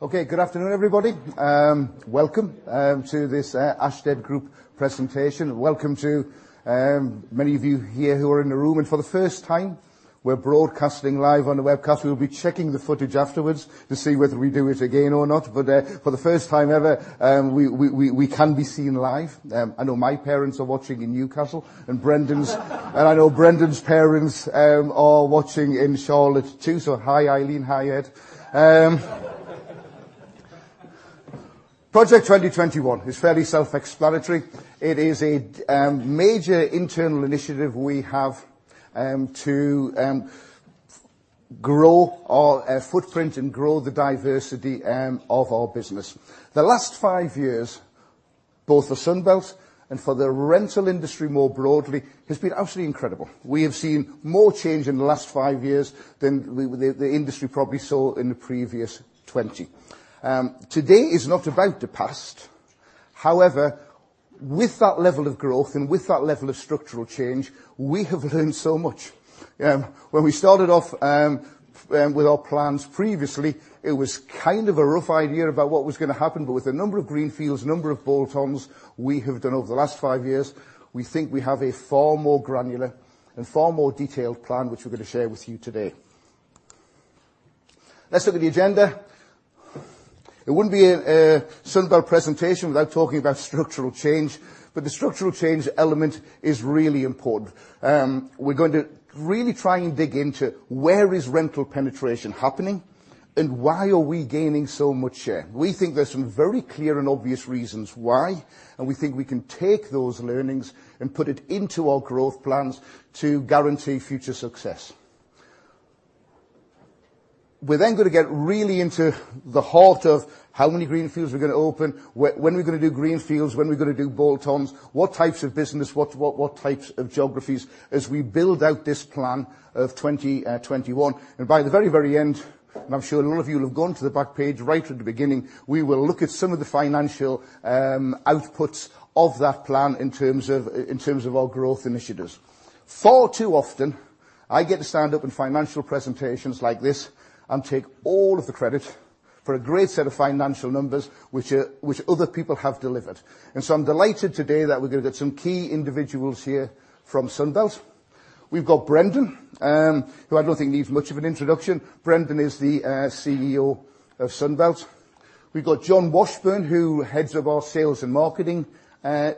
Good afternoon, everybody. Welcome to this Ashtead Group presentation. Welcome to many of you here who are in the room. For the first time, we're broadcasting live on the webcast. We'll be checking the footage afterwards to see whether we do it again or not, but for the first time ever, we can be seen live. I know my parents are watching in Newcastle and I know Brendan's parents are watching in Charlotte too. Hi, Eileen. Hi, Ed. Project 2021 is fairly self-explanatory. It is a major internal initiative we have to grow our footprint and grow the diversity of our business. The last five years, both for Sunbelt and for the rental industry more broadly, has been absolutely incredible. We have seen more change in the last five years than the industry probably saw in the previous 20. Today is not about the past. With that level of growth and with that level of structural change, we have learned so much. When we started off with our plans previously, it was kind of a rough idea about what was going to happen. With the number of greenfields, number of bolt-ons we have done over the last five years, we think we have a far more granular and far more detailed plan, which we're going to share with you today. Let's look at the agenda. It wouldn't be a Sunbelt presentation without talking about structural change. The structural change element is really important. We're going to really try and dig into where is rental penetration happening and why are we gaining so much share. We think there's some very clear and obvious reasons why. We think we can take those learnings and put it into our growth plans to guarantee future success. We're then going to get really into the heart of how many greenfields we're going to open, when are we going to do greenfields, when are we going to do bolt-ons, what types of business, what types of geographies as we build out this plan of Project 2021. By the very, very end, and I'm sure a lot of you will have gone to the back page right at the beginning, we will look at some of the financial outputs of that plan in terms of our growth initiatives. Far too often, I get to stand up in financial presentations like this and take all of the credit for a great set of financial numbers which other people have delivered. I'm delighted today that we're going to get some key individuals here from Sunbelt. We've got Brendan, who I don't think needs much of an introduction. Brendan is the CEO of Sunbelt. We've got John Washburn, who heads up our sales and marketing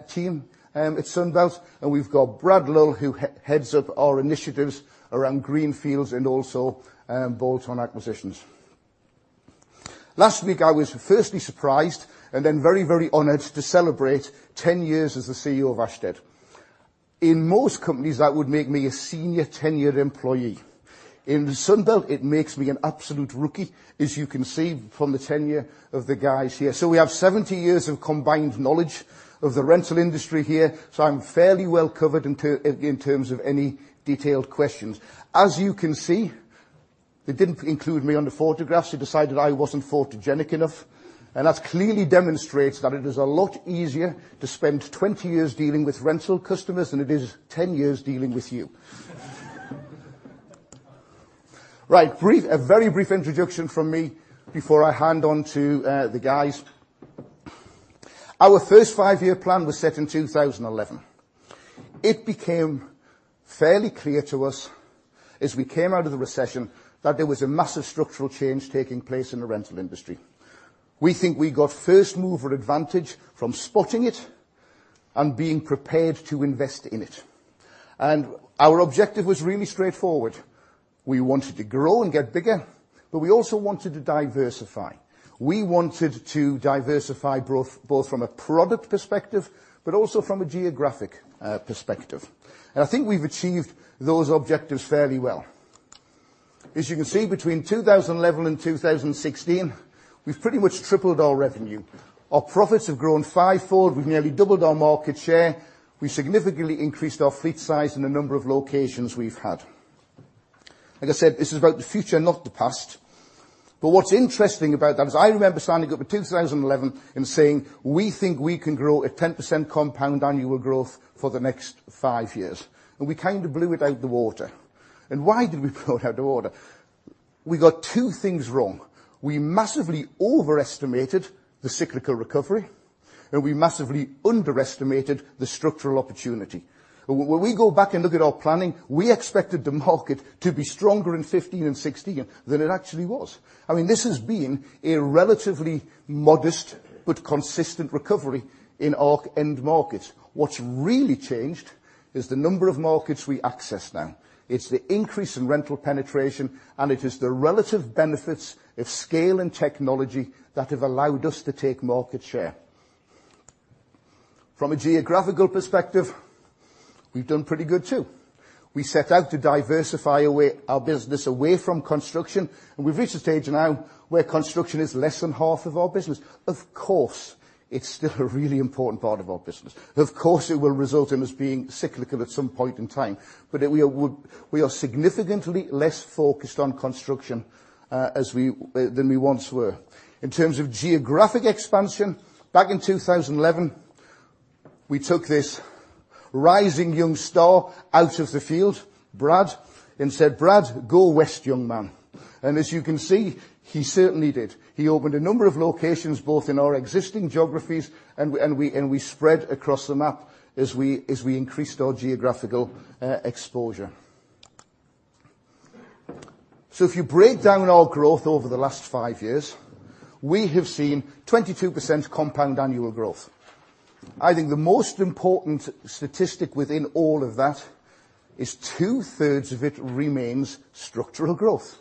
team at Sunbelt. We've got Brad Lull, who heads up our initiatives around greenfields and also bolt-on acquisitions. Last week, I was firstly surprised and then very, very honored to celebrate 10 years as the CEO of Ashtead. In most companies, that would make me a senior tenured employee. In Sunbelt, it makes me an absolute rookie, as you can see from the tenure of the guys here. We have 70 years of combined knowledge of the rental industry here, so I'm fairly well covered in terms of any detailed questions. As you can see, they didn't include me on the photographs. They decided I wasn't photogenic enough. That clearly demonstrates that it is a lot easier to spend 20 years dealing with rental customers than it is 10 years dealing with you. Right. A very brief introduction from me before I hand on to the guys. Our first five-year plan was set in 2011. It became fairly clear to us as we came out of the recession that there was a massive structural change taking place in the rental industry. We think we got first-mover advantage from spotting it and being prepared to invest in it. Our objective was really straightforward. We wanted to grow and get bigger, but we also wanted to diversify. We wanted to diversify both from a product perspective, but also from a geographic perspective. I think we've achieved those objectives fairly well. As you can see, between 2011 and 2016, we've pretty much tripled our revenue. Our profits have grown five-fold. We've nearly doubled our market share. We significantly increased our fleet size and the number of locations we've had. Like I said, this is about the future, not the past. What's interesting about that is I remember standing up in 2011 and saying, "We think we can grow at 10% compound annual growth for the next five years." We kind of blew it out the water. Why did we blow it out the water? We got two things wrong. We massively overestimated the cyclical recovery, and we massively underestimated the structural opportunity. When we go back and look at our planning, we expected the market to be stronger in 2015 and 2016 than it actually was. I mean, this has been a relatively modest but consistent recovery in our end markets. What's really changed is the number of markets we access now. It's the increase in rental penetration, it is the relative benefits of scale and technology that have allowed us to take market share. From a geographical perspective, we've done pretty good, too. We set out to diversify our business away from construction, we've reached a stage now where construction is less than half of our business. Of course, it's still a really important part of our business. Of course, it will result in us being cyclical at some point in time. We are significantly less focused on construction than we once were. In terms of geographic expansion, back in 2011, we took this rising young star out of the field, Brad, and said, "Brad, go west, young man." As you can see, he certainly did. He opened a number of locations, both in our existing geographies and we spread across the map as we increased our geographical exposure. If you break down our growth over the last five years, we have seen 22% compound annual growth. I think the most important statistic within all of that is two-thirds of it remains structural growth.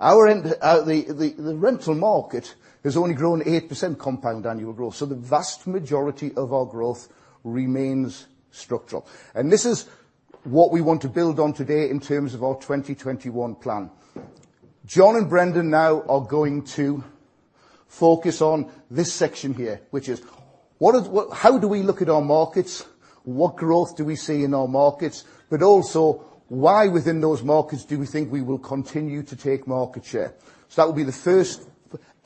The rental market has only grown 8% compound annual growth. The vast majority of our growth remains structural, this is what we want to build on today in terms of our 2021 plan. John and Brendan now are going to focus on this section here, which is how do we look at our markets, what growth do we see in our markets, but also why within those markets do we think we will continue to take market share? That will be the first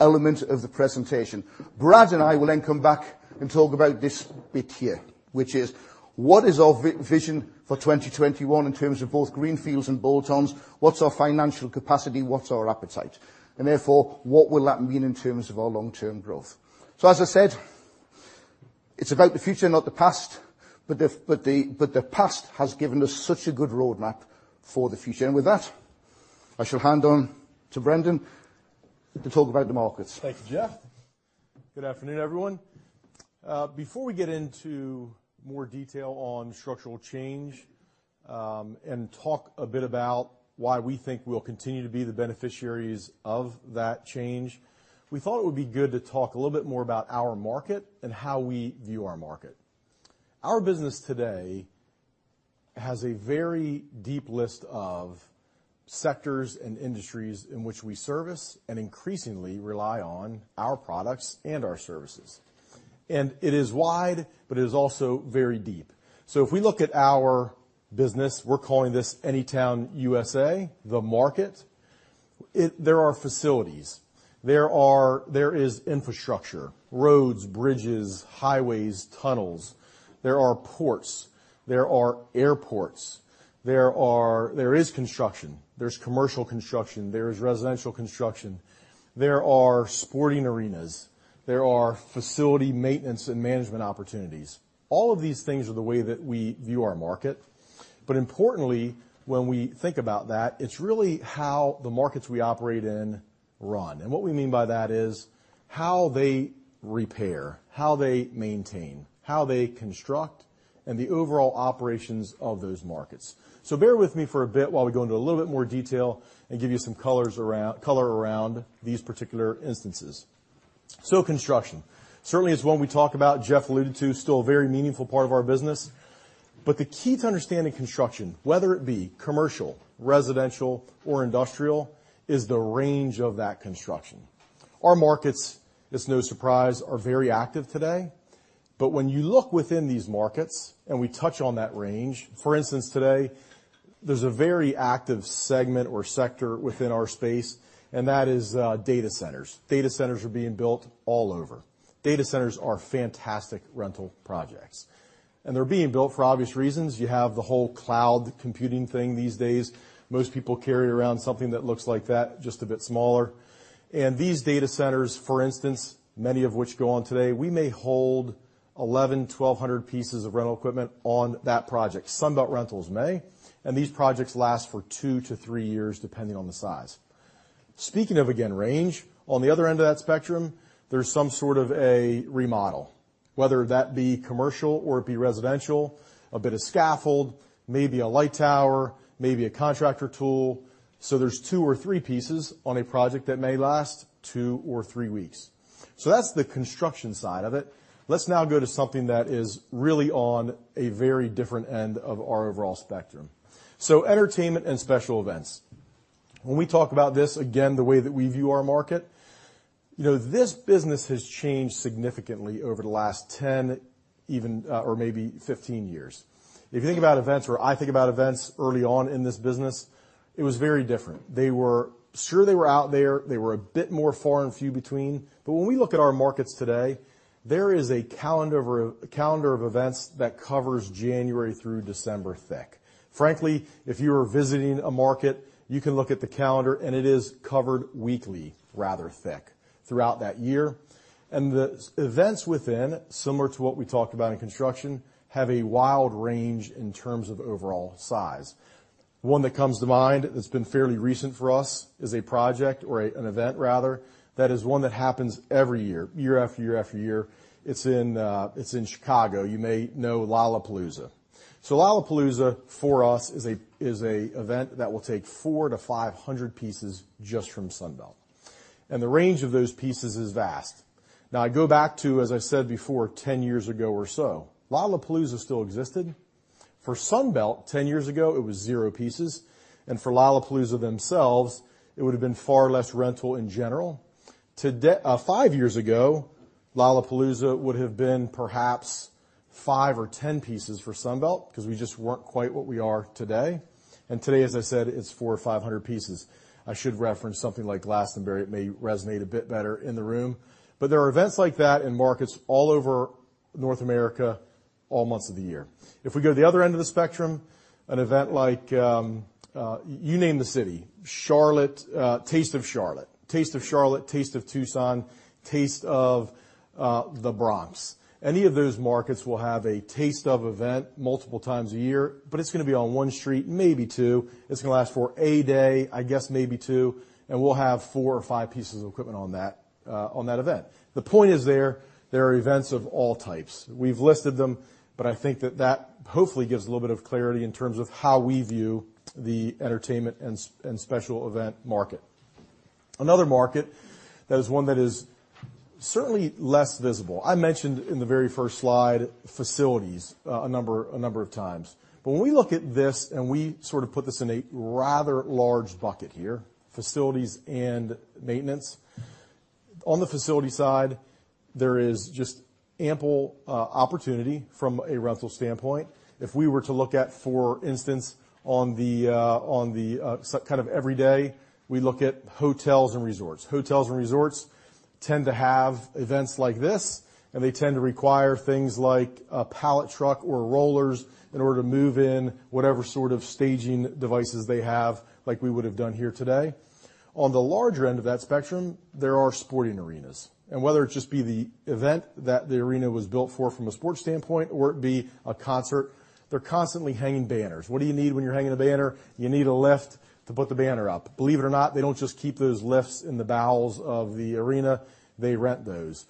element of the presentation. Brad and I will then come back and talk about this bit here, which is what is our vision for 2021 in terms of both greenfields and bolt-ons? What's our financial capacity? What's our appetite? Therefore, what will that mean in terms of our long-term growth? As I said, it's about the future, not the past, but the past has given us such a good roadmap for the future. With that, I shall hand on to Brendan to talk about the markets. Thank you, Jeff. Good afternoon, everyone. Before we get into more detail on structural change, and talk a bit about why we think we'll continue to be the beneficiaries of that change, we thought it would be good to talk a little bit more about our market and how we view our market. Our business today has a very deep list of sectors and industries in which we service and increasingly rely on our products and our services. It is wide, but it is also very deep. If we look at our business, we're calling this Anytown USA, the market. There are facilities. There is infrastructure, roads, bridges, highways, tunnels. There are ports. There are airports. There is construction. There's commercial construction. There is residential construction. There are sporting arenas. There are facility maintenance and management opportunities. All of these things are the way that we view our market. Importantly, when we think about that, it's really how the markets we operate in run. What we mean by that is how they repair, how they maintain, how they construct, and the overall operations of those markets. Bear with me for a bit while we go into a little bit more detail and give you some color around these particular instances. Construction certainly is one we talk about, Jeff alluded to, still a very meaningful part of our business. The key to understanding construction, whether it be commercial, residential, or industrial, is the range of that construction. Our markets, it's no surprise, are very active today. When you look within these markets and we touch on that range, for instance, today, there's a very active segment or sector within our space, and that is data centers. Data centers are being built all over. Data centers are fantastic rental projects, and they're being built for obvious reasons. You have the whole cloud computing thing these days. Most people carry around something that looks like that, just a bit smaller. These data centers, for instance, many of which go on today, we may hold 1,100, 1,200 pieces of rental equipment on that project. Sunbelt Rentals may. These projects last for two to three years, depending on the size. Speaking of, again, range, on the other end of that spectrum, there's some sort of a remodel, whether that be commercial or it be residential, a bit of scaffold, maybe a light tower, maybe a contractor tool. There's two or three pieces on a project that may last two or three weeks. That's the construction side of it. Let's now go to something that is really on a very different end of our overall spectrum. Entertainment and special events. When we talk about this, again, the way that we view our market, this business has changed significantly over the last 10 or maybe 15 years. If you think about events or I think about events early on in this business, it was very different. Sure they were out there. They were a bit more far and few between. When we look at our markets today, there is a calendar of events that covers January through December thick. Frankly, if you are visiting a market, you can look at the calendar, and it is covered weekly rather thick throughout that year. The events within, similar to what we talked about in construction, have a wild range in terms of overall size. One that comes to mind that's been fairly recent for us is a project or an event rather, that is one that happens every year after year after year. It's in Chicago. You may know Lollapalooza. Lollapalooza, for us, is an event that will take 400 to 500 pieces just from Sunbelt. The range of those pieces is vast. Now I go back to, as I said before, 10 years ago or so. Lollapalooza still existed. For Sunbelt, 10 years ago, it was zero pieces, and for Lollapalooza themselves, it would have been far less rental in general. five years ago, Lollapalooza would have been perhaps five or 10 pieces for Sunbelt because we just weren't quite what we are today. Today, as I said, it's 400 or 500 pieces. I should reference something like Glastonbury. It may resonate a bit better in the room. There are events like that in markets all over North America, all months of the year. If we go to the other end of the spectrum, an event like, you name the city, Taste of Charlotte, Taste of Tucson, Taste of the Bronx. Any of those markets will have a Taste Of event multiple times a year, but it's going to be on one street, maybe two. It's going to last for a day, I guess maybe two, and we'll have four or five pieces of equipment on that event. The point is there are events of all types. We've listed them, but I think that that hopefully gives a little bit of clarity in terms of how we view the entertainment and special event market. Another market that is one that is certainly less visible. I mentioned in the very first slide, facilities, a number of times. When we look at this, and we sort of put this in a rather large bucket here, facilities and maintenance. On the facility side, there is just ample opportunity from a rental standpoint. If we were to look at, for instance, on the kind of every day, we look at hotels and resorts. Hotels and resorts tend to have events like this, and they tend to require things like a pallet truck or rollers in order to move in whatever sort of staging devices they have, like we would have done here today. On the larger end of that spectrum, there are sporting arenas. Whether it just be the event that the arena was built for from a sports standpoint or it be a concert, they're constantly hanging banners. What do you need when you're hanging a banner? You need a lift to put the banner up. Believe it or not, they don't just keep those lifts in the bowels of the arena. They rent those.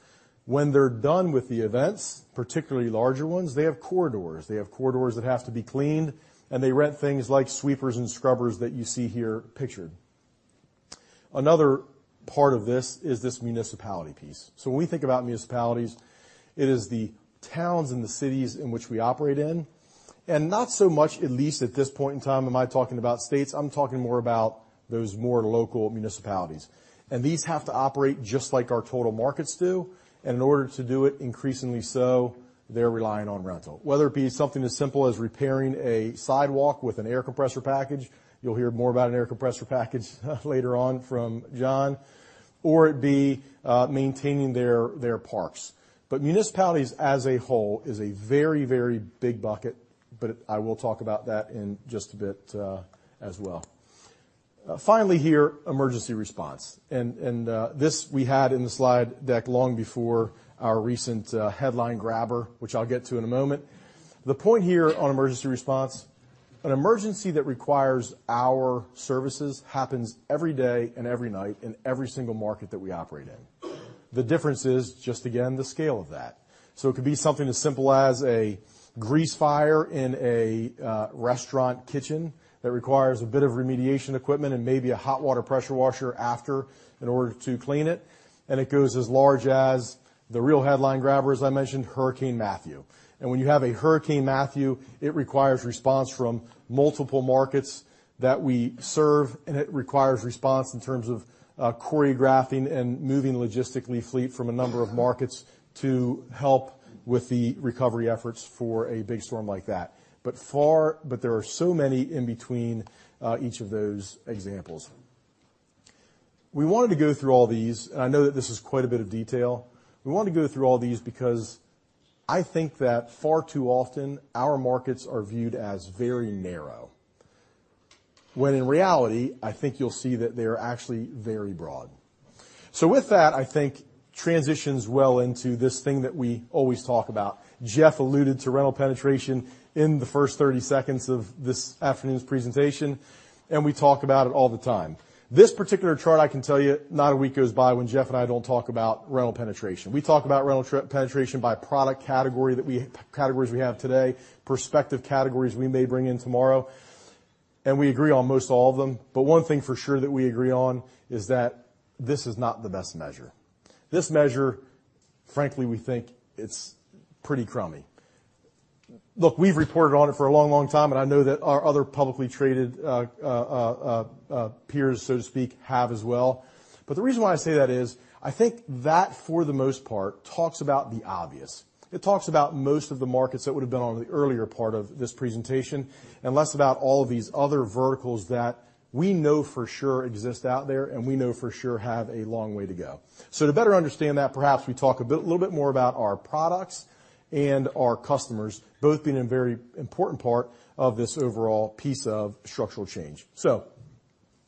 When they're done with the events, particularly larger ones, they have corridors. They have corridors that have to be cleaned, and they rent things like sweepers and scrubbers that you see here pictured. Another part of this is this municipality piece. When we think about municipalities, it is the towns and the cities in which we operate in. Not so much, at least at this point in time, am I talking about states, I'm talking more about those more local municipalities. These have to operate just like our total markets do. In order to do it, increasingly so, they're relying on rental. Whether it be something as simple as repairing a sidewalk with an air compressor package, you'll hear more about an air compressor package later on from John, or it be maintaining their parks. Municipalities, as a whole, is a very, very big bucket, but I will talk about that in just a bit as well. Finally here, emergency response. This we had in the slide deck long before our recent headline grabber, which I'll get to in a moment. The point here on emergency response, an emergency that requires our services happens every day and every night in every single market that we operate in. The difference is just, again, the scale of that. It could be something as simple as a grease fire in a restaurant kitchen that requires a bit of remediation equipment and maybe a hot water pressure washer after in order to clean it. It goes as large as the real headline grabber, as I mentioned, Hurricane Matthew. When you have a Hurricane Matthew, it requires response from multiple markets that we serve, and it requires response in terms of choreographing and moving logistically fleet from a number of markets to help with the recovery efforts for a big storm like that. There are so many in between each of those examples. We wanted to go through all these, and I know that this is quite a bit of detail. We want to go through all these because I think that far too often our markets are viewed as very narrow, when in reality, I think you'll see that they are actually very broad. With that, I think transitions well into this thing that we always talk about. Jeff alluded to rental penetration in the first 30 seconds of this afternoon's presentation. We talk about it all the time. This particular chart, I can tell you, not a week goes by when Jeff and I don't talk about rental penetration. We talk about rental penetration by product categories we have today, prospective categories we may bring in tomorrow. We agree on most all of them. One thing for sure that we agree on is that this is not the best measure. This measure, frankly, we think it's pretty crummy. Look, we've reported on it for a long, long time, and I know that our other publicly traded peers, so to speak, have as well. The reason why I say that is, I think that for the most part, talks about the obvious. It talks about most of the markets that would have been on the earlier part of this presentation, and less about all of these other verticals that we know for sure exist out there and we know for sure have a long way to go. To better understand that, perhaps we talk a little bit more about our products and our customers, both being a very important part of this overall piece of structural change.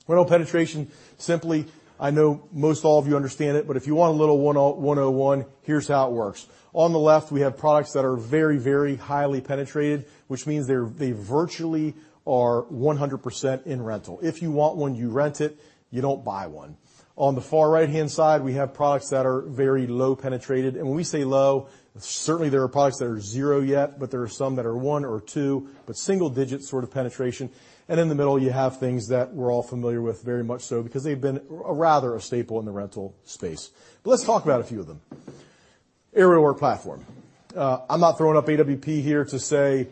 Rental penetration, simply, I know most all of you understand it, but if you want a little 101, here's how it works. On the left, we have products that are very, very highly penetrated, which means they virtually are 100% in rental. If you want one, you rent it, you don't buy one. On the far right-hand side, we have products that are very low penetrated. When we say low, certainly there are products that are zero yet, but there are some that are one or two, but single digit sort of penetration. In the middle, you have things that we're all familiar with very much so because they've been rather a staple in the rental space. Let's talk about a few of them. Aerial Work Platform. I'm not throwing up AWP here to say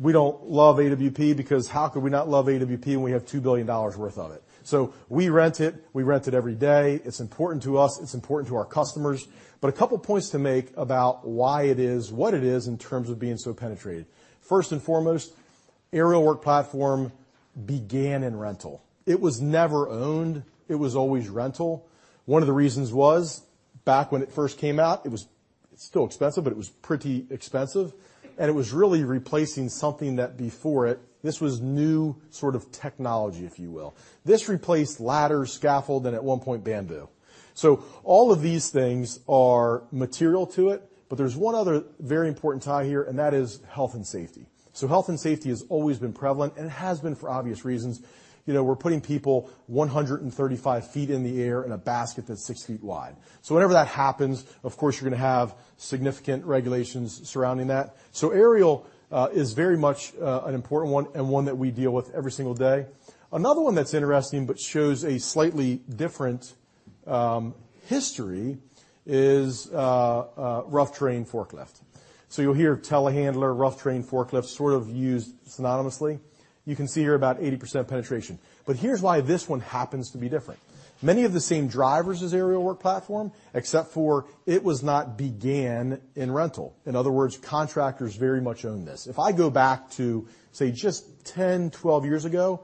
we don't love AWP, because how could we not love AWP when we have $2 billion worth of it? We rent it, we rent it every day. It's important to us. It's important to our customers. A couple points to make about why it is what it is in terms of being so penetrated. First and foremost, Aerial Work Platform began in rental. It was never owned. It was always rental. One of the reasons was back when it first came out, it's still expensive, but it was pretty expensive, and it was really replacing something that before it, this was new sort of technology, if you will. This replaced ladders, scaffold, and at one point, bamboo. All of these things are material to it. There's one other very important tie here, and that is health and safety. Health and safety has always been prevalent, and it has been for obvious reasons. We're putting people 135 feet in the air in a basket that's 6 feet wide. Whenever that happens, of course, you're going to have significant regulations surrounding that. Aerial is very much an important one and one that we deal with every single day. Another one that's interesting but shows a slightly different history is rough terrain forklift. You'll hear telehandler, rough terrain forklift sort of used synonymously. You can see here about 80% penetration. Here's why this one happens to be different. Many have the same drivers as Aerial Work Platform, except for it was not began in rental. In other words, contractors very much own this. If I go back to, say, just 10, 12 years ago,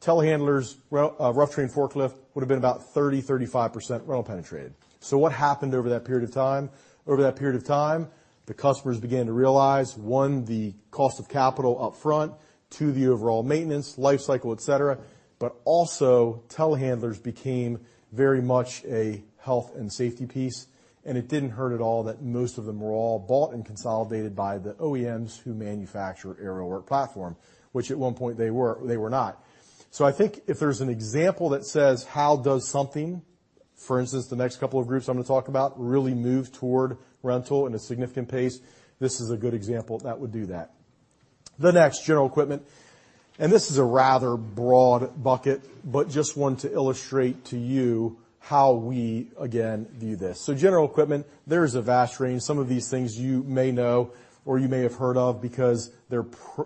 telehandlers, rough terrain forklift would have been about 30%-35% rental penetrated. What happened over that period of time? Over that period of time, the customers began to realize, one, the cost of capital upfront, two, the overall maintenance, life cycle, et cetera, but also telehandlers became very much a health and safety piece, and it didn't hurt at all that most of them were all bought and consolidated by the OEMs who manufacture Aerial Work Platform, which at one point they were not. I think if there's an example that says, how does something, for instance, the next couple of groups I'm going to talk about, really move toward rental in a significant pace, this is a good example that would do that. The next, general equipment. This is a rather broad bucket, but just wanted to illustrate to you how we, again, view this. General equipment, there is a vast range. Some of these things you may know or you may have heard of because they're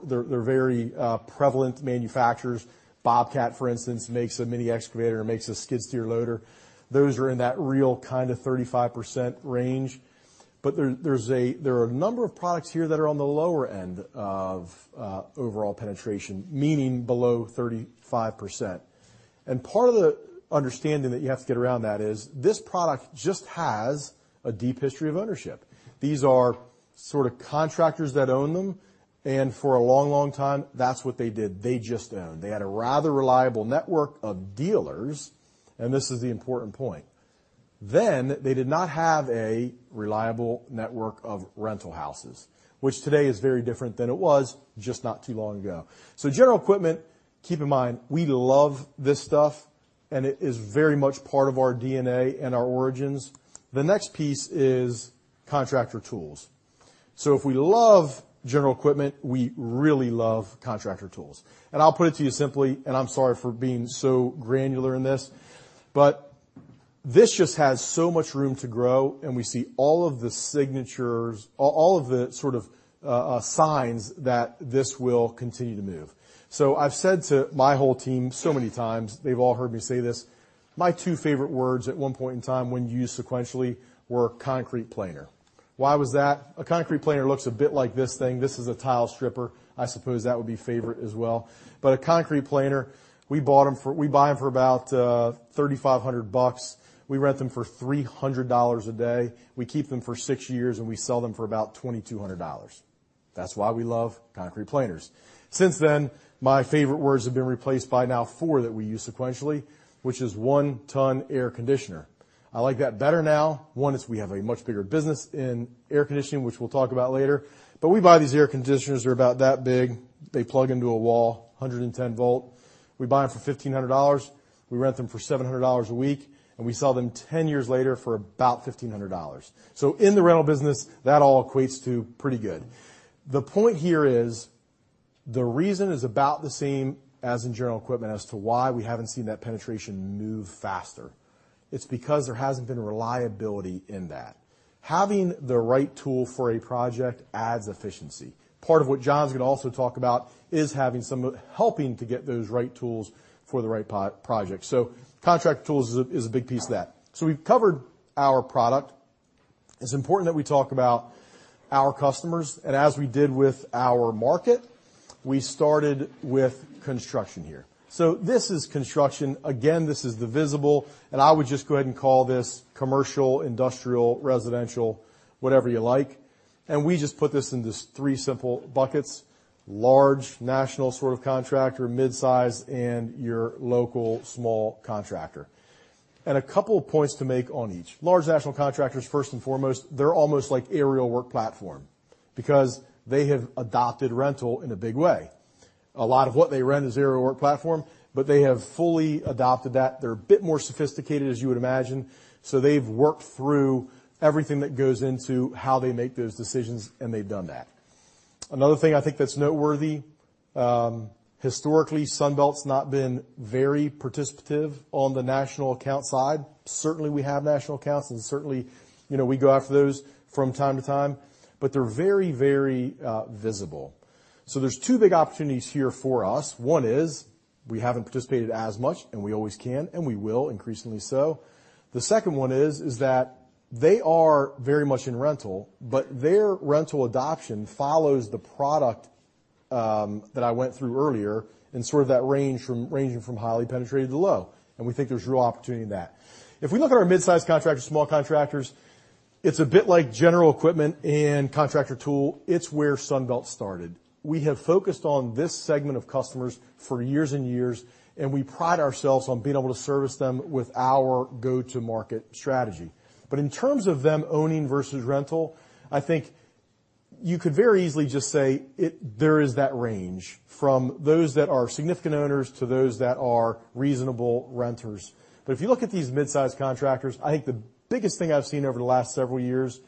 very prevalent manufacturers. Bobcat, for instance, makes a mini excavator and makes a skid steer loader. Those are in that real kind of 35% range. But there are a number of products here that are on the lower end of overall penetration, meaning below 35%. Part of the understanding that you have to get around that is this product just has a deep history of ownership. These are sort of contractors that own them, and for a long, long time, that's what they did. They just owned. They had a rather reliable network of dealers. This is the important point. They did not have a reliable network of rental houses, which today is very different than it was just not too long ago. General equipment, keep in mind, we love this stuff, and it is very much part of our DNA and our origins. The next piece is contractor tools. If we love general equipment, we really love contractor tools. I'll put it to you simply, and I'm sorry for being so granular in this, but this just has so much room to grow, and we see all of the signatures, all of the sort of signs that this will continue to move. I've said to my whole team so many times, they've all heard me say this, my two favorite words at one point in time when used sequentially were concrete planer. Why was that? A concrete planer looks a bit like this thing. This is a tile stripper. I suppose that would be favorite as well. A concrete planer, we buy them for about $3,500. We rent them for $300 a day. We keep them for six years, and we sell them for about $2,200. That's why we love concrete planers. Since then, my favorite words have been replaced by now four that we use sequentially, which is one-ton air conditioner. I like that better now. One is we have a much bigger business in air conditioning, which we'll talk about later. We buy these air conditioners. They're about that big. They plug into a wall, 110 volt. We buy them for $1,500, we rent them for $700 a week, and we sell them 10 years later for about $1,500. In the rental business, that all equates to pretty good. The point here is the reason is about the same as in general equipment as to why we haven't seen that penetration move faster. It's because there hasn't been reliability in that. Having the right tool for a project adds efficiency. Part of what John's going to also talk about is helping to get those right tools for the right project. Contract tools is a big piece of that. We've covered our product. It's important that we talk about our customers. As we did with our market, we started with construction here. This is construction. Again, this is the visible, and I would just go ahead and call this commercial, industrial, residential, whatever you like. We just put this into three simple buckets: large, national sort of contractor, mid-size, and your local small contractor. A couple of points to make on each. Large national contractors, first and foremost, they're almost like Aerial Work Platform because they have adopted rental in a big way. A lot of what they rent is Aerial Work Platform, but they have fully adopted that. They're a bit more sophisticated, as you would imagine. They've worked through everything that goes into how they make those decisions, and they've done that. Another thing I think that's noteworthy, historically, Sunbelt's not been very participative on the national account side. Certainly, we have national accounts, and certainly, we go after those from time to time, but they're very visible. There's two big opportunities here for us. One is we haven't participated as much, and we always can, and we will increasingly so. The second one is that they are very much in rental, but their rental adoption follows the product that I went through earlier and sort of that ranging from highly penetrated to low, and we think there's real opportunity in that. If we look at our mid-size contractors, small contractors, it's a bit like general equipment and contractor tool. It's where Sunbelt started. We have focused on this segment of customers for years and years, and we pride ourselves on being able to service them with our go-to-market strategy. In terms of them owning versus rental, I think you could very easily just say there is that range from those that are significant owners to those that are reasonable renters. If you look at these mid-size contractors, I think the biggest thing I've seen over the last several years,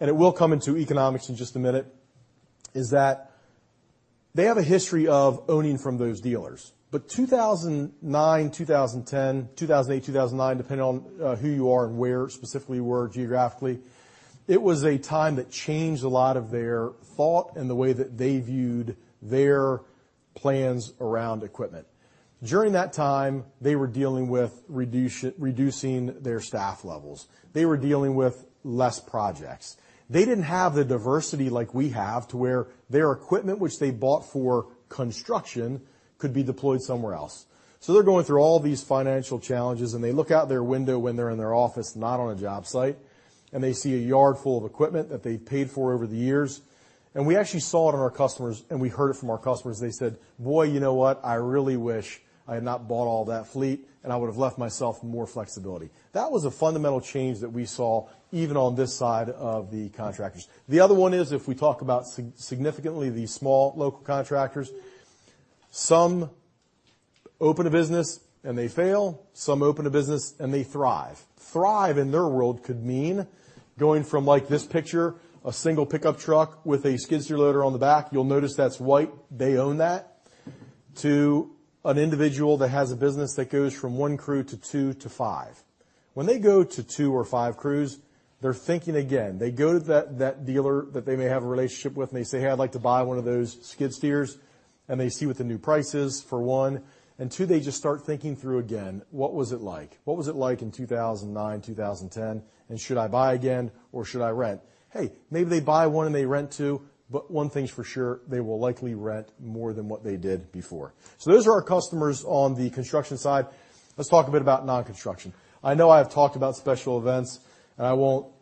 and it will come into economics in just a minute, is that they have a history of owning from those dealers. 2009, 2010, 2008, 2009, depending on who you are and where specifically you were geographically, it was a time that changed a lot of their thought and the way that they viewed their plans around equipment. During that time, they were dealing with reducing their staff levels. They were dealing with less projects. They didn't have the diversity like we have to where their equipment, which they bought for construction, could be deployed somewhere else. They're going through all these financial challenges, they look out their window when they're in their office, not on a job site, and they see a yard full of equipment that they've paid for over the years. We actually saw it in our customers, and we heard it from our customers. They said, "Boy, you know what? I really wish I had not bought all that fleet, and I would have left myself more flexibility." That was a fundamental change that we saw even on this side of the contractors. The other one is, if we talk about significantly the small local contractors, some open a business and they fail, some open a business and they thrive. Thrive in their world could mean going from, like this picture, a single pickup truck with a skid steer loader on the back. You'll notice that's white. They own that. To an individual that has a business that goes from one crew to two to five. When they go to two or five crews, they're thinking again. They go to that dealer that they may have a relationship with and they say, "Hey, I'd like to buy one of those skid steers." They see what the new price is for one. Two, they just start thinking through again, what was it like? What was it like in 2009, 2010, and should I buy again or should I rent? Hey, maybe they buy one and they rent two, but one thing's for sure, they will likely rent more than what they did before. Those are our customers on the construction side. Let's talk a bit about non-construction. I know I've talked about special events, and I won't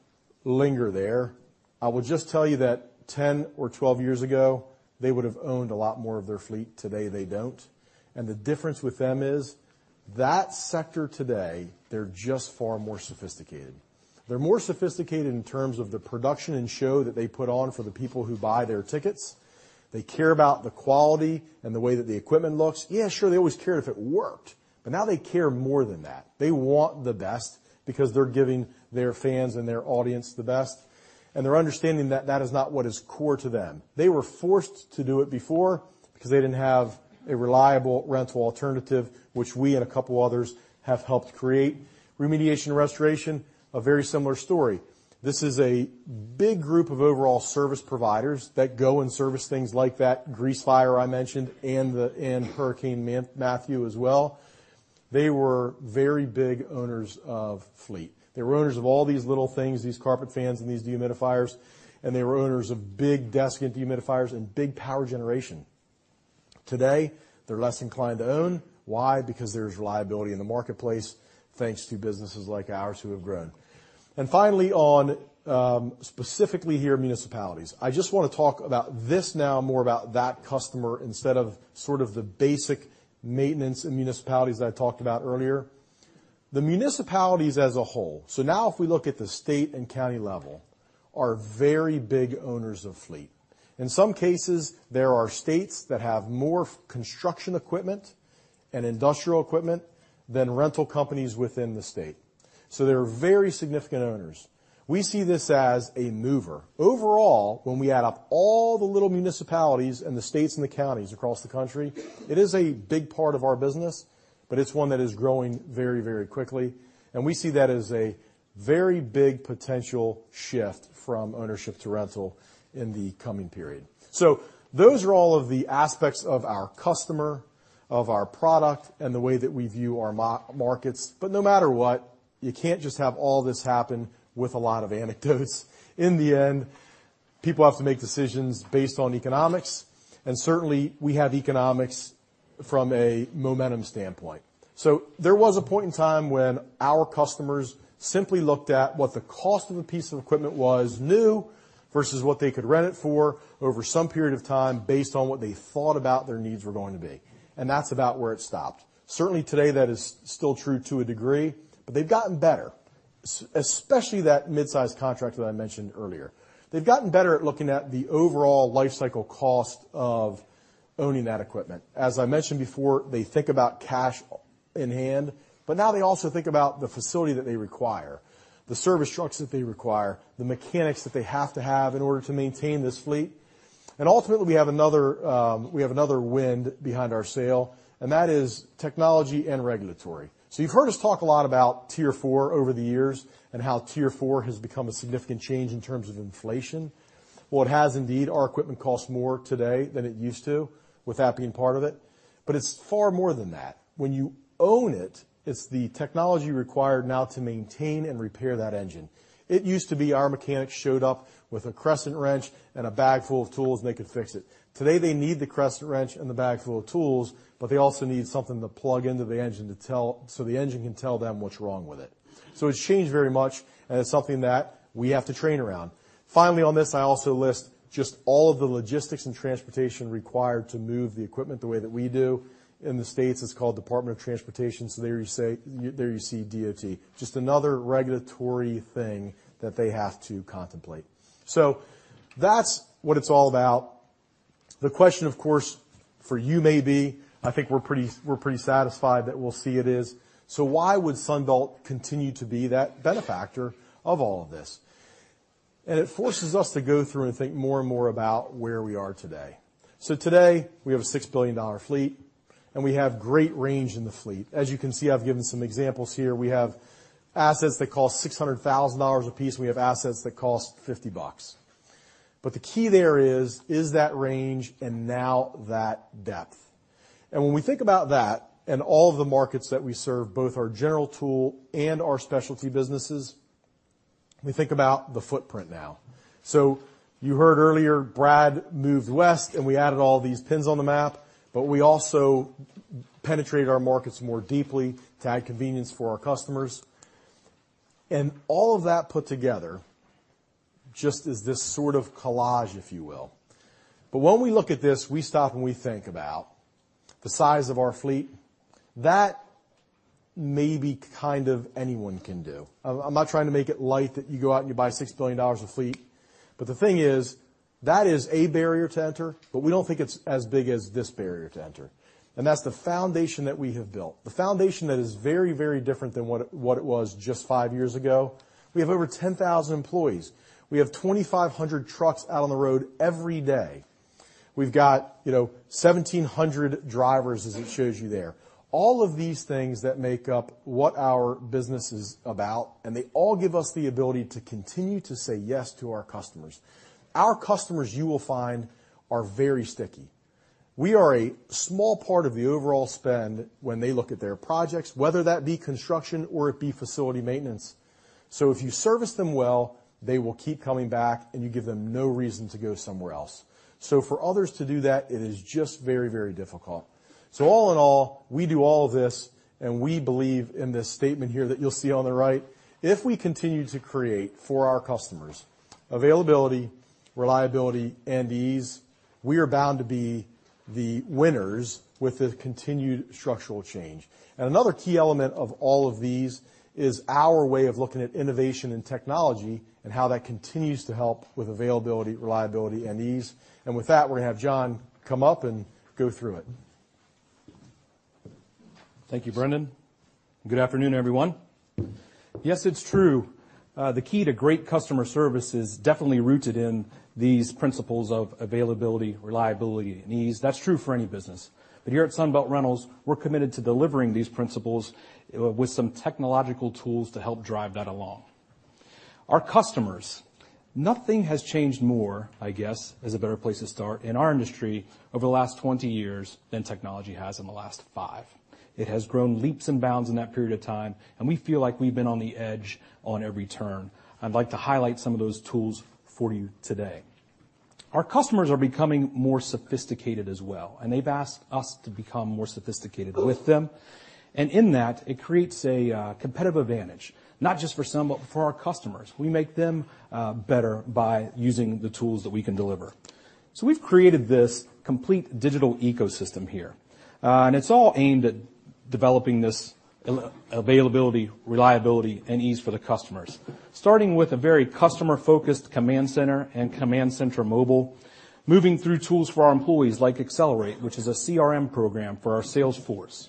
linger there. I will just tell you that 10 or 12 years ago, they would have owned a lot more of their fleet. Today, they don't. The difference with them is that sector today, they're just far more sophisticated. They're more sophisticated in terms of the production and show that they put on for the people who buy their tickets. They care about the quality and the way that the equipment looks. Yeah, sure, they always cared if it worked, but now they care more than that. They want the best because they're giving their fans and their audience the best, and they're understanding that that is not what is core to them. They were forced to do it before because they didn't have a reliable rental alternative, which we and a couple others have helped create. Remediation restoration, a very similar story. This is a big group of overall service providers that go and service things like that grease fire I mentioned and Hurricane Matthew as well. They were very big owners of fleet. They were owners of all these little things, these carpet fans and these dehumidifiers, and they were owners of big desiccant dehumidifiers and big power generation. Today, they're less inclined to own. Why? Because there's reliability in the marketplace thanks to businesses like ours who have grown. Finally, on specifically here, municipalities. I just want to talk about this now more about that customer instead of sort of the basic maintenance and municipalities that I talked about earlier. The municipalities as a whole, so now if we look at the state and county level, are very big owners of fleet. In some cases, there are states that have more construction equipment and industrial equipment than rental companies within the state. They're very significant owners. We see this as a mover. Overall, when we add up all the little municipalities and the states and the counties across the country, it is a big part of our business, but it's one that is growing very quickly, and we see that as a very big potential shift from ownership to rental in the coming period. Those are all of the aspects of our customer, of our product, and the way that we view our markets. No matter what, you can't just have all this happen with a lot of anecdotes. In the end, people have to make decisions based on economics, and certainly, we have economics from a momentum standpoint. There was a point in time when our customers simply looked at what the cost of a piece of equipment was new versus what they could rent it for over some period of time based on what they thought about their needs were going to be. That's about where it stopped. Certainly, today, that is still true to a degree, but they've gotten better, especially that midsize contractor that I mentioned earlier. They've gotten better at looking at the overall lifecycle cost of owning that equipment. As I mentioned before, they think about cash in hand, but now they also think about the facility that they require, the service trucks that they require, the mechanics that they have to have in order to maintain this fleet. Ultimately, we have another wind behind our sail, and that is technology and regulatory. You've heard us talk a lot about Tier 4 over the years and how Tier 4 has become a significant change in terms of inflation. Well, it has indeed. Our equipment costs more today than it used to, with that being part of it, but it's far more than that. When you own it's the technology required now to maintain and repair that engine. It used to be our mechanics showed up with a crescent wrench and a bag full of tools and they could fix it. Today they need the crescent wrench and the bag full of tools, but they also need something to plug into the engine so the engine can tell them what's wrong with it. It's changed very much, and it's something that we have to train around. Finally on this, I also list just all of the logistics and transportation required to move the equipment the way that we do. In the U.S. it's called Department of Transportation, there you see DOT. Just another regulatory thing that they have to contemplate. That's what it's all about. The question, of course, for you may be, I think we're pretty satisfied that we'll see it is, why would Sunbelt continue to be that benefactor of all of this? It forces us to go through and think more and more about where we are today. Today we have a $6 billion fleet, and we have great range in the fleet. As you can see, I've given some examples here. We have assets that cost $600,000 a piece, and we have assets that cost $50. The key there is that range and now that depth. When we think about that and all of the markets that we serve, both our general tool and our specialty businesses, we think about the footprint now. You heard earlier, Brad moved west and we added all these pins on the map, but we also penetrated our markets more deeply to add convenience for our customers. All of that put together just is this sort of collage, if you will. When we look at this, we stop and we think about the size of our fleet. That maybe kind of anyone can do. I'm not trying to make it light that you go out and you buy $6 billion of fleet, but the thing is, that is a barrier to enter, but we don't think it's as big as this barrier to enter, and that's the foundation that we have built. The foundation that is very, very different than what it was just five years ago. We have over 10,000 employees. We have 2,500 trucks out on the road every day. We've got 1,700 drivers, as it shows you there. All of these things that make up what our business is about, they all give us the ability to continue to say yes to our customers. Our customers, you will find, are very sticky. We are a small part of the overall spend when they look at their projects, whether that be construction or it be facility maintenance. If you service them well, they will keep coming back, and you give them no reason to go somewhere else. For others to do that, it is just very, very difficult. All in all, we do all of this, and we believe in this statement here that you'll see on the right. If we continue to create for our customers availability, reliability, and ease, we are bound to be the winners with the continued structural change. Another key element of all of these is our way of looking at innovation and technology and how that continues to help with availability, reliability, and ease. With that, we're going to have John come up and go through it. Thank you, Brendan. Good afternoon, everyone. Yes, it's true. The key to great customer service is definitely rooted in these principles of availability, reliability, and ease. That's true for any business. Here at Sunbelt Rentals, we're committed to delivering these principles with some technological tools to help drive that along. Our customers. Nothing has changed more, I guess, is a better place to start, in our industry over the last 20 years than technology has in the last five. It has grown leaps and bounds in that period of time, we feel like we've been on the edge on every turn. I'd like to highlight some of those tools for you today. Our customers are becoming more sophisticated as well, they've asked us to become more sophisticated with them. In that, it creates a competitive advantage, not just for Sunbelt, but for our customers. We make them better by using the tools that we can deliver. We've created this complete digital ecosystem here. It's all aimed at developing this availability, reliability, and ease for the customers. Starting with a very customer-focused Command Center and Command Center Mobile, moving through tools for our employees like Accelerate, which is a CRM program for our sales force.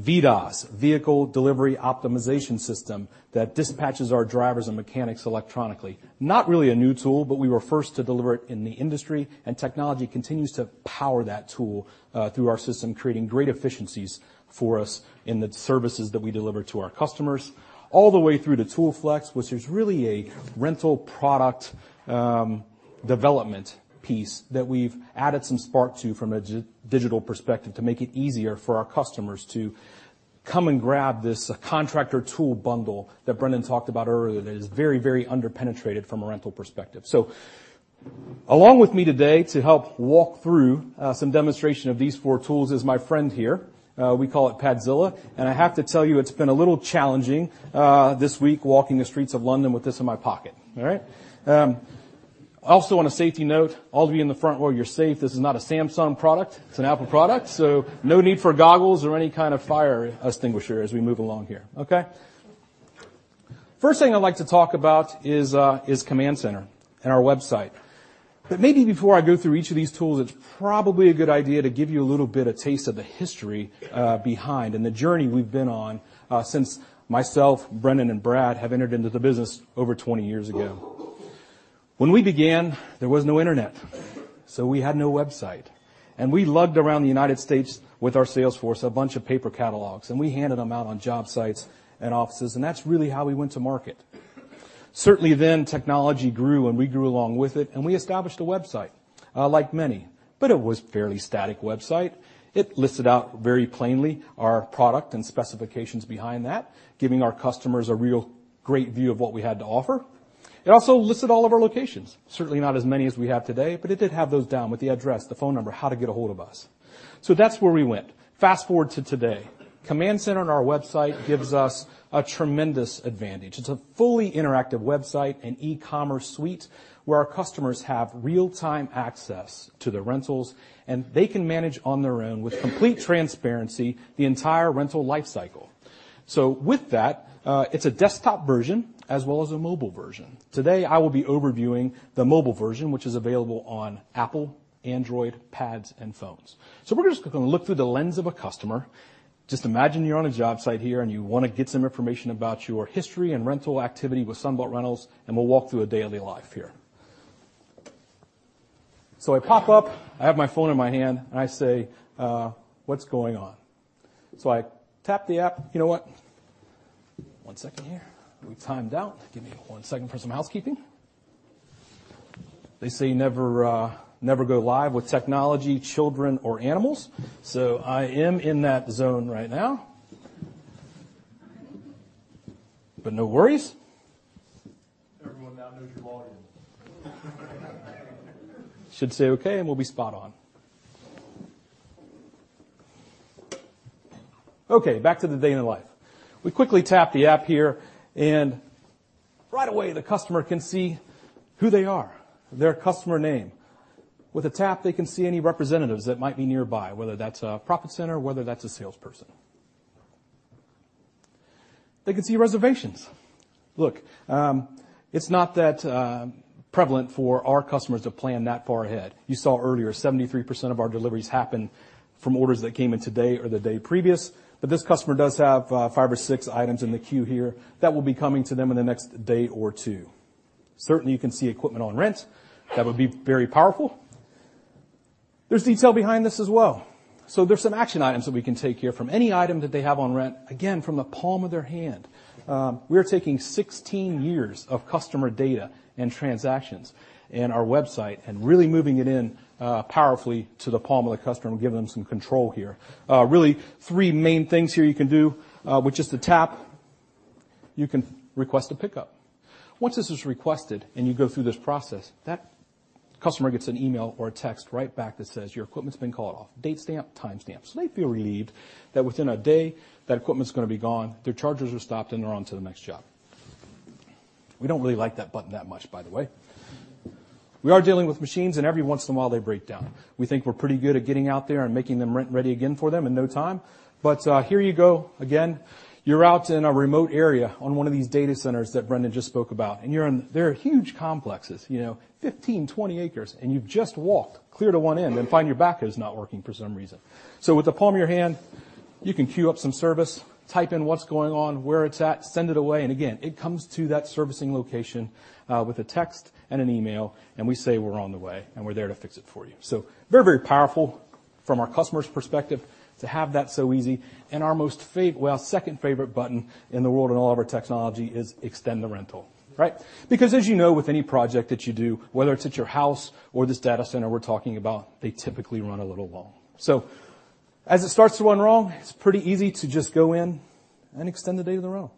VDOS, Vehicle Delivery Optimization System, that dispatches our drivers and mechanics electronically. Not really a new tool, but we were first to deliver it in the industry, technology continues to power that tool, through our system, creating great efficiencies for us in the services that we deliver to our customers, all the way through to ToolFlex, which is really a rental product development piece that we've added some spark to from a digital perspective to make it easier for our customers to come and grab this contractor tool bundle that Brendan talked about earlier that is very, very under-penetrated from a rental perspective. Along with me today to help walk through some demonstration of these four tools is my friend here. We call it Padzilla, and I have to tell you, it's been a little challenging this week walking the streets of London with this in my pocket. All right. Also, on a safety note, all of you in the front row, you're safe. This is not a Samsung product, it's an Apple product, so no need for goggles or any kind of fire extinguisher as we move along here. Okay. First thing I'd like to talk about is Command Center and our website. Maybe before I go through each of these tools, it's probably a good idea to give you a little bit of taste of the history behind and the journey we've been on since myself, Brendan, and Brad have entered into the business over 20 years ago. When we began, there was no internet. We had no website. We lugged around the U.S. with our sales force, a bunch of paper catalogs, and we handed them out on job sites and offices, and that's really how we went to market. Certainly, technology grew and we grew along with it, and we established a website, like many. It was a fairly static website. It listed out very plainly our product and specifications behind that, giving our customers a real great view of what we had to offer. It also listed all of our locations. Certainly not as many as we have today, but it did have those down with the address, the phone number, how to get ahold of us. That's where we went. Fast-forward to today. Command Center on our website gives us a tremendous advantage. It's a fully interactive website and e-commerce suite where our customers have real-time access to the rentals, and they can manage on their own with complete transparency the entire rental life cycle. With that, it's a desktop version as well as a mobile version. Today, I will be overviewing the mobile version, which is available on Apple, Android, pads, and phones. We're just going to look through the lens of a customer. Just imagine you're on a job site here and you want to get some information about your history and rental activity with Sunbelt Rentals, and we'll walk through a daily life here. I pop up, I have my phone in my hand, and I say, "What's going on?" I tap the app. You know what? One second here. We timed out. Give me one second for some housekeeping. They say never go live with technology, children, or animals. I am in that zone right now. No worries. Everyone now knows your login. Should say okay and we'll be spot on. Okay, back to the day in the life. We quickly tap the app here and right away, the customer can see who they are, their customer name. With a tap, they can see any representatives that might be nearby, whether that's a profit center, whether that's a salesperson. They can see reservations. Look, it's not that prevalent for our customers to plan that far ahead. You saw earlier, 73% of our deliveries happen from orders that came in today or the day previous. This customer does have five or six items in the queue here that will be coming to them in the next day or two. Certainly, you can see equipment on rent. That would be very powerful. There's detail behind this as well. There's some action items that we can take here from any item that they have on rent, again, from the palm of their hand. We're taking 16 years of customer data and transactions in our website and really moving it in powerfully to the palm of the customer and giving them some control here. Really three main things here you can do with just a tap. You can request a pickup. Once this is requested and you go through this process, that customer gets an email or a text right back that says, "Your equipment's been called off." Date stamp, time stamp. They feel relieved that within a day, that equipment's going to be gone, their charges are stopped, and they're on to the next job. We don't really like that button that much, by the way. We are dealing with machines, every once in a while, they break down. We think we're pretty good at getting out there and making them rent-ready again for them in no time. Here you go again. You're out in a remote area on one of these data centers that Brendan just spoke about, and they're huge complexes, 15, 20 acres, and you've just walked clear to one end and find your backhoe's not working for some reason. With the palm of your hand, you can queue up some service, type in what's going on, where it's at, send it away, it comes to that servicing location with a text and an email, and we say, "We're on the way, and we're there to fix it for you." Very, very powerful from our customer's perspective to have that so easy. Our most, well, second favorite button in the world in all of our technology is extend the rental. Right? Because as you know with any project that you do, whether it's at your house or this data center we're talking about, they typically run a little long. As it starts to run long, it's pretty easy to just go in and extend the date of the rental.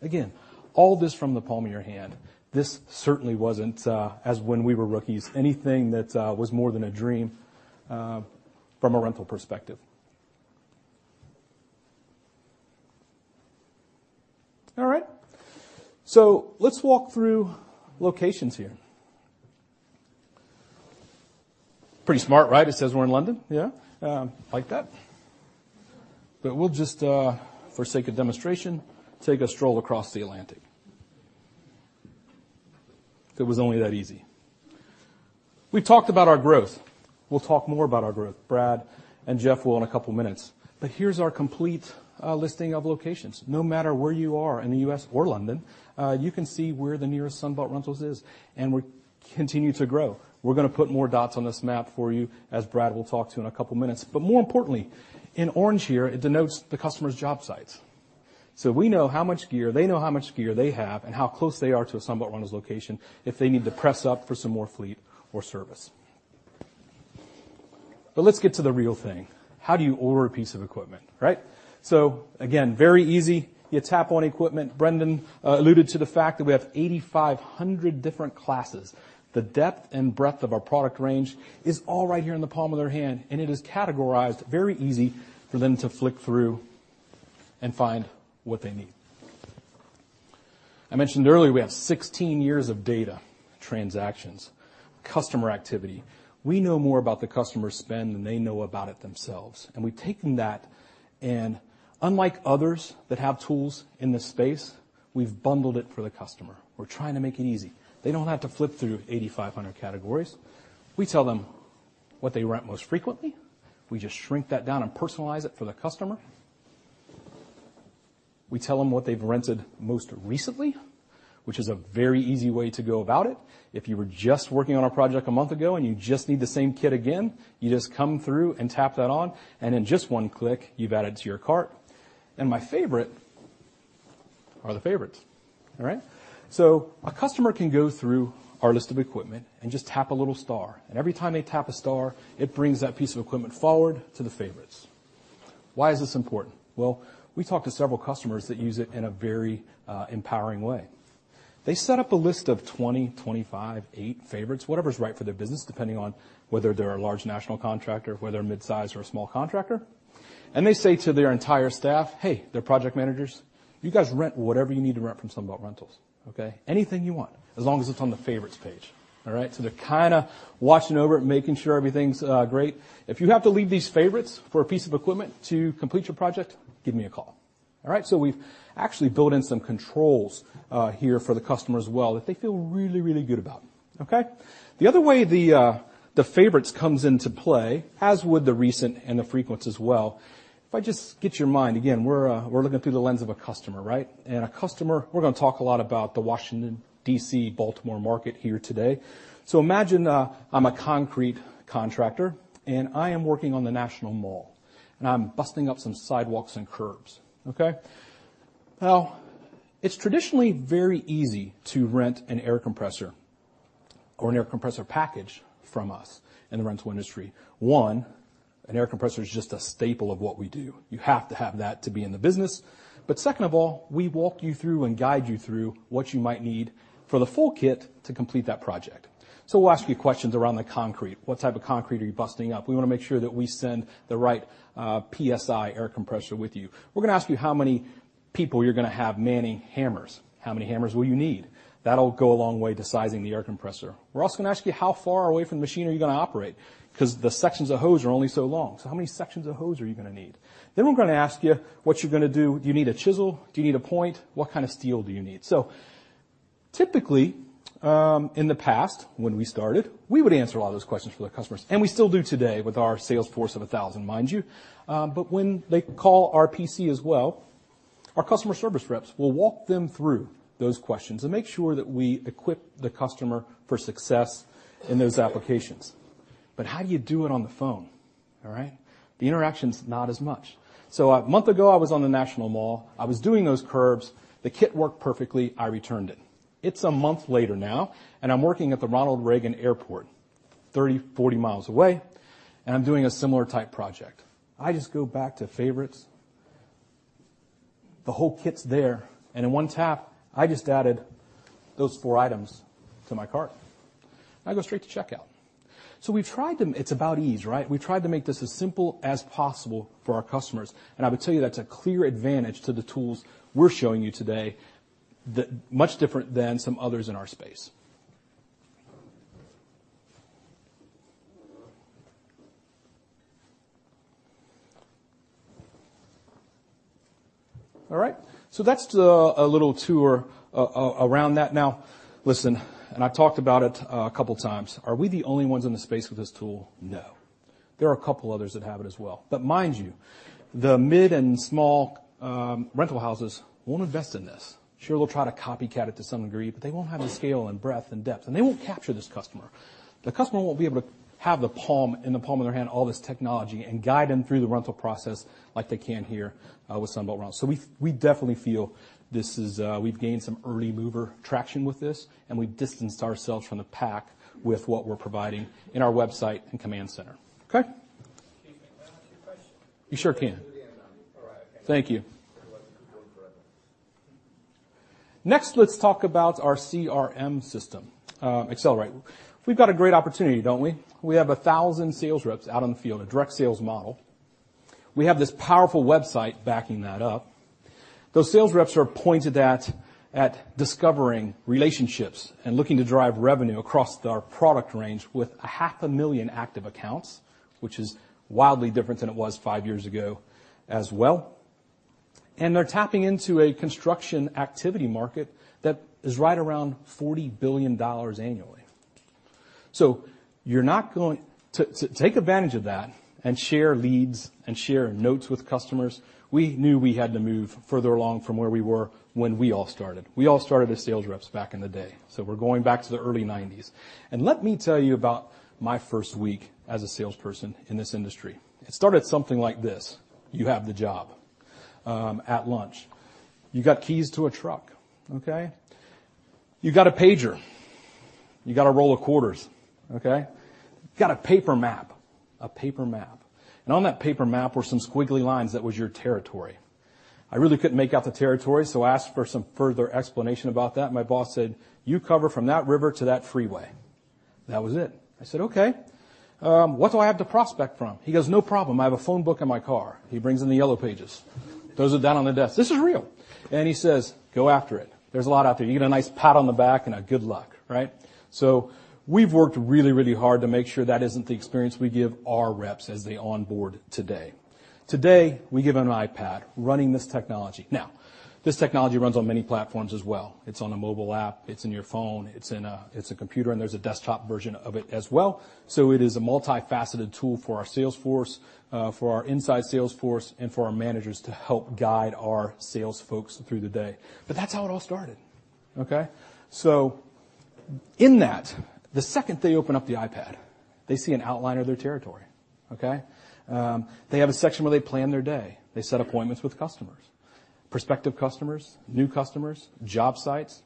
Again, all this from the palm of your hand. This certainly wasn't, as when we were rookies, anything that was more than a dream from a rental perspective. All right. Let's walk through locations here. Pretty smart, right? It says we're in London. Yeah. Like that. We'll just, for sake of demonstration, take a stroll across the Atlantic. If it was only that easy. We've talked about our growth. We'll talk more about our growth, Brad and Geoff will in a couple minutes. Here's our complete listing of locations. No matter where you are in the U.S. or London, you can see where the nearest Sunbelt Rentals is, and we continue to grow. We're going to put more dots on this map for you, as Brad will talk to in a couple minutes. More importantly, in orange here, it denotes the customer's job sites. We know how much gear, they know how much gear they have and how close they are to a Sunbelt Rentals location if they need to press up for some more fleet or service. Let's get to the real thing. How do you order a piece of equipment, right? Again, very easy. You tap on equipment. Brendan alluded to the fact that we have 8,500 different classes. The depth and breadth of our product range is all right here in the palm of their hand, it is categorized very easy for them to flick through and find what they need. I mentioned earlier, we have 16 years of data, transactions, customer activity. We know more about the customer spend than they know about it themselves. We've taken that and unlike others that have tools in this space, we've bundled it for the customer. We're trying to make it easy. They don't have to flip through 8,500 categories. We tell them what they rent most frequently. We just shrink that down and personalize it for the customer. We tell them what they've rented most recently, which is a very easy way to go about it. If you were just working on a project a month ago and you just need the same kit again, you just come through and tap that on, and in just one click, you've added to your cart. My favorite are the favorites. All right? A customer can go through our list of equipment and just tap a little star, and every time they tap a star, it brings that piece of equipment forward to the favorites. Why is this important? Well, we talked to several customers that use it in a very empowering way. They set up a list of 20, 25, eight favorites, whatever's right for their business, depending on whether they're a large national contractor, or whether they're a mid-size or a small contractor. They say to their entire staff, "Hey," their project managers, "You guys rent whatever you need to rent from Sunbelt Rentals. Okay? Anything you want, as long as it's on the Favorites page." All right? They're kind of watching over it, making sure everything's great. "If you have to leave these favorites for a piece of equipment to complete your project, give me a call." All right? We've actually built in some controls here for the customer as well that they feel really, really good about. Okay? The other way the favorites comes into play, as would the recent and the frequents as well. If I just get your mind again, we're looking through the lens of a customer, right? A customer, we're going to talk a lot about the Washington, D.C. Baltimore market here today. Imagine I'm a concrete contractor, and I am working on the National Mall, and I'm busting up some sidewalks and curbs. Okay? Now, it's traditionally very easy to rent an air compressor or an air compressor package from us in the rental industry. One, an air compressor is just a staple of what we do. You have to have that to be in the business. But second of all, we walk you through and guide you through what you might need for the full kit to complete that project. We'll ask you questions around the concrete. What type of concrete are you busting up? We want to make sure that we send the right PSI air compressor with you. We're going to ask you how many people you're going to have manning hammers. How many hammers will you need? That'll go a long way to sizing the air compressor. We're also going to ask you how far away from the machine are you going to operate, because the sections of hose are only so long. How many sections of hose are you going to need? Then we're going to ask you what you're going to do. Do you need a chisel? Do you need a point? What kind of steel do you need? Typically, in the past, when we started, we would answer a lot of those questions for the customers, and we still do today with our sales force of 1,000, mind you. When they call our PC as well, our customer service reps will walk them through those questions and make sure that we equip the customer for success in those applications. How do you do it on the phone? All right? The interaction's not as much. A month ago, I was on the National Mall. I was doing those curbs. The kit worked perfectly. I returned it. It's a month later now, and I'm working at the Ronald Reagan Airport 30, 40 miles away, and I'm doing a similar type project. I just go back to Favorites. The whole kit's there, and in one tap, I just added those four items to my cart. I go straight to checkout. It's about ease, right? We've tried to make this as simple as possible for our customers, and I would tell you that's a clear advantage to the tools we're showing you today, much different than some others in our space. That's a little tour around that. Listen, and I've talked about it a couple of times. Are we the only ones in the space with this tool? No. There are a couple others that have it as well. Mind you, the mid and small rental houses won't invest in this. Sure, they'll try to copycat it to some degree, but they won't have the scale and breadth and depth, and they won't capture this customer. The customer won't be able to have the palm, in the palm of their hand all this technology and guide them through the rental process like they can here with Sunbelt Rentals. We definitely feel we've gained some early mover traction with this, and we've distanced ourselves from the pack with what we're providing in our website and Command Center. Okay? Excuse me. Can I ask you a question? You sure can. All right. Okay. Thank you. Let's talk about our CRM system, Accelerate. We've got a great opportunity, don't we? We have 1,000 sales reps out in the field, a direct sales model. We have this powerful website backing that up. Those sales reps are pointed at discovering relationships and looking to drive revenue across our product range with a half a million active accounts, which is wildly different than it was five years ago as well. They're tapping into a construction activity market that is right around $40 billion annually. To take advantage of that and share leads and share notes with customers, we knew we had to move further along from where we were when we all started. We all started as sales reps back in the day. We're going back to the early '90s. Let me tell you about my first week as a salesperson in this industry. It started something like this. You have the job. At lunch. You got keys to a truck. Okay? You got a pager. You got a roll of quarters. Okay? You got a paper map. A paper map. On that paper map were some squiggly lines that was your territory. I really couldn't make out the territory, I asked for some further explanation about that, and my boss said, "You cover from that river to that freeway." That was it. I said, "Okay. What do I have to prospect from?" He goes, "No problem. I have a phone book in my car." He brings in the Yellow Pages, throws it down on the desk. This is real. He says, "Go after it. There's a lot out there." You get a nice pat on the back and a good luck. Right? We've worked really, really hard to make sure that isn't the experience we give our reps as they onboard today. Today, we give them an iPad running this technology. This technology runs on many platforms as well. It's on a mobile app. It's in your phone. It's a computer, and there's a desktop version of it as well. It is a multifaceted tool for our sales force, for our inside sales force, and for our managers to help guide our sales folks through the day. That's how it all started. The second they open up the iPad, they see an outline of their territory. They have a section where they plan their day. They set appointments with customers, prospective customers, new customers, job sites.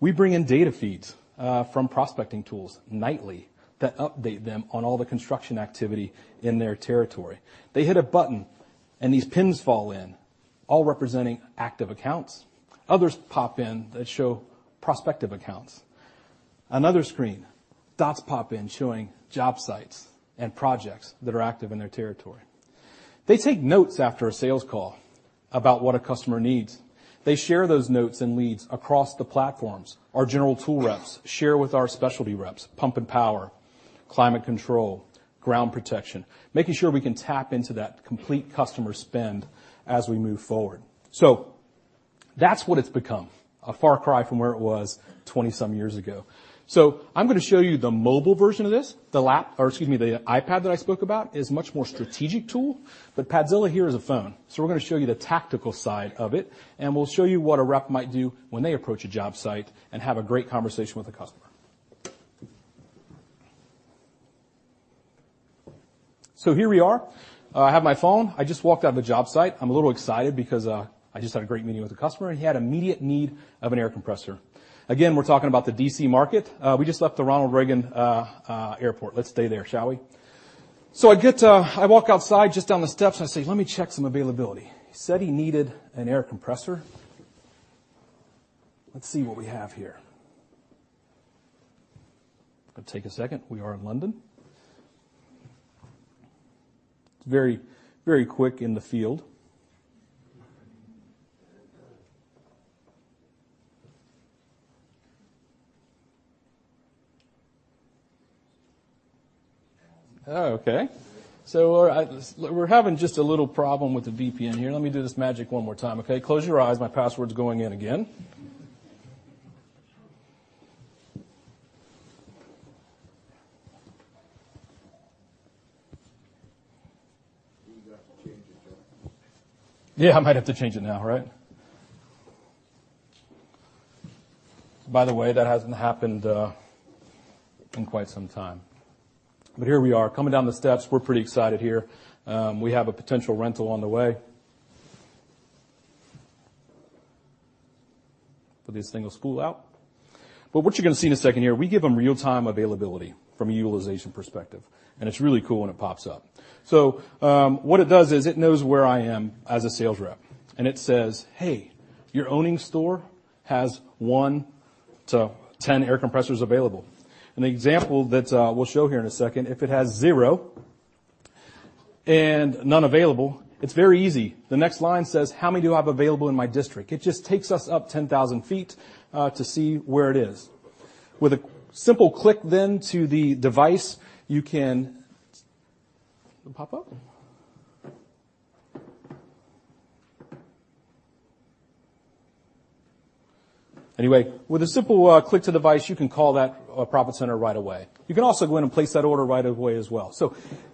We bring in data feeds from prospecting tools nightly that update them on all the construction activity in their territory. They hit a button, and these pins fall in, all representing active accounts. Others pop in that show prospective accounts. Another screen, dots pop in showing job sites and projects that are active in their territory. They take notes after a sales call about what a customer needs. They share those notes and leads across the platforms. Our general tool reps share with our specialty reps, pump and power, climate control, ground protection, making sure we can tap into that complete customer spend as we move forward. That's what it's become. A far cry from where it was 20-some years ago. I'm going to show you the mobile version of this. The iPad that I spoke about is a much more strategic tool, Padzilla here is a phone. We're going to show you the tactical side of it, and we'll show you what a rep might do when they approach a job site and have a great conversation with a customer. Here we are. I have my phone. I just walked out of a job site. I'm a little excited because I just had a great meeting with a customer, and he had an immediate need of an air compressor. Again, we're talking about the D.C. market. We just left the Ronald Reagan Airport. Let's stay there, shall we? I walk outside just down the steps, and I say, "Let me check some availability." He said he needed an air compressor. Let's see what we have here. Going to take a second. We are in London. It's very quick in the field. We're having just a little problem with the VPN here. Let me do this magic one more time. Close your eyes. My password's going in again. You've got to change it, John. I might have to change it now, right? That hasn't happened in quite some time. Here we are, coming down the steps. We're pretty excited here. We have a potential rental on the way. If this thing will spool out. What you're going to see in a second here, we give them real-time availability from a utilization perspective, and it's really cool when it pops up. What it does is it knows where I am as a sales rep, and it says, "Hey, your owning store has one to 10 air compressors available." An example that we'll show here in a second, if it has zero and none available, it's very easy. The next line says, how many do I have available in my district? It just takes us up 10,000 feet to see where it is. Will it pop up? With a simple click to device, you can call that profit center right away. You can also go in and place that order right away as well.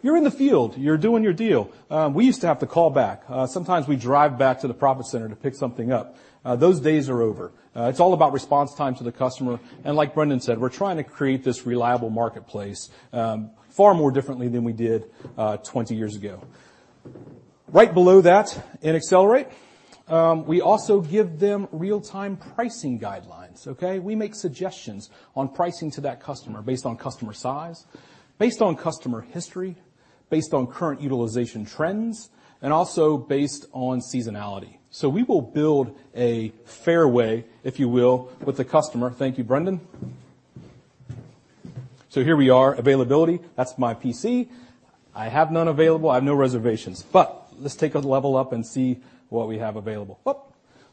You're in the field, you're doing your deal. We used to have to call back. Sometimes we'd drive back to the profit center to pick something up. Those days are over. It's all about response time to the customer, and like Brendan said, we're trying to create this reliable marketplace, far more differently than we did 20 years ago. Right below that in Accelerate, we also give them real-time pricing guidelines. Okay? We make suggestions on pricing to that customer based on customer size, based on customer history, based on current utilization trends, and also based on seasonality. We will build a fairway, if you will, with the customer. Thank you, Brendan. Here we are, availability. That's my PC. I have none available. I have no reservations. Let's take a level up and see what we have available. Oop.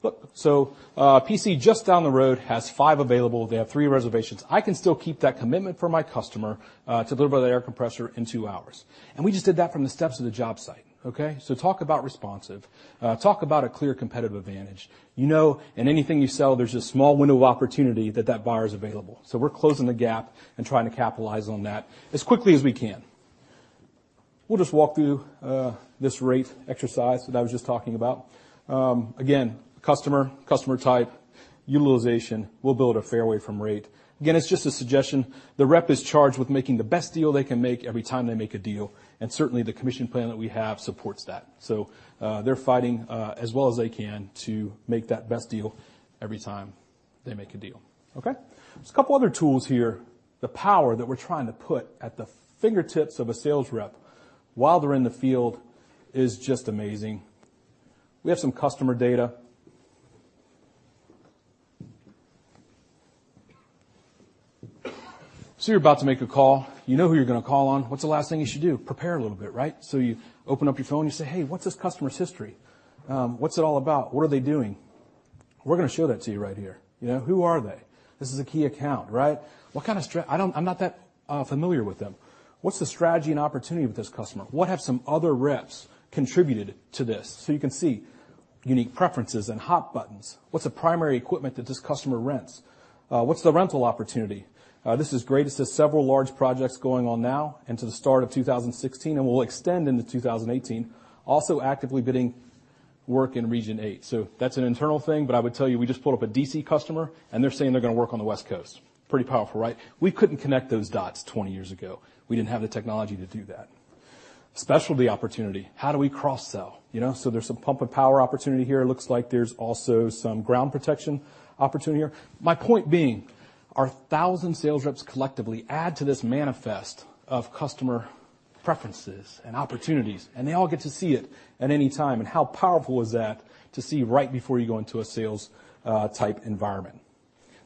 Look. PC just down the road has five available. They have three reservations. I can still keep that commitment for my customer to deliver the air compressor in two hours, and we just did that from the steps of the job site. Okay? Talk about responsive. Talk about a clear competitive advantage. You know in anything you sell, there's a small window of opportunity that that buyer's available. We're closing the gap and trying to capitalize on that as quickly as we can. We'll just walk through this rate exercise that I was just talking about. Again, customer type, utilization. We'll build a fairway from rate. Again, it's just a suggestion. The rep is charged with making the best deal they can make every time they make a deal, and certainly the commission plan that we have supports that. They're fighting as well as they can to make that best deal every time they make a deal. Okay. There's a couple other tools here. The power that we're trying to put at the fingertips of a sales rep while they're in the field is just amazing. We have some customer data. You're about to make a call. You know who you're going to call on. What's the last thing you should do? Prepare a little bit, right? You open up your phone, you say, "Hey, what's this customer's history? What's it all about? What are they doing?" We're going to show that to you right here. Who are they? This is a key account, right? I'm not that familiar with them. What's the strategy and opportunity with this customer? What have some other reps contributed to this? You can see unique preferences and hot buttons. What's the primary equipment that this customer rents? What's the rental opportunity? This is great. It says several large projects going on now and to the start of 2016, and will extend into 2018. Also actively bidding work in Region 8. That's an internal thing, but I would tell you, we just pulled up a D.C. customer, and they're saying they're going to work on the West Coast. Pretty powerful, right? We couldn't connect those dots 20 years ago. We didn't have the technology to do that. Specialty opportunity. How do we cross-sell? There's some pump and power opportunity here. It looks like there's also some ground protection opportunity here. My point being, our 1,000 sales reps collectively add to this manifest of customer preferences and opportunities, and they all get to see it at any time. How powerful is that to see right before you go into a sales-type environment?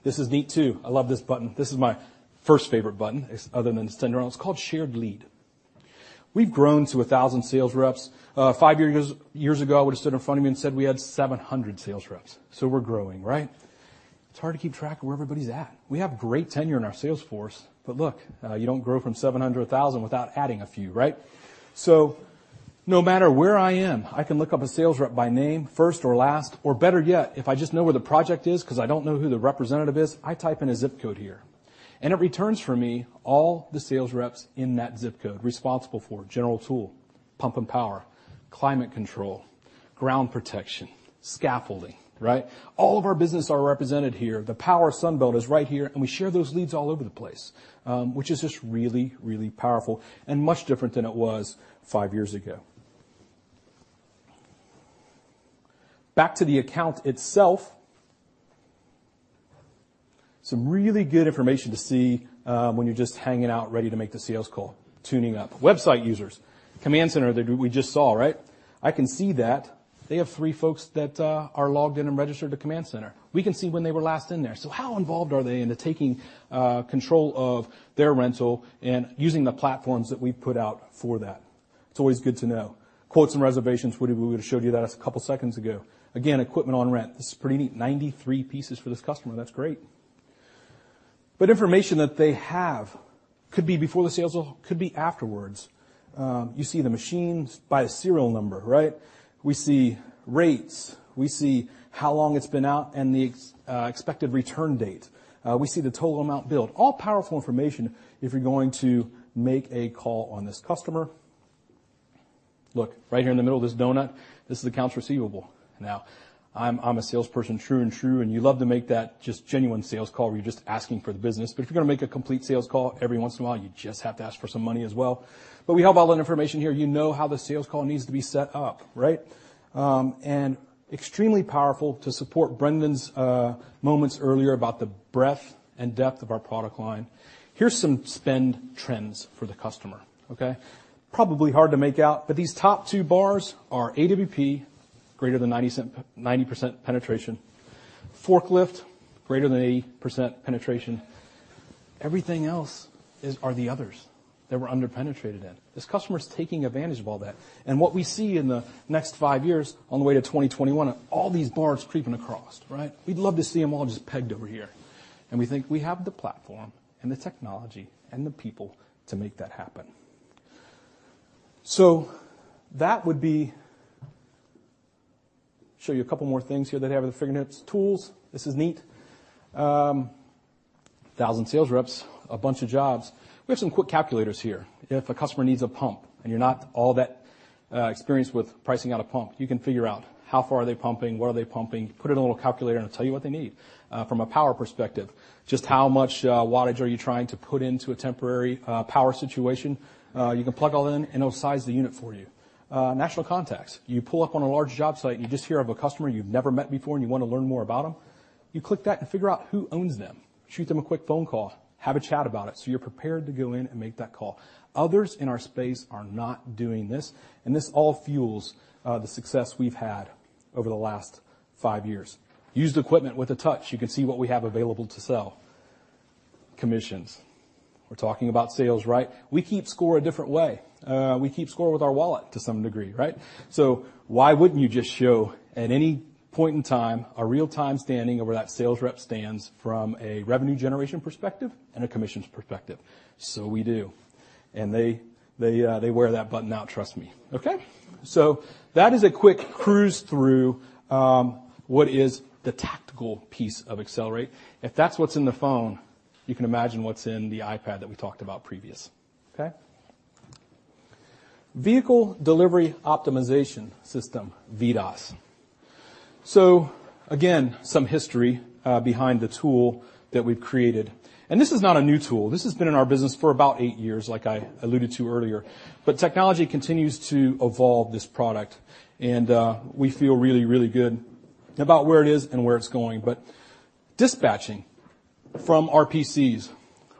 This is neat, too. I love this button. This is my first favorite button, other than the center aisle. It's called Shared Lead. We've grown to a 1,000 sales reps. Five years ago, it would've stood in front of me and said we had 700 sales reps. We're growing, right? It's hard to keep track of where everybody's at. We have great tenure in our sales force, but look, you don't grow from 700 to 1,000 without adding a few, right? No matter where I am, I can look up a sales rep by name, first or last, or better yet, if I just know where the project is because I don't know who the representative is, I type in a zip code here, and it returns for me all the sales reps in that zip code responsible for general tool, pump and power, climate control, ground protection, scaffolding. Right. All of our business are represented here. The power of Sunbelt is right here, and we share those leads all over the place, which is just really, really powerful and much different than it was five years ago. Back to the account itself. Some really good information to see when you're just hanging out, ready to make the sales call, tuning up. Website users. Command Center, we just saw, right. I can see that they have three folks that are logged in and registered to Command Center. We can see when they were last in there. How involved are they into taking control of their rental and using the platforms that we put out for that? It's always good to know. Quotes and reservations, Woody would've showed you that a couple seconds ago. Again, equipment on rent. This is pretty neat. 93 pieces for this customer. That's great. Information that they have could be before the sales call, could be afterwards. You see the machines by the serial number, right? We see rates. We see how long it's been out and the expected return date. We see the total amount billed. All powerful information if you're going to make a call on this customer. Look, right here in the middle of this donut, this is accounts receivable. I'm a salesperson, true and true, you love to make that just genuine sales call where you're just asking for the business. If you're going to make a complete sales call, every once in a while, you just have to ask for some money as well. We have all that information here. You know how the sales call needs to be set up, right? Extremely powerful to support Brendan's moments earlier about the breadth and depth of our product line. Here's some spend trends for the customer. Okay? Probably hard to make out, but these top two bars are AWP, greater than 90% penetration. Forklift, greater than 80% penetration. Everything else are the others that we're under-penetrated in. This customer is taking advantage of all that, what we see in the next five years on the way to 2021 are all these bars creeping across, right? We'd love to see them all just pegged over here, we think we have the platform and the technology and the people to make that happen. Show you a couple more things here that have the fingertips tools. This is neat. 1,000 sales reps, a bunch of jobs. We have some quick calculators here. If a customer needs a pump and you're not all that experienced with pricing out a pump, you can figure out how far are they pumping? What are they pumping? Put it in a little calculator, and it'll tell you what they need. From a power perspective, just how much wattage are you trying to put into a temporary power situation? You can plug all in, it'll size the unit for you. National contacts. You pull up on a large job site, you just hear of a customer you've never met before, you want to learn more about them. You click that, figure out who owns them. Shoot them a quick phone call. Have a chat about it so you're prepared to go in and make that call. Others in our space are not doing this all fuels the success we've had over the last five years. Used equipment with a touch. You can see what we have available to sell. Commissions. We're talking about sales, right? We keep score a different way. We keep score with our wallet to some degree, right? Why wouldn't you just show, at any point in time, a real-time standing of where that sales rep stands from a revenue generation perspective and a commissions perspective? We do, and they wear that button out, trust me. Okay. That is a quick cruise through what is the tactical piece of Accelerate. If that's what's in the phone, you can imagine what's in the iPad that we talked about previous. Okay. Vehicle Delivery Optimization System, VDOS. Again, some history behind the tool that we've created, and this is not a new tool. This has been in our business for about eight years, like I alluded to earlier. Technology continues to evolve this product, and we feel really, really good about where it is and where it's going. Dispatching from our PCs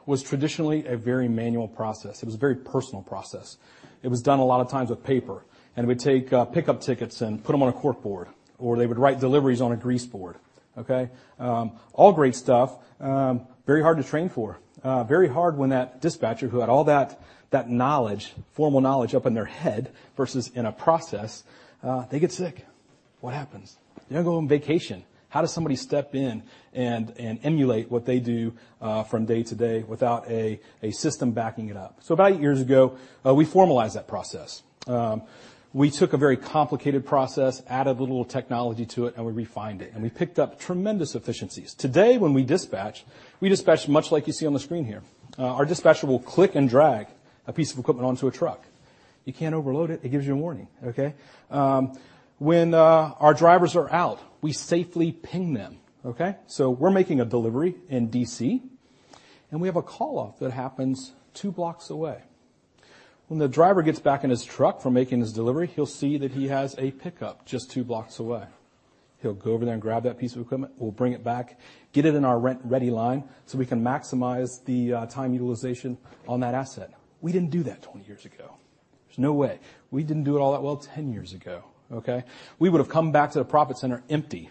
was traditionally a very manual process. It was a very personal process. It was done a lot of times with paper, and we'd take pickup tickets and put them on a corkboard, or they would write deliveries on a grease board. Okay. All great stuff. Very hard to train for. Very hard when that dispatcher who had all that knowledge, formal knowledge up in their head versus in a process, they get sick. What happens? They go on vacation. How does somebody step in and emulate what they do from day to day without a system backing it up? About eight years ago, we formalized that process. We took a very complicated process, added a little technology to it, and we refined it, and we picked up tremendous efficiencies. Today, when we dispatch, we dispatch much like you see on the screen here. Our dispatcher will click and drag a piece of equipment onto a truck. You can't overload it. It gives you a warning, okay. When our drivers are out, we safely ping them, okay. We're making a delivery in D.C., and we have a call-off that happens two blocks away. When the driver gets back in his truck from making his delivery, he'll see that he has a pickup just two blocks away. He'll go over there and grab that piece of equipment, we'll bring it back, get it in our rent-ready line, so we can maximize the time utilization on that asset. We didn't do that 20 years ago. There's no way. We didn't do it all that well 10 years ago, okay. We would've come back to the profit center empty.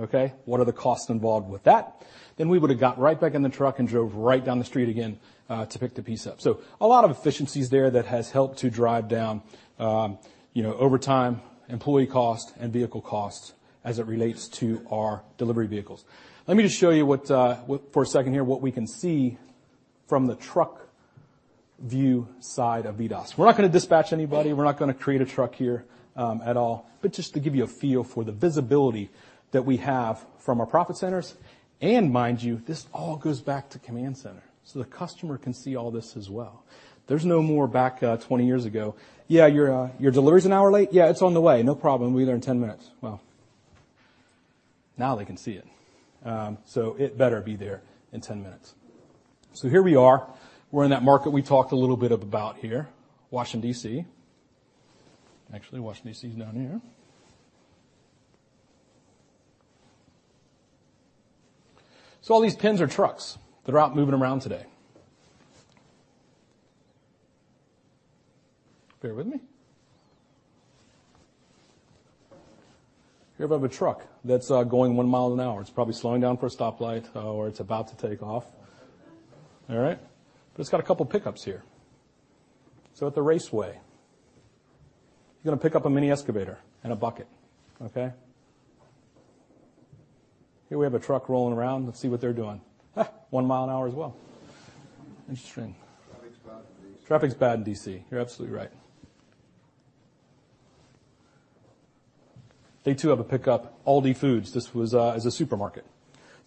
Okay. What are the costs involved with that? We would've got right back in the truck and drove right down the street again to pick the piece up. A lot of efficiencies there that has helped to drive down overtime, employee cost, and vehicle costs as it relates to our delivery vehicles. Let me just show you for a second here what we can see from the truck view side of VDOS. We're not going to dispatch anybody. We're not going to create a truck here at all. Just to give you a feel for the visibility that we have from our profit centers, and mind you, this all goes back to Command Center. The customer can see all this as well. There's no more back 20 years ago, "Yeah, your delivery's an hour late." "Yeah, it's on the way. No problem. We'll be there in 10 minutes." Now they can see it, so it better be there in 10 minutes. Here we are. We're in that market we talked a little bit about here, Washington, D.C. Actually, Washington, D.C. is down here. All these pins are trucks that are out moving around today. Bear with me. Here we have a truck that's going 1 mile an hour. It's probably slowing down for a stoplight or it's about to take off. All right? It's got a couple pickups here. At the Raceway, you're going to pick up a mini excavator and a bucket. Okay? Here we have a truck rolling around. Let's see what they're doing. 1 mile an hour as well. Interesting. Traffic's bad in D.C. Traffic's bad in D.C. You're absolutely right. They too have a pickup, Aldi Foods. This is a supermarket.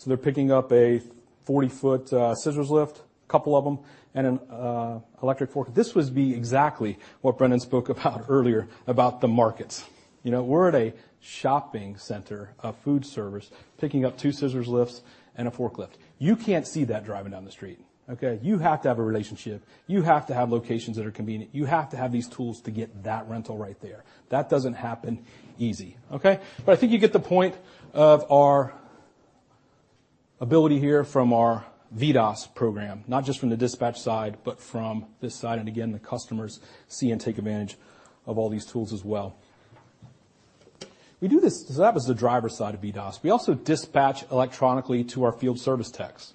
They're picking up a 40-foot scissors lift, couple of them, and an electric forklift. This would be exactly what Brendan spoke about earlier, about the markets. We're at a shopping center, a food service, picking up 2 scissors lifts and a forklift. You can't see that driving down the street, okay? You have to have a relationship. You have to have locations that are convenient. You have to have these tools to get that rental right there. That doesn't happen easy, okay? I think you get the point of our ability here from our VDOS program, not just from the dispatch side, but from this side. Again, the customers see and take advantage of all these tools as well. We do this. That was the driver's side of VDOS. We also dispatch electronically to our field service techs.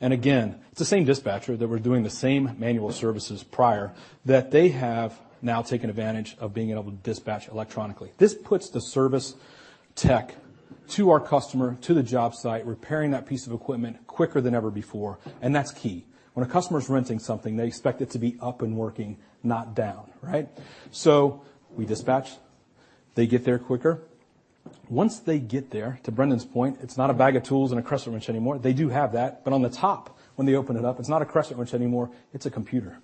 Again, it's the same dispatcher that we're doing the same manual services prior that they have now taken advantage of being able to dispatch electronically. This puts the service tech to our customer, to the job site, repairing that piece of equipment quicker than ever before, and that's key. When a customer's renting something, they expect it to be up and working, not down, right? We dispatch. They get there quicker. Once they get there, to Brendan's point, it's not a bag of tools and a crescent wrench anymore. They do have that, on the top, when they open it up, it's not a crescent wrench anymore, it's a computer.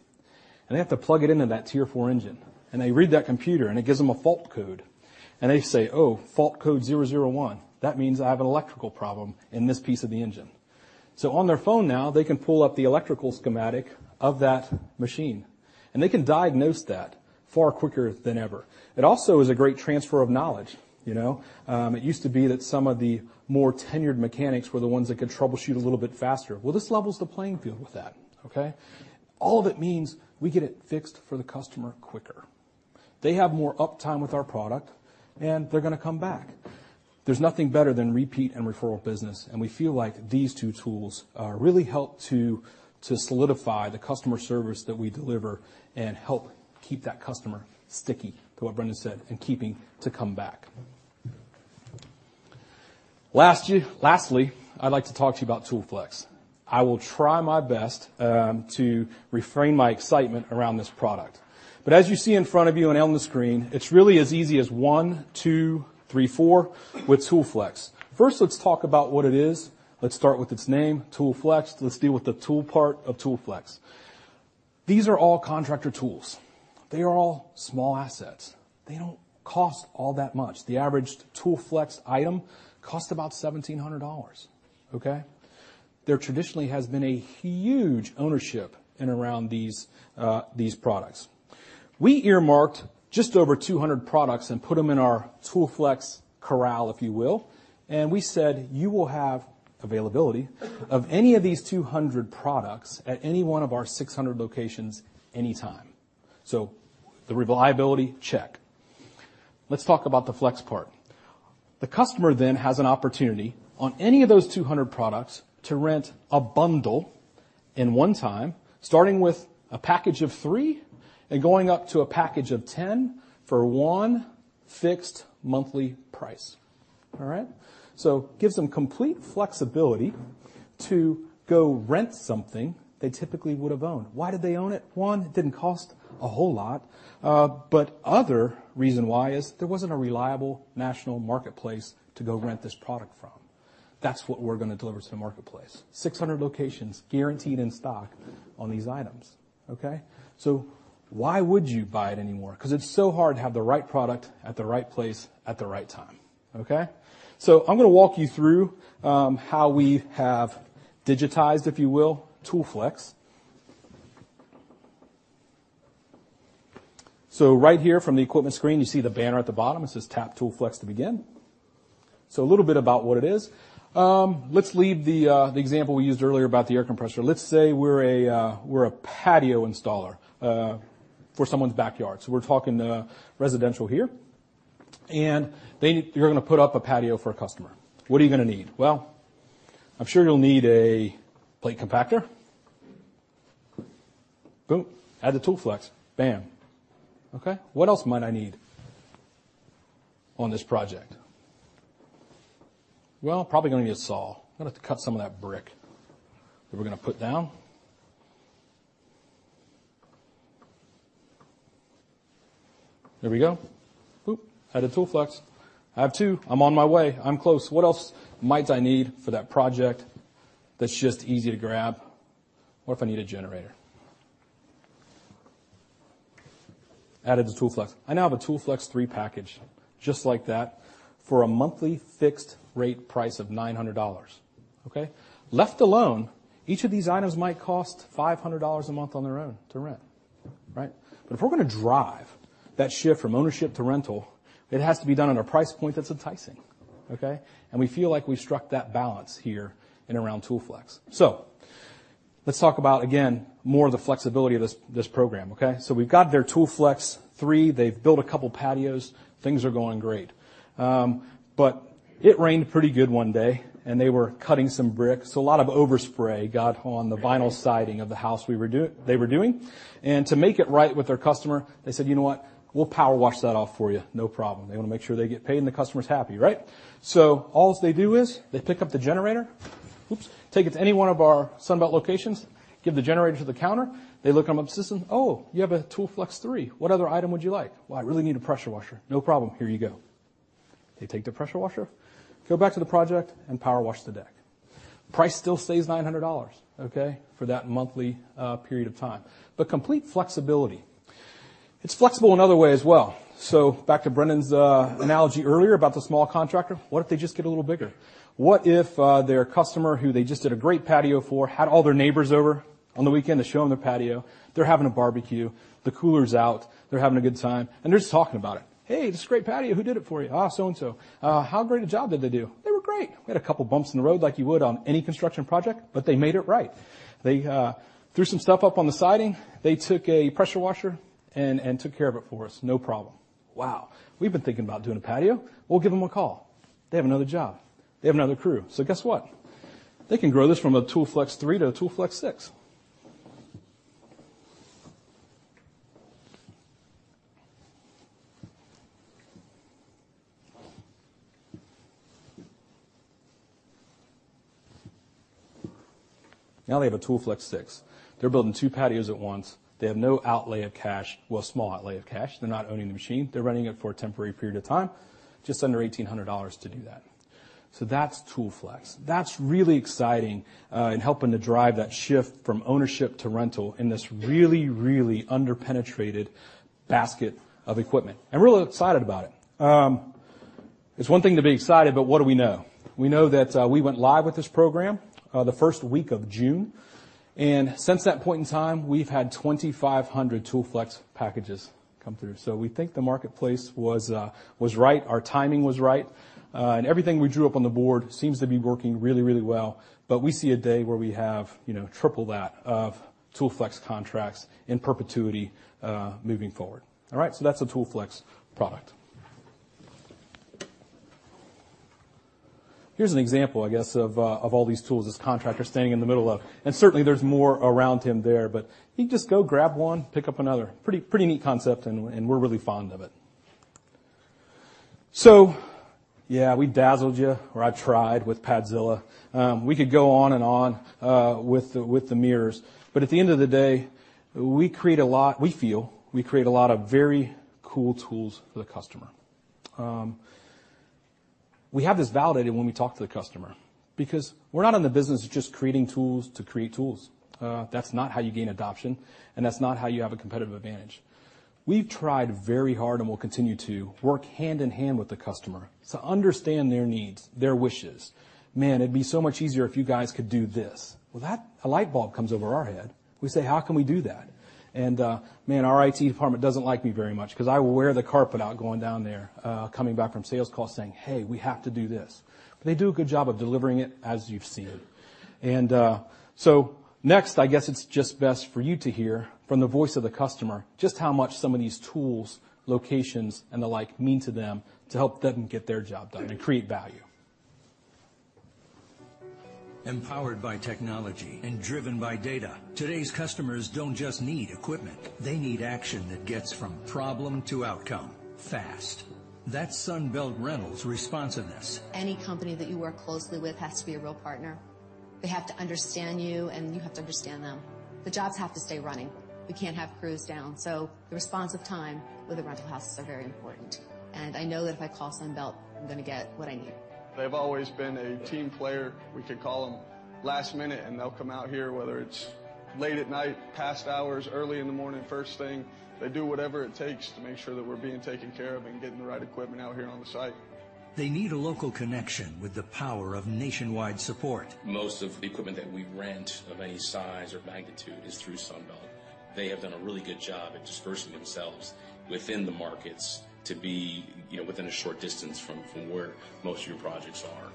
They have to plug it into that Tier 4 engine, they read that computer, it gives them a fault code, and they say, "Oh, fault code 001. That means I have an electrical problem in this piece of the engine." On their phone now, they can pull up the electrical schematic of that machine, and they can diagnose that far quicker than ever. It also is a great transfer of knowledge. It used to be that some of the more tenured mechanics were the ones that could troubleshoot a little bit faster. Well, this levels the playing field with that, okay? All of it means we get it fixed for the customer quicker. They have more uptime with our product, and they're going to come back. There's nothing better than repeat and referral business, and we feel like these 2 tools really help to solidify the customer service that we deliver and help keep that customer sticky, to what Brendan said, and keeping to come back. Lastly, I'd like to talk to you about ToolFlex. I will try my best to refrain my excitement around this product. As you see in front of you and on the screen, it's really as easy as one, two, three, four with ToolFlex. First, let's talk about what it is. Let's start with its name, ToolFlex. Let's deal with the tool part of ToolFlex. These are all contractor tools. They are all small assets. They don't cost all that much. The average ToolFlex item costs about $1,700, okay? There traditionally has been a huge ownership in around these products. We earmarked just over 200 products and put them in our ToolFlex corral, if you will, and we said you will have availability of any of these 200 products at any one of our 600 locations anytime. The reliability, check. Let's talk about the flex part. The customer then has an opportunity on any of those 200 products to rent a bundle in one time, starting with a package of three and going up to a package of 10 for one fixed monthly price. All right? Gives them complete flexibility to go rent something they typically would have owned. Why did they own it? One, it didn't cost a whole lot. Other reason why is there wasn't a reliable national marketplace to go rent this product from. That's what we're going to deliver to the marketplace. 600 locations guaranteed in stock on these items. Okay? Why would you buy it anymore? Because it's so hard to have the right product at the right place at the right time. Okay? I'm going to walk you through, how we have digitized, if you will, ToolFlex. Right here from the equipment screen, you see the banner at the bottom, it says, "Tap ToolFlex to begin." A little bit about what it is. Let's leave the example we used earlier about the air compressor. Let's say we're a patio installer for someone's backyard. We're talking residential here. You're going to put up a patio for a customer. What are you going to need? Well, I'm sure you'll need a plate compactor. Boom. Add to ToolFlex. Bam. Okay? What else might I need on this project? Well, probably going to need a saw. I'm going to have to cut some of that brick that we're going to put down. There we go. Boop. Add to ToolFlex. I have two. I'm on my way. I'm close. What else might I need for that project that's just easy to grab? What if I need a generator? Added to ToolFlex. I now have a ToolFlex 3 package just like that for a monthly fixed rate price of $900. Okay? Left alone, each of these items might cost $500 a month on their own to rent, right? If we're going to drive that shift from ownership to rental, it has to be done at a price point that's enticing. Okay? We feel like we struck that balance here in around ToolFlex. Let's talk about, again, more of the flexibility of this program. Okay, we've got their ToolFlex 3, they've built a couple patios. Things are going great. It rained pretty good one day and they were cutting some brick, a lot of overspray got on the vinyl siding of the house they were doing. To make it right with their customer, they said, "You know what? We'll power wash that off for you, no problem." They want to make sure they get paid and the customer's happy, right? All they do is, they pick up the generator. Oops. Take it to any one of our Sunbelt locations, give the generator to the counter. They look them up the system. "Oh, you have a ToolFlex 3. What other item would you like?" "Well, I really need a pressure washer." "No problem. Here you go." They take the pressure washer, go back to the project and power wash the deck. Price still stays $900, okay, for that monthly period of time. Complete flexibility. It's flexible in other ways as well. Back to Brendan's analogy earlier about the small contractor, what if they just get a little bigger? What if, their customer who they just did a great patio for, had all their neighbors over on the weekend to show them the patio. They're having a barbecue, the cooler's out, they're having a good time, and they're just talking about it. "Hey, this is a great patio. Who did it for you?" "Oh, so-and-so." "How great a job did they do?" "They were great. We had a couple bumps in the road like you would on any construction project, but they made it right. They threw some stuff up on the siding. They took a pressure washer and took care of it for us, no problem." "Wow. We've been thinking about doing a patio. We'll give them a call." They have another job. They have another crew. Guess what? They can grow this from a ToolFlex 3 to a ToolFlex 6. Now they have a ToolFlex 6. They're building two patios at once. They have no outlay of cash. Well, small outlay of cash. They're not owning the machine. They're renting it for a temporary period of time, just under $1,800 to do that. That's ToolFlex. That's really exciting, in helping to drive that shift from ownership to rental in this really, really under-penetrated basket of equipment. I'm real excited about it. It's one thing to be excited, what do we know? We know that, we went live with this program, the first week of June, and since that point in time, we've had 2,500 ToolFlex packages come through. We think the marketplace was right, our timing was right, and everything we drew up on the board seems to be working really, really well. We see a day where we have triple that of ToolFlex contracts in perpetuity, moving forward. That's the ToolFlex product. Here's an example, I guess, of all these tools. This contractor standing in the middle of And certainly there's more around him there, but he can just go grab one, pick up another. Pretty neat concept, and we're really fond of it. Yeah, we dazzled you, or I tried, with Padzilla. We could go on and on with the mirrors, but at the end of the day, we feel we create a lot of very cool tools for the customer. We have this validated when we talk to the customer because we're not in the business of just creating tools to create tools. That's not how you gain adoption, and that's not how you have a competitive advantage. We've tried very hard and will continue to work hand in hand with the customer to understand their needs, their wishes. "Man, it'd be so much easier if you guys could do this." That a light bulb comes over our head. We say, "How can we do that?" Man, our IT department doesn't like me very much because I wear the carpet out going down there, coming back from sales calls saying, "Hey, we have to do this." They do a good job of delivering it, as you've seen. Next, I guess it's just best for you to hear from the voice of the customer just how much some of these tools, locations, and the like mean to them to help them get their job done and create value. Empowered by technology and driven by data, today's customers don't just need equipment, they need action that gets from problem to outcome fast. That's Sunbelt Rentals responsiveness. Any company that you work closely with has to be a real partner. They have to understand you, and you have to understand them. The jobs have to stay running. We can't have crews down. The responsive time with the rental houses are very important. I know that if I call Sunbelt, I'm going to get what I need. They've always been a team player. We could call them last minute, they'll come out here, whether it's late at night, past hours, early in the morning first thing. They do whatever it takes to make sure that we're being taken care of and getting the right equipment out here on the site. They need a local connection with the power of nationwide support. Most of the equipment that we rent of any size or magnitude is through Sunbelt. They have done a really good job at dispersing themselves within the markets to be within a short distance from where most of your projects are.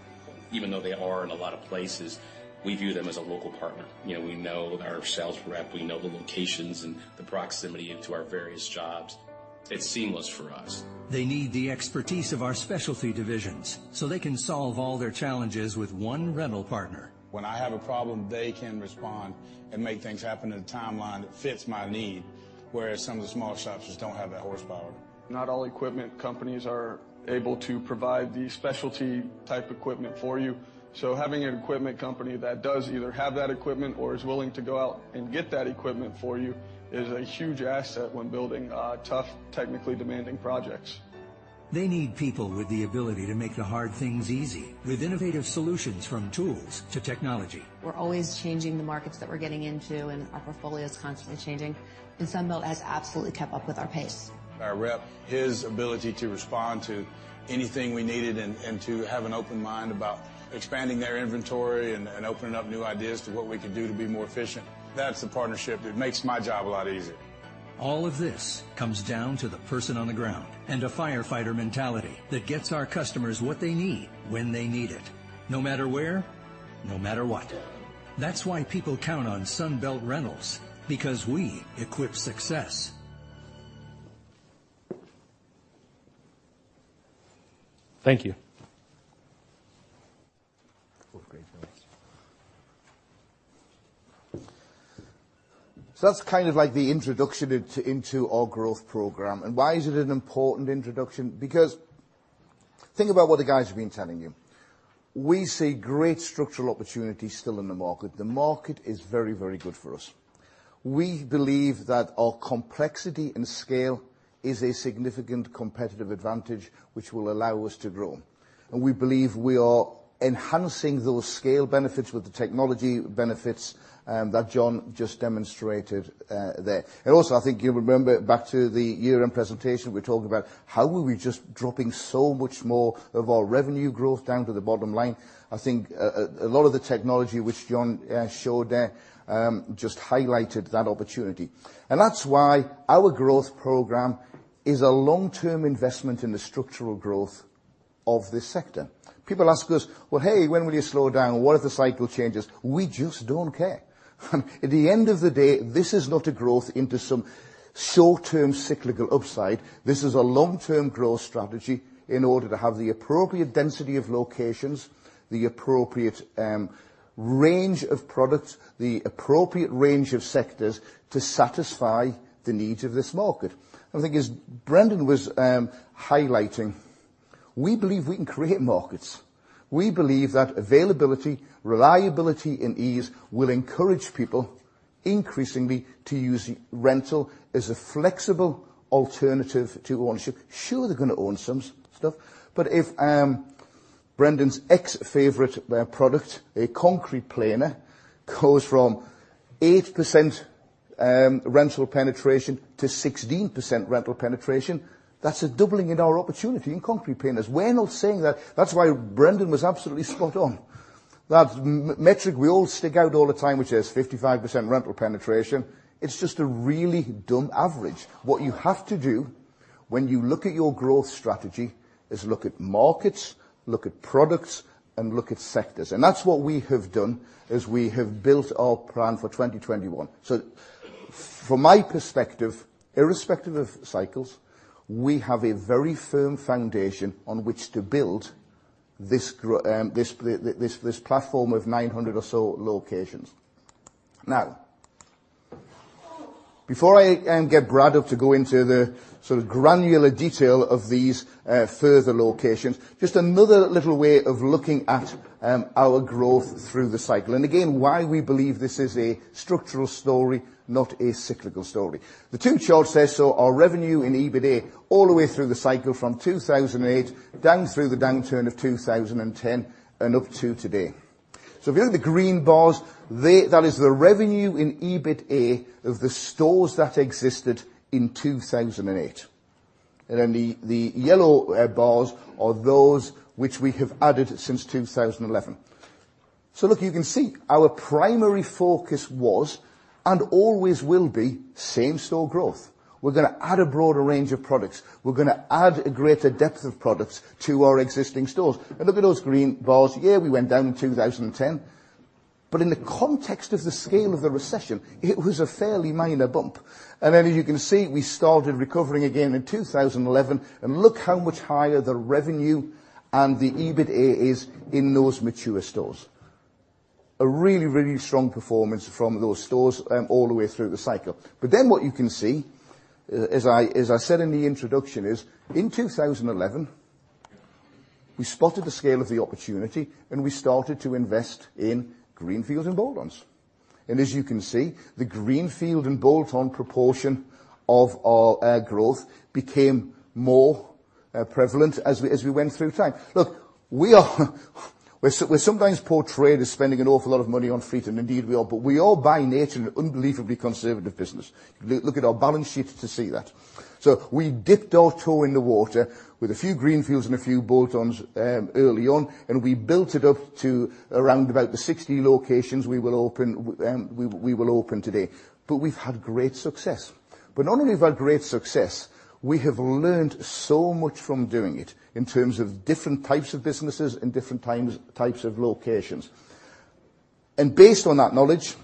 Even though they are in a lot of places, we view them as a local partner. We know our sales rep, we know the locations and the proximity to our various jobs. It's seamless for us. They need the expertise of our specialty divisions, they can solve all their challenges with one rental partner. When I have a problem, they can respond and make things happen in a timeline that fits my need, whereas some of the smaller shops just don't have that horsepower. Not all equipment companies are able to provide the specialty type equipment for you. Having an equipment company that does either have that equipment or is willing to go out and get that equipment for you is a huge asset when building a tough, technically demanding projects. They need people with the ability to make the hard things easy with innovative solutions from tools to technology. We're always changing the markets that we're getting into, and our portfolio is constantly changing. Sunbelt has absolutely kept up with our pace. Our rep, his ability to respond to anything we needed and to have an open mind about expanding their inventory and opening up new ideas to what we could do to be more efficient. That's a partnership that makes my job a lot easier. All of this comes down to the person on the ground and a firefighter mentality that gets our customers what they need when they need it, no matter where, no matter what. That's why people count on Sunbelt Rentals because we equip success. Thank you. That was great, thanks. That's the introduction into our growth program. Why is it an important introduction? Think about what the guys have been telling you. We see great structural opportunity still in the market. The market is very good for us. We believe that our complexity and scale is a significant competitive advantage which will allow us to grow. We believe we are enhancing those scale benefits with the technology benefits, that John just demonstrated there. Also, I think you remember back to the year-end presentation, we talked about how were we just dropping so much more of our revenue growth down to the bottom line. I think a lot of the technology which John showed there just highlighted that opportunity. That's why our growth program is a long-term investment in the structural growth of this sector. People ask us, "Well, hey, when will you slow down? What if the cycle changes?" We just don't care. At the end of the day, this is not a growth into some short-term cyclical upside. This is a long-term growth strategy in order to have the appropriate density of locations, the appropriate range of products, the appropriate range of sectors to satisfy the needs of this market. I think as Brendan was highlighting, we believe we can create markets. We believe that availability, reliability, and ease will encourage people increasingly to use rental as a flexible alternative to ownership. Sure, they're going to own some stuff. If Brendan's ex-favorite product, a concrete planer, goes from 8% rental penetration to 16% rental penetration, that's a doubling in our opportunity in concrete planers. That's why Brendan was absolutely spot on. That metric we all stick out all the time, which is 55% rental penetration, it's just a really dumb average. What you have to do when you look at your growth strategy is look at markets, look at products, and look at sectors. That's what we have done as we have built our plan for 2021. From my perspective, irrespective of cycles, we have a very firm foundation on which to build this platform of 900 or so locations. Before I get Brad up to go into the sort of granular detail of these further locations, just another little way of looking at our growth through the cycle. Again, why we believe this is a structural story, not a cyclical story. The two charts there show our revenue and EBITA all the way through the cycle from 2008 down through the downturn of 2010 and up to today. If you look at the green bars, that is the revenue and EBITA of the stores that existed in 2008. The yellow bars are those which we have added since 2011. Look, you can see our primary focus was and always will be same-store growth. We're going to add a broader range of products. We're going to add a greater depth of products to our existing stores. Look at those green bars. Yeah, we went down in 2010. In the context of the scale of the recession, it was a fairly minor bump. Then as you can see, we started recovering again in 2011. Look how much higher the revenue and the EBITA is in those mature stores. A really strong performance from those stores all the way through the cycle. What you can see, as I said in the introduction, is in 2011. We spotted the scale of the opportunity, and we started to invest in greenfield and bolt-ons. As you can see, the greenfield and bolt-on proportion of our growth became more prevalent as we went through time. We're sometimes portrayed as spending an awful lot of money on fleet, and indeed we are. We are, by nature, an unbelievably conservative business. Look at our balance sheet to see that. We dipped our toe in the water with a few greenfields and a few bolt-ons early on, and we built it up to around about the 60 locations we will open today, but we've had great success. Not only have we had great success, we have learned so much from doing it in terms of different types of businesses and different types of locations. Based on that knowledge,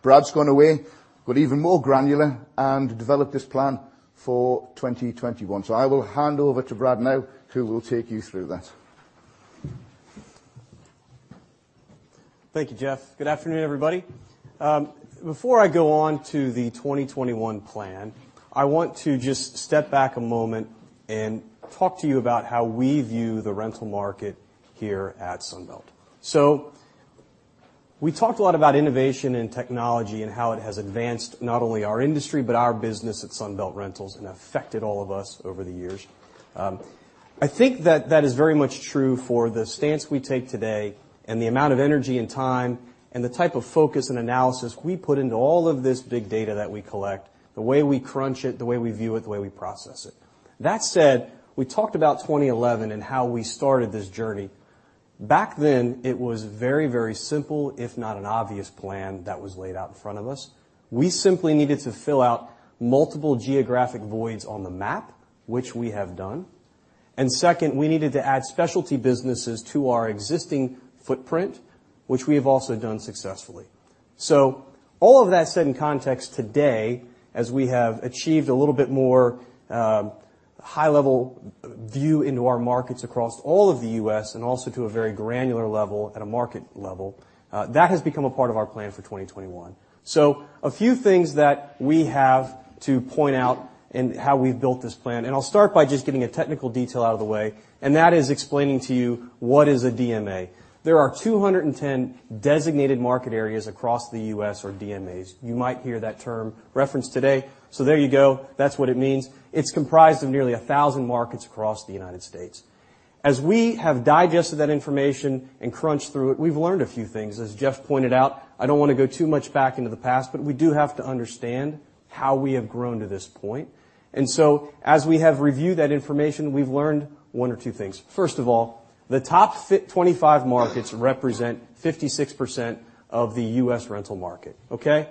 Brad's gone away, got even more granular, and developed this plan for 2021. I will hand over to Brad now, who will take you through that. Thank you, Jeff. Good afternoon, everybody. Before I go on to the 2021 plan, I want to just step back a moment and talk to you about how we view the rental market here at Sunbelt. We talked a lot about innovation and technology and how it has advanced not only our industry, but our business at Sunbelt Rentals and affected all of us over the years. I think that that is very much true for the stance we take today and the amount of energy and time and the type of focus and analysis we put into all of this big data that we collect, the way we crunch it, the way we view it, the way we process it. That said, we talked about 2011 and how we started this journey. Back then, it was very, very simple, if not an obvious plan that was laid out in front of us. We simply needed to fill out multiple geographic voids on the map, which we have done. Second, we needed to add specialty businesses to our existing footprint, which we have also done successfully. All of that said in context today as we have achieved a little bit more high-level view into our markets across all of the U.S. and also to a very granular level at a market level, that has become a part of our plan for 2021. A few things that we have to point out in how we've built this plan, and I'll start by just getting a technical detail out of the way, and that is explaining to you what is a DMA. There are 210 designated market areas across the U.S. or DMAs. You might hear that term referenced today. There you go. That's what it means. It's comprised of nearly 1,000 markets across the United States. As we have digested that information and crunched through it, we've learned a few things. As Jeff pointed out, I don't want to go too much back into the past, but we do have to understand how we have grown to this point. As we have reviewed that information, we've learned one or two things. First of all, the top 25 markets represent 56% of the U.S. rental market. Okay?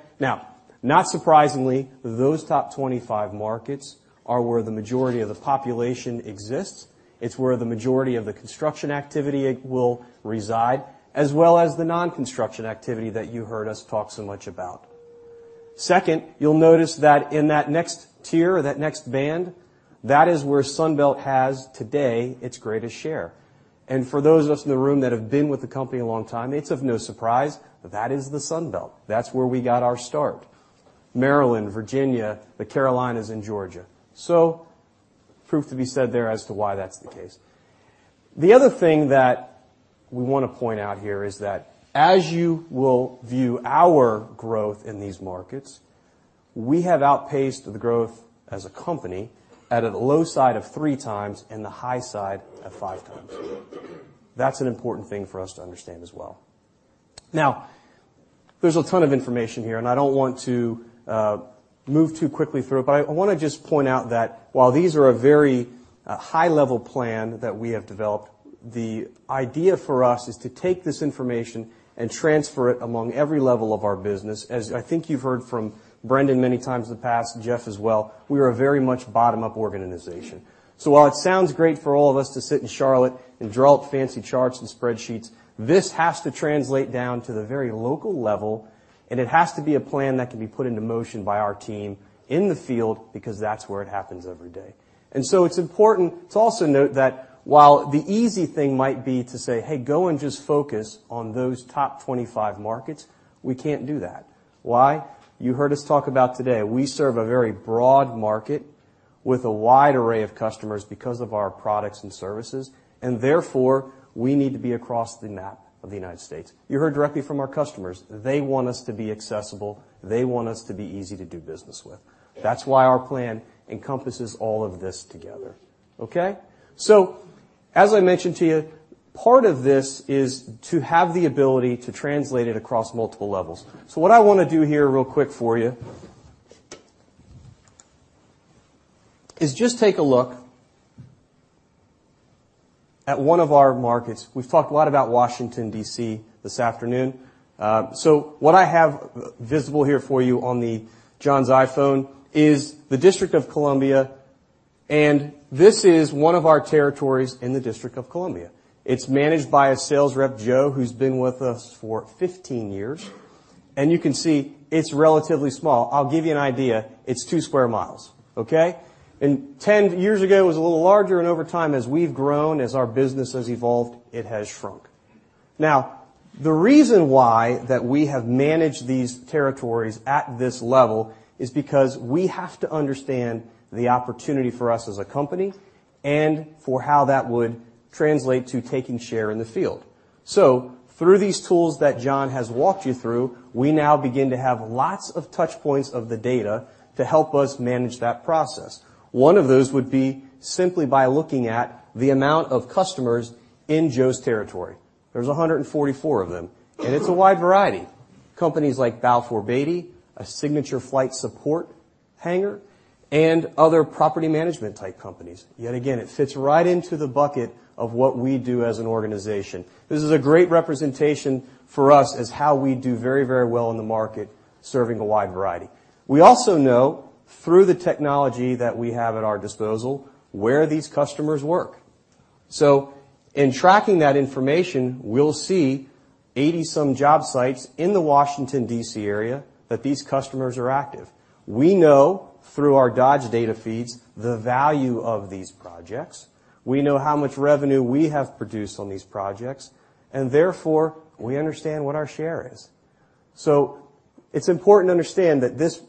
Not surprisingly, those top 25 markets are where the majority of the population exists. It's where the majority of the construction activity will reside, as well as the non-construction activity that you heard us talk so much about. Second, you will notice that in that next tier or that next band, that is where Sunbelt has, today, its greatest share. For those of us in the room that have been with the company a long time, it's of no surprise. That is the Sunbelt. That's where we got our start. Maryland, Virginia, the Carolinas, and Georgia. Proof to be said there as to why that's the case. The other thing that we want to point out here is that as you will view our growth in these markets, we have outpaced the growth as a company at a low side of three times and the high side of five times. That's an important thing for us to understand as well. Now, there's a ton of information here. I don't want to move too quickly through it. I want to just point out that while these are a very high-level plan that we have developed, the idea for us is to take this information and transfer it among every level of our business. As I think you've heard from Brendan many times in the past, Jeff as well, we are a very much bottom-up organization. While it sounds great for all of us to sit in Charlotte and draw up fancy charts and spreadsheets, this has to translate down to the very local level, and it has to be a plan that can be put into motion by our team in the field because that's where it happens every day. It's important to also note that while the easy thing might be to say, "Hey, go and just focus on those top 25 markets," we can't do that. Why? You heard us talk about today, we serve a very broad market with a wide array of customers because of our products and services. Therefore, we need to be across the map of the U.S. You heard directly from our customers. They want us to be accessible. They want us to be easy to do business with. That's why our plan encompasses all of this together. Okay? As I mentioned to you, part of this is to have the ability to translate it across multiple levels. What I want to do here real quick for you is just take a look at one of our markets. We've talked a lot about Washington, D.C. this afternoon. What I have visible here for you on the John's iPhone is the District of Columbia. This is one of our territories in the District of Columbia. It's managed by a sales rep, Joe, who's been with us for 15 years. You can see it's relatively small. I'll give you an idea. It's two square miles. Okay? 10 years ago, it was a little larger. Over time, as we've grown, as our business has evolved, it has shrunk. Now, the reason why that we have managed these territories at this level is because we have to understand the opportunity for us as a company and for how that would translate to taking share in the field. Through these tools that John has walked you through, we now begin to have lots of touch points of the data to help us manage that process. One of those would be simply by looking at the amount of customers in Joe's territory. There are 144 of them, and it is a wide variety. Companies like Balfour Beatty, a Signature Flight Support hangar, and other property management type companies. Again, it fits right into the bucket of what we do as an organization. This is a great representation for us as how we do very, very well in the market, serving a wide variety. We also know through the technology that we have at our disposal, where these customers work. In tracking that information, we will see 80 some job sites in the Washington, D.C. area that these customers are active. We know through our Dodge data feeds, the value of these projects. We know how much revenue we have produced on these projects, and therefore, we understand what our share is. It is important to understand that this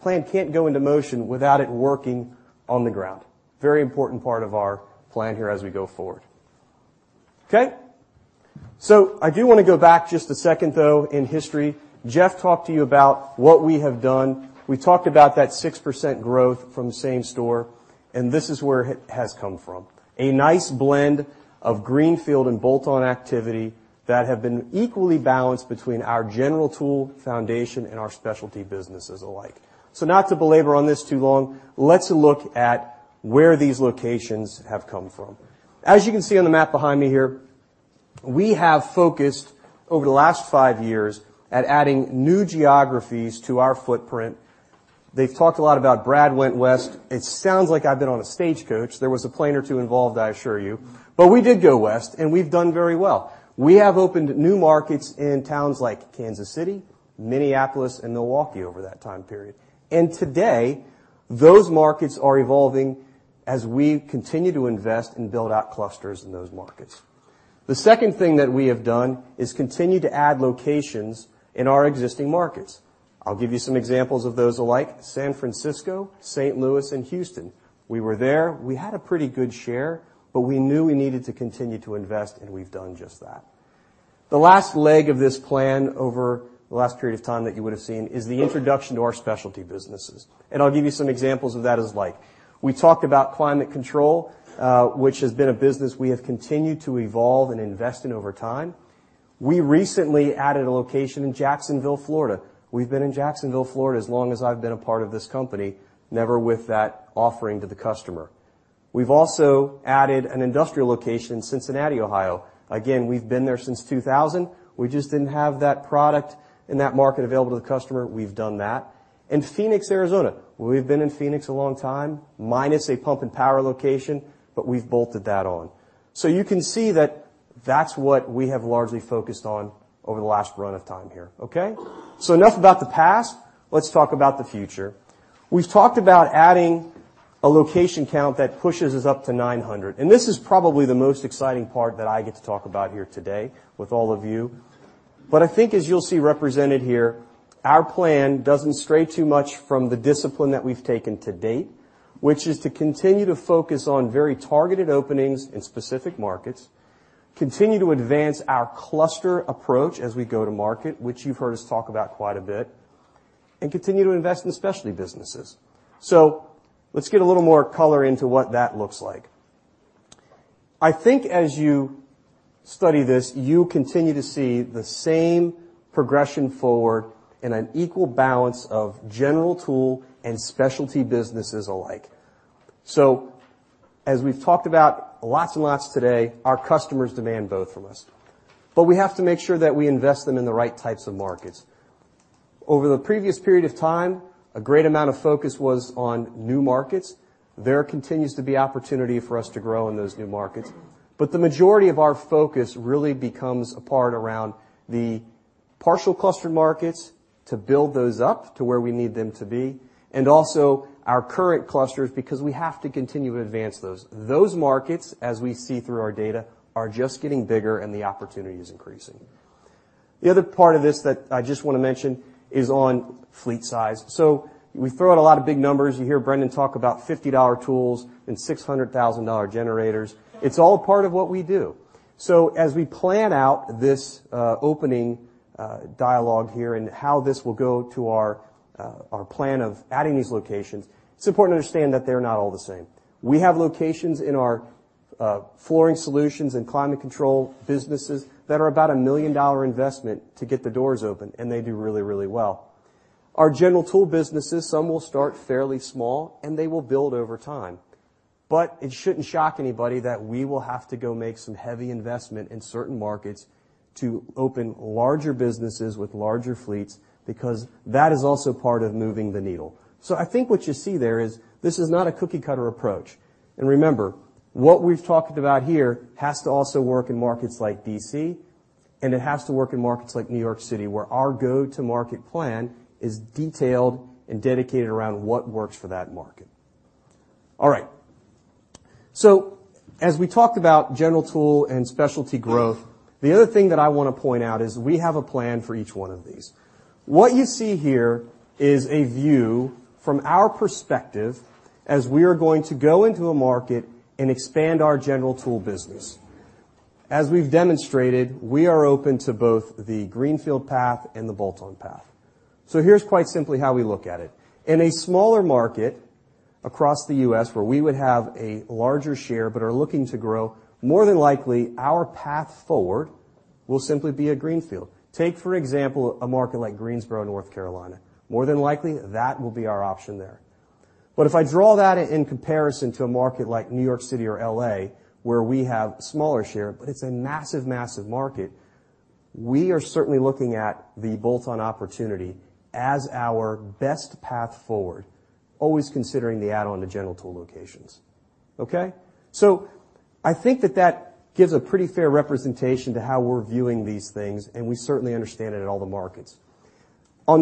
plan cannot go into motion without it working on the ground. Very important part of our plan here as we go forward. Okay? I do want to go back just a second, though, in history. Jeff talked to you about what we have done. We talked about that 6% growth from same store, and this is where it has come from. A nice blend of greenfield and bolt-on activity that have been equally balanced between our general tool foundation and our specialty businesses alike. Not to belabor on this too long, let us look at where these locations have come from. As you can see on the map behind me here, we have focused over the last five years at adding new geographies to our footprint. They have talked a lot about Brad went west. It sounds like I have been on a stagecoach. There was a plane or two involved, I assure you. We did go west, and we have done very well. We have opened new markets in towns like Kansas City, Minneapolis, and Milwaukee over that time period. Today, those markets are evolving as we continue to invest and build out clusters in those markets. The second thing that we have done is continue to add locations in our existing markets. I will give you some examples of those alike, San Francisco, St. Louis, and Houston. We were there. We had a pretty good share, but we knew we needed to continue to invest, and we have done just that. The last leg of this plan over the last period of time that you would have seen is the introduction to our specialty businesses, and I will give you some examples of that is like. We talked about Climate Control, which has been a business we have continued to evolve and invest in over time. We recently added a location in Jacksonville, Florida. We have been in Jacksonville, Florida, as long as I have been a part of this company, never with that offering to the customer. We have also added an industrial location in Cincinnati, Ohio. Again, we have been there since 2000. We just did not have that product in that market available to the customer. We have done that. Phoenix, Arizona. We have been in Phoenix a long time, minus a pump and power location, but we have bolted that on. You can see that that is what we have largely focused on over the last run of time here. Okay? Enough about the past. Let us talk about the future. We've talked about adding a location count that pushes us up to 900. This is probably the most exciting part that I get to talk about here today with all of you. I think as you'll see represented here, our plan doesn't stray too much from the discipline that we've taken to date, which is to continue to focus on very targeted openings in specific markets, continue to advance our cluster approach as we go to market, which you've heard us talk about quite a bit, and continue to invest in specialty businesses. Let's get a little more color into what that looks like. I think as you study this, you continue to see the same progression forward and an equal balance of general tool and specialty businesses alike. As we've talked about lots and lots today, our customers demand both from us. We have to make sure that we invest them in the right types of markets. Over the previous period of time, a great amount of focus was on new markets. There continues to be opportunity for us to grow in those new markets. The majority of our focus really becomes a part around the partial cluster markets to build those up to where we need them to be, and also our current clusters, because we have to continue to advance those. Those markets, as we see through our data, are just getting bigger and the opportunity is increasing. The other part of this that I just want to mention is on fleet size. We throw out a lot of big numbers. You hear Brendan talk about $50 tools and $600,000 generators. It's all part of what we do. As we plan out this opening dialogue here and how this will go to our plan of adding these locations, it's important to understand that they're not all the same. We have locations in our flooring solutions and climate control businesses that are about a $1 million investment to get the doors open, and they do really, really well. Our general tool businesses, some will start fairly small, and they will build over time. It shouldn't shock anybody that we will have to go make some heavy investment in certain markets to open larger businesses with larger fleets, because that is also part of moving the needle. I think what you see there is this is not a cookie-cutter approach. Remember, what we've talked about here has to also work in markets like D.C., and it has to work in markets like New York City, where our go-to market plan is detailed and dedicated around what works for that market. All right. As we talked about general tool and specialty growth, the other thing that I want to point out is we have a plan for each one of these. What you see here is a view from our perspective as we are going to go into a market and expand our general tool business. As we've demonstrated, we are open to both the greenfield path and the bolt-on path. Here's quite simply how we look at it. In a smaller market across the U.S., where we would have a larger share but are looking to grow, more than likely, our path forward will simply be a greenfield. Take, for example, a market like Greensboro, North Carolina. More than likely, that will be our option there. But if I draw that in comparison to a market like New York City or L.A., where we have smaller share, but it is a massive market, we are certainly looking at the bolt-on opportunity as our best path forward. Always considering the add-on to general tool locations. Okay. On the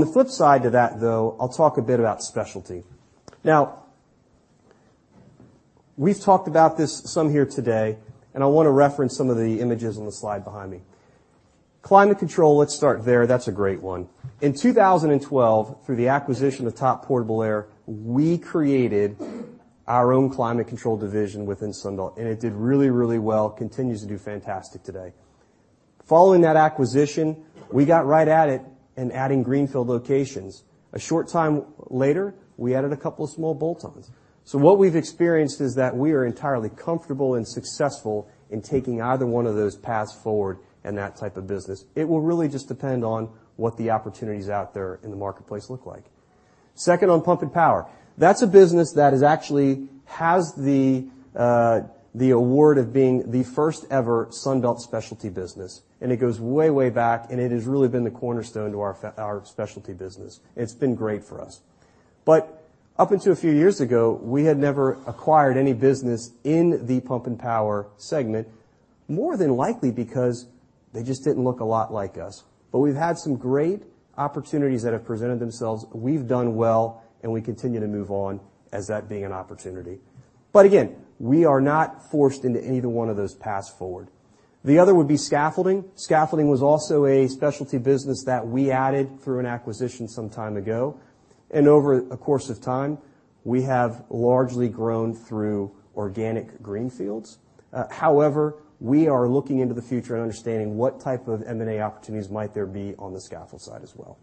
flip side to that, though, I will talk a bit about specialty. We've talked about this some here today, and I want to reference some of the images on the slide behind me. Climate control, let's start there. That is a great one. In 2012, through the acquisition of Topp Portable Air, we created our own climate control division within Sunbelt, and it did really well. Continues to do fantastic today. Following that acquisition, we got right at it in adding greenfield locations. A short time later, we added a couple of small bolt-ons. So what we've experienced is that we are entirely comfortable and successful in taking either one of those paths forward in that type of business. It will really just depend on what the opportunities out there in the marketplace look like. Second on pump and power. That's a business that actually has the award of being the first-ever Sunbelt specialty business, and it goes way back, and it has really been the cornerstone to our specialty business. It's been great for us. But up until a few years ago, we had never acquired any business in the pump and power segment. More than likely because they just didn't look a lot like us. But we've had some great opportunities that have presented themselves. We've done well, and we continue to move on as that being an opportunity. But again, we are not forced into either one of those paths forward. The other would be scaffolding. Scaffolding was also a specialty business that we added through an acquisition some time ago, and over a course of time, we have largely grown through organic greenfields. We are looking into the future and understanding what type of M&A opportunities might there be on the scaffold side as well.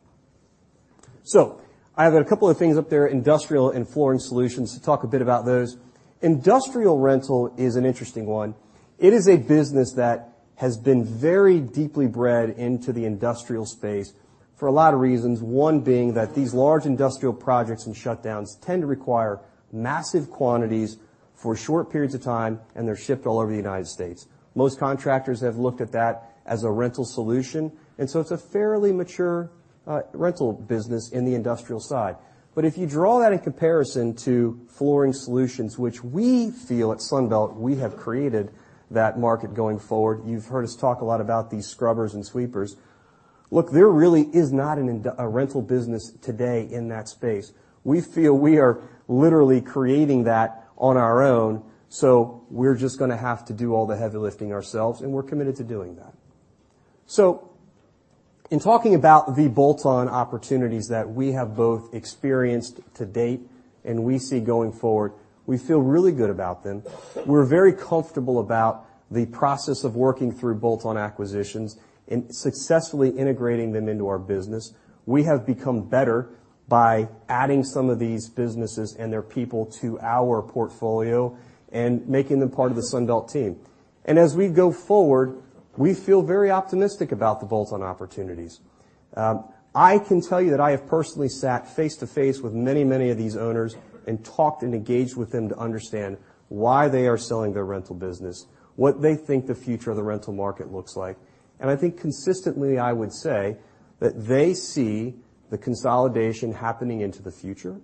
I have a couple of things up there, industrial and flooring solutions, to talk a bit about those. Industrial rental is an interesting one. It is a business that has been very deeply bred into the industrial space for a lot of reasons. One being that these large industrial projects and shutdowns tend to require massive quantities for short periods of time, and they're shipped all over the United States. Most contractors have looked at that as a rental solution, and so it's a fairly mature rental business in the industrial side. But if you draw that in comparison to flooring solutions, which we feel at Sunbelt, we have created that market going forward. You've heard us talk a lot about these scrubbers and sweepers. There really is not a rental business today in that space. We feel we are literally creating that on our own, we're just going to have to do all the heavy lifting ourselves, and we're committed to doing that. In talking about the bolt-on opportunities that we have both experienced to date and we see going forward, we feel really good about them. We're very comfortable about the process of working through bolt-on acquisitions and successfully integrating them into our business. We have become better by adding some of these businesses and their people to our portfolio and making them part of the Sunbelt team. As we go forward, we feel very optimistic about the bolt-on opportunities. I can tell you that I have personally sat face-to-face with many of these owners and talked and engaged with them to understand why they are selling their rental business, what they think the future of the rental market looks like. I think consistently, I would say that they see the consolidation happening into the future.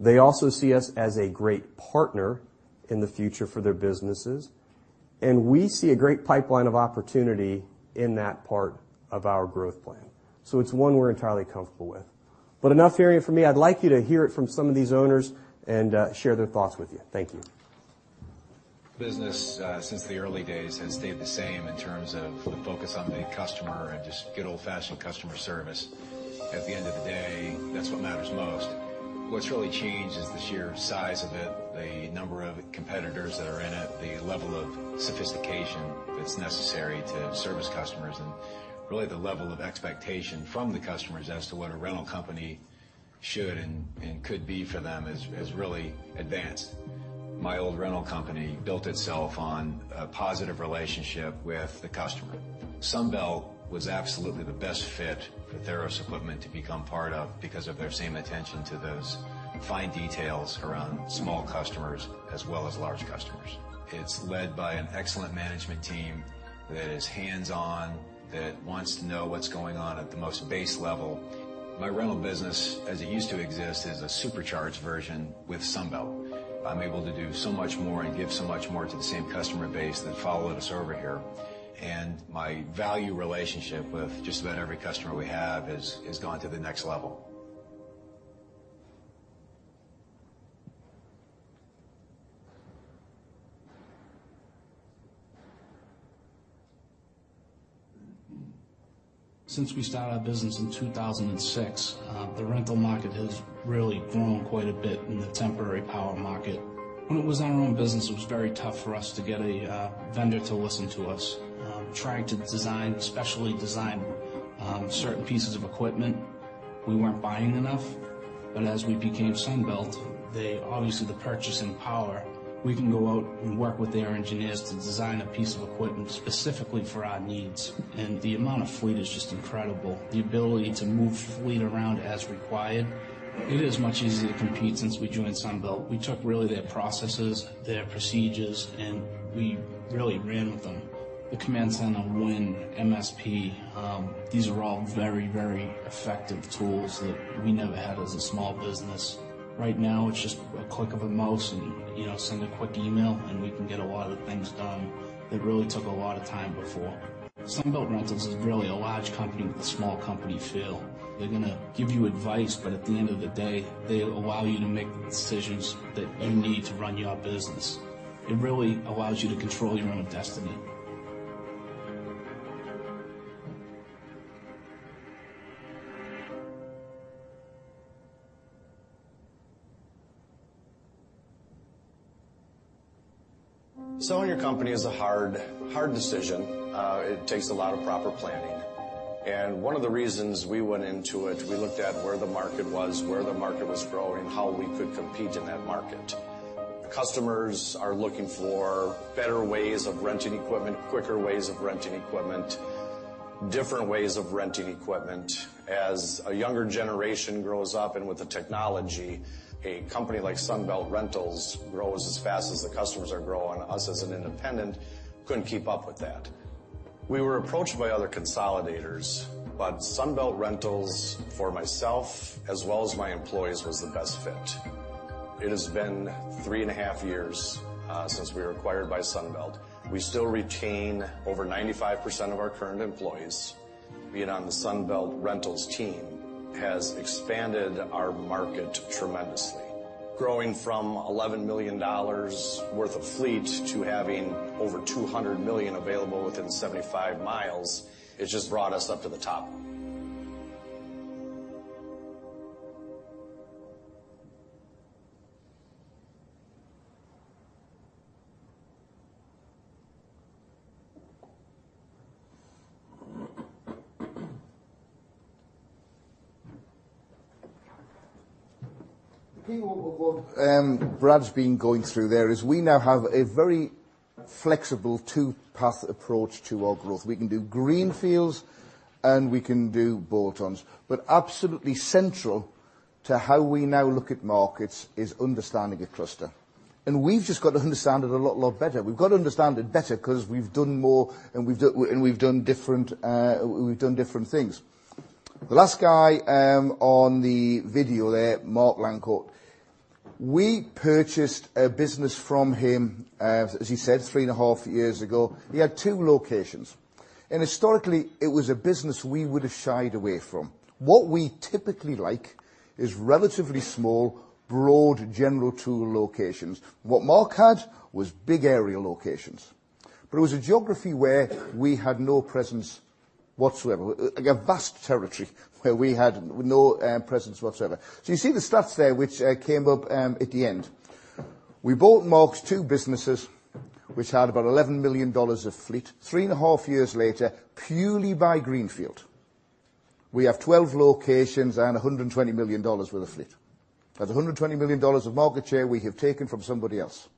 They also see us as a great partner in the future for their businesses, and we see a great pipeline of opportunity in that part of our growth plan. It's one we're entirely comfortable with. Enough hearing it from me. I'd like you to hear it from some of these owners and share their thoughts with you. Thank you. Business, since the early days, has stayed the same in terms of the focus on the customer and just good old-fashioned customer service. At the end of the day, that's what matters most. What's really changed is the sheer size of it, the number of competitors that are in it, the level of sophistication that's necessary to service customers, and really, the level of expectation from the customers as to what a rental company should and could be for them has really advanced. My old rental company built itself on a positive relationship with the customer. Sunbelt was absolutely the best fit for Theros Equipment to become part of because of their same attention to those fine details around small customers as well as large customers. It's led by an excellent management team that is hands-on, that wants to know what's going on at the most base level. My rental business, as it used to exist, is a supercharged version with Sunbelt. I'm able to do so much more and give so much more to the same customer base that followed us over here. My value relationship with just about every customer we have has gone to the next level. Since we started our business in 2006, the rental market has really grown quite a bit in the temporary power market. When it was our own business, it was very tough for us to get a vendor to listen to us. Trying to specially design certain pieces of equipment, we weren't buying enough. As we became Sunbelt, obviously the purchasing power, we can go out and work with their engineers to design a piece of equipment specifically for our needs. The amount of fleet is just incredible. The ability to move fleet around as required. It is much easier to compete since we joined Sunbelt. We took really their processes, their procedures, and we really ran with them. The Command Center, WIN, MSP, these are all very, very effective tools that we never had as a small business. Right now, it's just a click of a mouse and send a quick email, we can get a lot of the things done that really took a lot of time before. Sunbelt Rentals is really a large company with a small company feel. They're going to give you advice, but at the end of the day, they allow you to make the decisions that you need to run your business. It really allows you to control your own destiny. Selling your company is a hard decision. It takes a lot of proper planning. One of the reasons we went into it, we looked at where the market was, where the market was growing, how we could compete in that market. Customers are looking for better ways of renting equipment, quicker ways of renting equipment, different ways of renting equipment. As a younger generation grows up and with the technology, a company like Sunbelt Rentals grows as fast as the customers are growing. Us as an independent couldn't keep up with that. We were approached by other consolidators, Sunbelt Rentals, for myself as well as my employees, was the best fit. It has been three and a half years since we were acquired by Sunbelt. We still retain over 95% of our current employees. Being on the Sunbelt Rentals team has expanded our market tremendously. Growing from $11 million worth of fleet to having over $200 million available within 75 miles, it just brought us up to the top. The key what Brad's been going through there is we now have a very flexible two-path approach to our growth. We can do greenfields, and we can do bolt-ons. Absolutely central to how we now look at markets is understanding a cluster. We've just got to understand it a lot better. We've got to understand it better because we've done more and we've done different things. The last guy on the video there, Mark Lancot. We purchased a business from him, as he said, three and a half years ago. He had two locations. Historically, it was a business we would have shied away from. What we typically like is relatively small, broad, general tool locations. What Mark had was big area locations, but it was a geography where we had no presence whatsoever. A vast territory where we had no presence whatsoever. You see the stats there which came up at the end. We bought Mark's two businesses, which had about $11 million of fleet. Three and a half years later, purely by greenfield, we have 12 locations and $120 million worth of fleet. That's $120 million of market share we have taken from somebody else.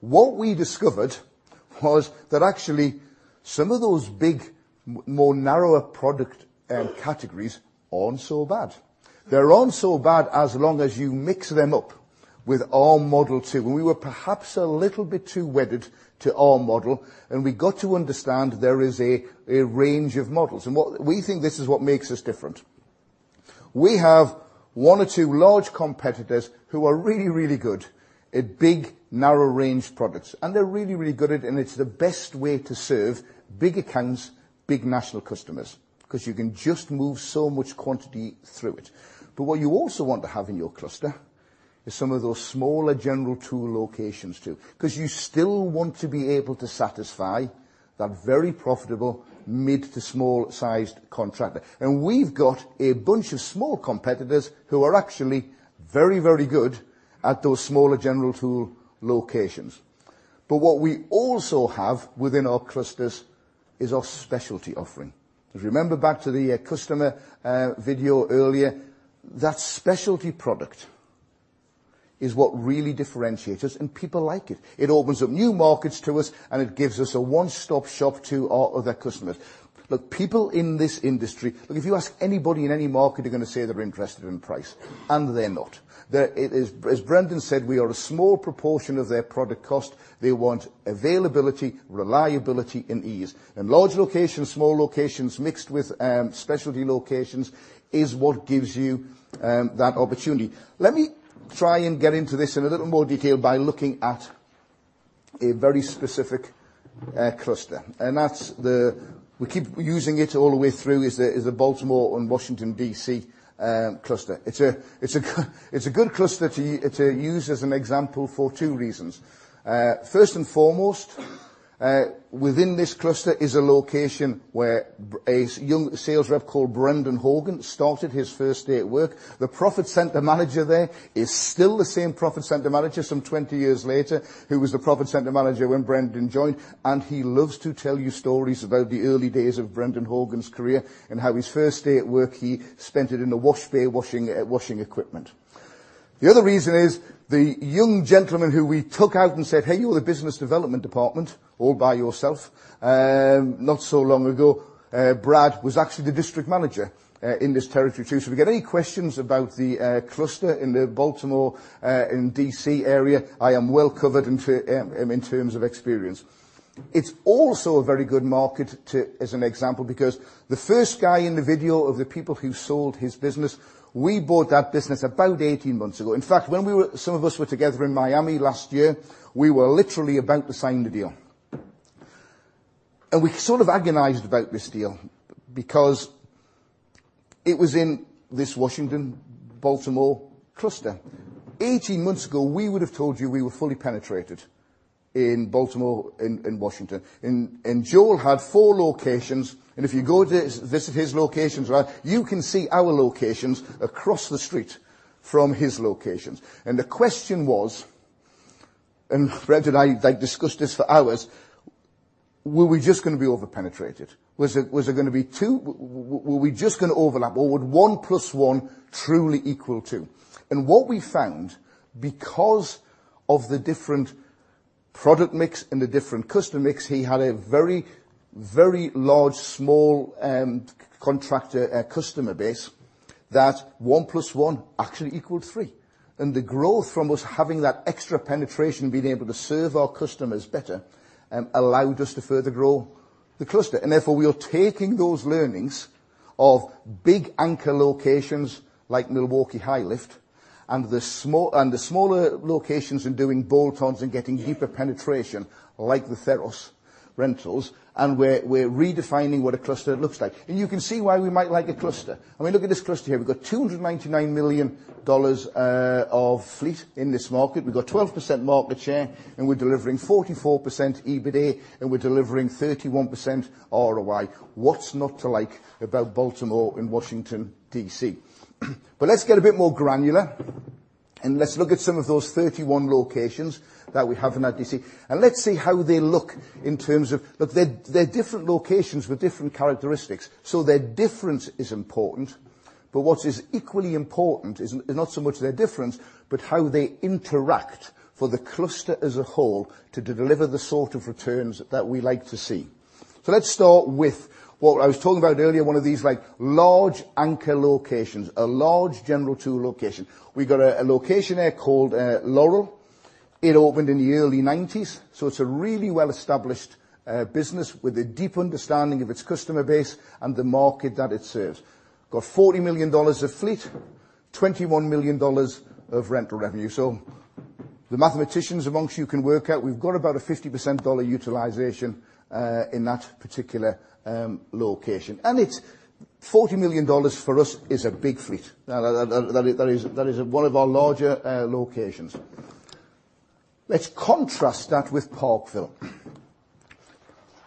What we discovered was that actually some of those big, more narrower product categories aren't so bad. They're aren't so bad as long as you mix them up with our Model 2. We were perhaps a little bit too wedded to our model, and we got to understand there is a range of models. We think this is what makes us different. We have one or two large competitors who are really, really good at big, narrow range products. They're really, really good at it, and it's the best way to serve big accounts, big national customers, because you can just move so much quantity through it. What you also want to have in your cluster is some of those smaller general tool locations, too. You still want to be able to satisfy that very profitable mid to small sized contractor. We've got a bunch of small competitors who are actually very, very good at those smaller general tool locations. What we also have within our clusters is our specialty offering. Remember back to the customer video earlier, that specialty product is what really differentiates us and people like it. It opens up new markets to us, and it gives us a one-stop shop to our other customers. Look, people in this industry. Look, if you ask anybody in any market, they're going to say they're interested in price, and they're not. As Brendan said, we are a small proportion of their product cost. They want availability, reliability, and ease. Large locations, small locations, mixed with specialty locations is what gives you that opportunity. Let me try and get into this in a little more detail by looking at a very specific cluster. We keep using it all the way through is the Baltimore and Washington, D.C. cluster. It's a good cluster to use as an example for two reasons. First and foremost. Within this cluster is a location where a young sales rep called Brendan Horgan started his first day at work. The profit center manager there is still the same profit center manager some 20 years later, who was the profit center manager when Brendan joined. He loves to tell you stories about the early days of Brendan Horgan's career and how his first day at work, he spent it in the wash bay washing equipment. The other reason is the young gentleman who we took out and said, "Hey, you're the business development department all by yourself," not so long ago, Brad, was actually the district manager in this territory too. If we get any questions about the cluster in the Baltimore and D.C. area, I am well covered in terms of experience. It's also a very good market as an example, because the first guy in the video of the people who sold his business, we bought that business about 18 months ago. In fact, when some of us were together in Miami last year, we were literally about to sign the deal. We sort of agonized about this deal because it was in this Washington-Baltimore cluster. 18 months ago, we would have told you we were fully penetrated in Baltimore and Washington. Joel had four locations, and if you go to visit his locations, you can see our locations across the street from his locations. The question was, and Brendan and I discussed this for hours, were we just going to be over-penetrated? Were we just going to overlap or would one plus one truly equal two? What we found, because of the different product mix and the different customer mix, he had a very large small contractor customer base that one plus one actually equaled three. The growth from us having that extra penetration and being able to serve our customers better allowed us to further grow the cluster. Therefore, we are taking those learnings of big anchor locations like Milwaukee High Lift and the smaller locations and doing bolt-ons and getting deeper penetration like the Theros Rentals, and we're redefining what a cluster looks like. You can see why we might like a cluster. I mean, look at this cluster here. We've got $299 million of fleet in this market. We've got 12% market share, and we're delivering 44% EBITA, and we're delivering 31% ROI. What's not to like about Baltimore and Washington, D.C.? Let's get a bit more granular and let's look at some of those 31 locations that we have in our D.C., and let's see how they look in terms of. They're different locations with different characteristics. Their difference is important. What is equally important is not so much their difference, but how they interact for the cluster as a whole to deliver the sort of returns that we like to see. Let's start with what I was talking about earlier, one of these large anchor locations, a large general tool location. We got a location there called Laurel. It opened in the early 90s, so it's a really well-established business with a deep understanding of its customer base and the market that it serves. Got $40 million of fleet, $21 million of rental revenue. The mathematicians amongst you can work out, we've got about a 50% dollar utilization in that particular location. $40 million for us is a big fleet. That is one of our larger locations. Let's contrast that with Parkville.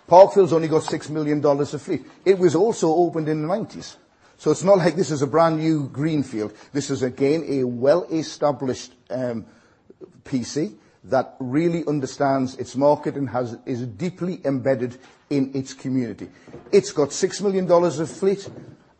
Parkville's only got $6 million of fleet. It was also opened in the 90s. It's not like this is a brand-new greenfield. This is, again, a well-established PC that really understands its market and is deeply embedded in its community. It's got $6 million of fleet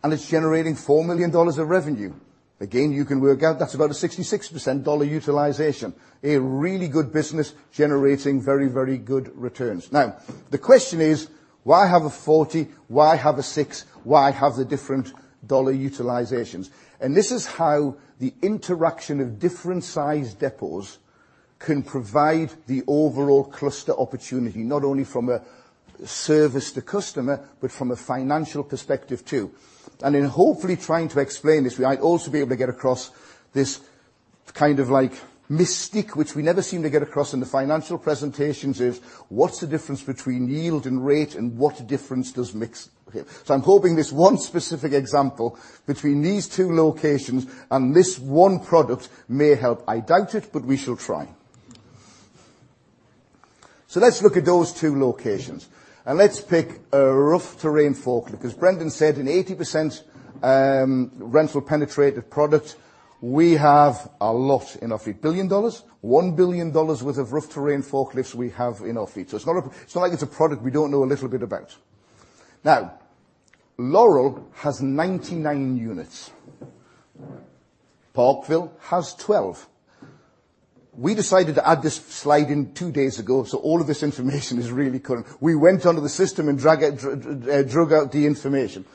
and it's generating $4 million of revenue. Again, you can work out that's about a 66% dollar utilization. A really good business generating very good returns. The question is: Why have a 40? Why have a six? Why have the different dollar utilizations? This is how the interaction of different size depots can provide the overall cluster opportunity, not only from a service to customer, but from a financial perspective, too. In hopefully trying to explain this, we might also be able to get across this kind of mystique, which we never seem to get across in the financial presentations, is what's the difference between yield and rate and what difference does mix have? I'm hoping this one specific example between these two locations and this one product may help. I doubt it, but we shall try. Let's look at those two locations, and let's pick a rough terrain forklift. As Brendan said, an 80% rental penetrated product. We have a lot in our fleet. $1 billion of rough terrain forklifts we have in our fleet. It's not like it's a product we don't know a little bit about. Laurel has 99 units. Parkville has 12. We decided to add this slide in two days ago. All of this information is really current. We went onto the system and drug out the information.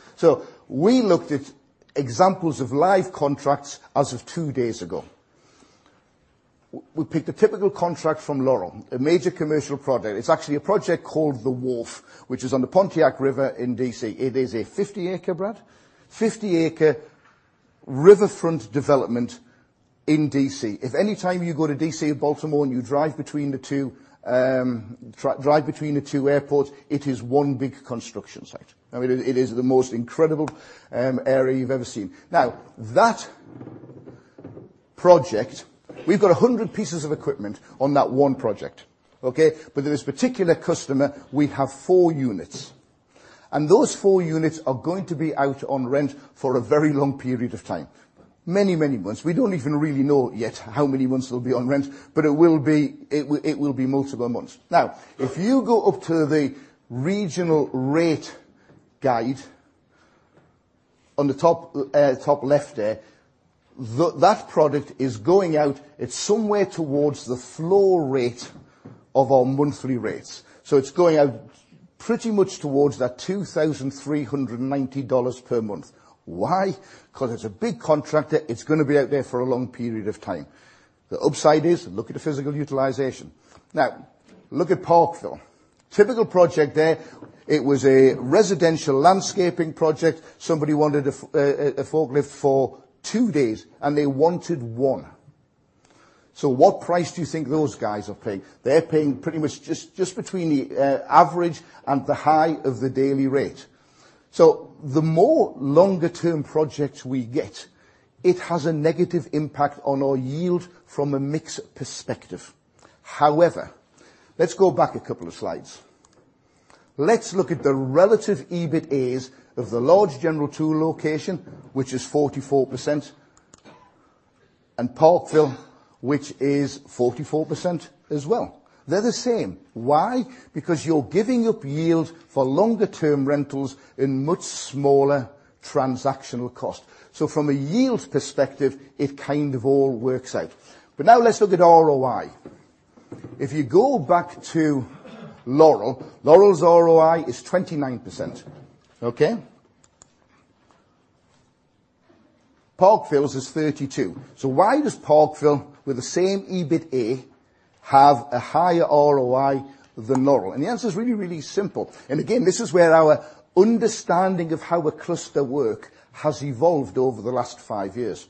We looked at examples of live contracts as of two days ago. We picked a typical contract from Laurel, a major commercial project. It's actually a project called The Wharf, which is on the Potomac River in D.C. It is a 50 acre, Brad? 50 acre riverfront development in D.C. If any time you go to D.C. or Baltimore and you drive between the two airports, it is one big construction site. I mean, it is the most incredible area you've ever seen. That project. We've got 100 pieces of equipment on that one project. Okay? With this particular customer, we have four units. Those four units are going to be out on rent for a very long period of time. Many, many months. We don't even really know yet how many months they'll be on rent, but it will be multiple months. If you go up to the regional rate guide on the top left there, that product is going out. It's somewhere towards the floor rate of our monthly rates. It's going out pretty much towards that $2,390 per month. Why? Because it's a big contractor. It's going to be out there for a long period of time. The upside is, look at the physical utilization. Look at Parkville. Typical project there. It was a residential landscaping project. Somebody wanted a forklift for two days, and they wanted one. What price do you think those guys are paying? They're paying pretty much just between the average and the high of the daily rate. The more longer-term projects we get, it has a negative impact on our yield from a mix perspective. However, let's go back a couple of slides. Let's look at the relative EBITAs of the large general tool location, which is 44%, and Parkville, which is 44% as well. They're the same. Why? Because you're giving up yield for longer-term rentals in much smaller transactional cost. From a yield perspective, it kind of all works out. Now let's look at ROI. If you go back to Laurel. Laurel's ROI is 29%. Okay? Parkville's is 32%. Why does Parkville, with the same EBITA have a higher ROI than Laurel? The answer is really, really simple. Again, this is where our understanding of how a cluster work has evolved over the last 5 years.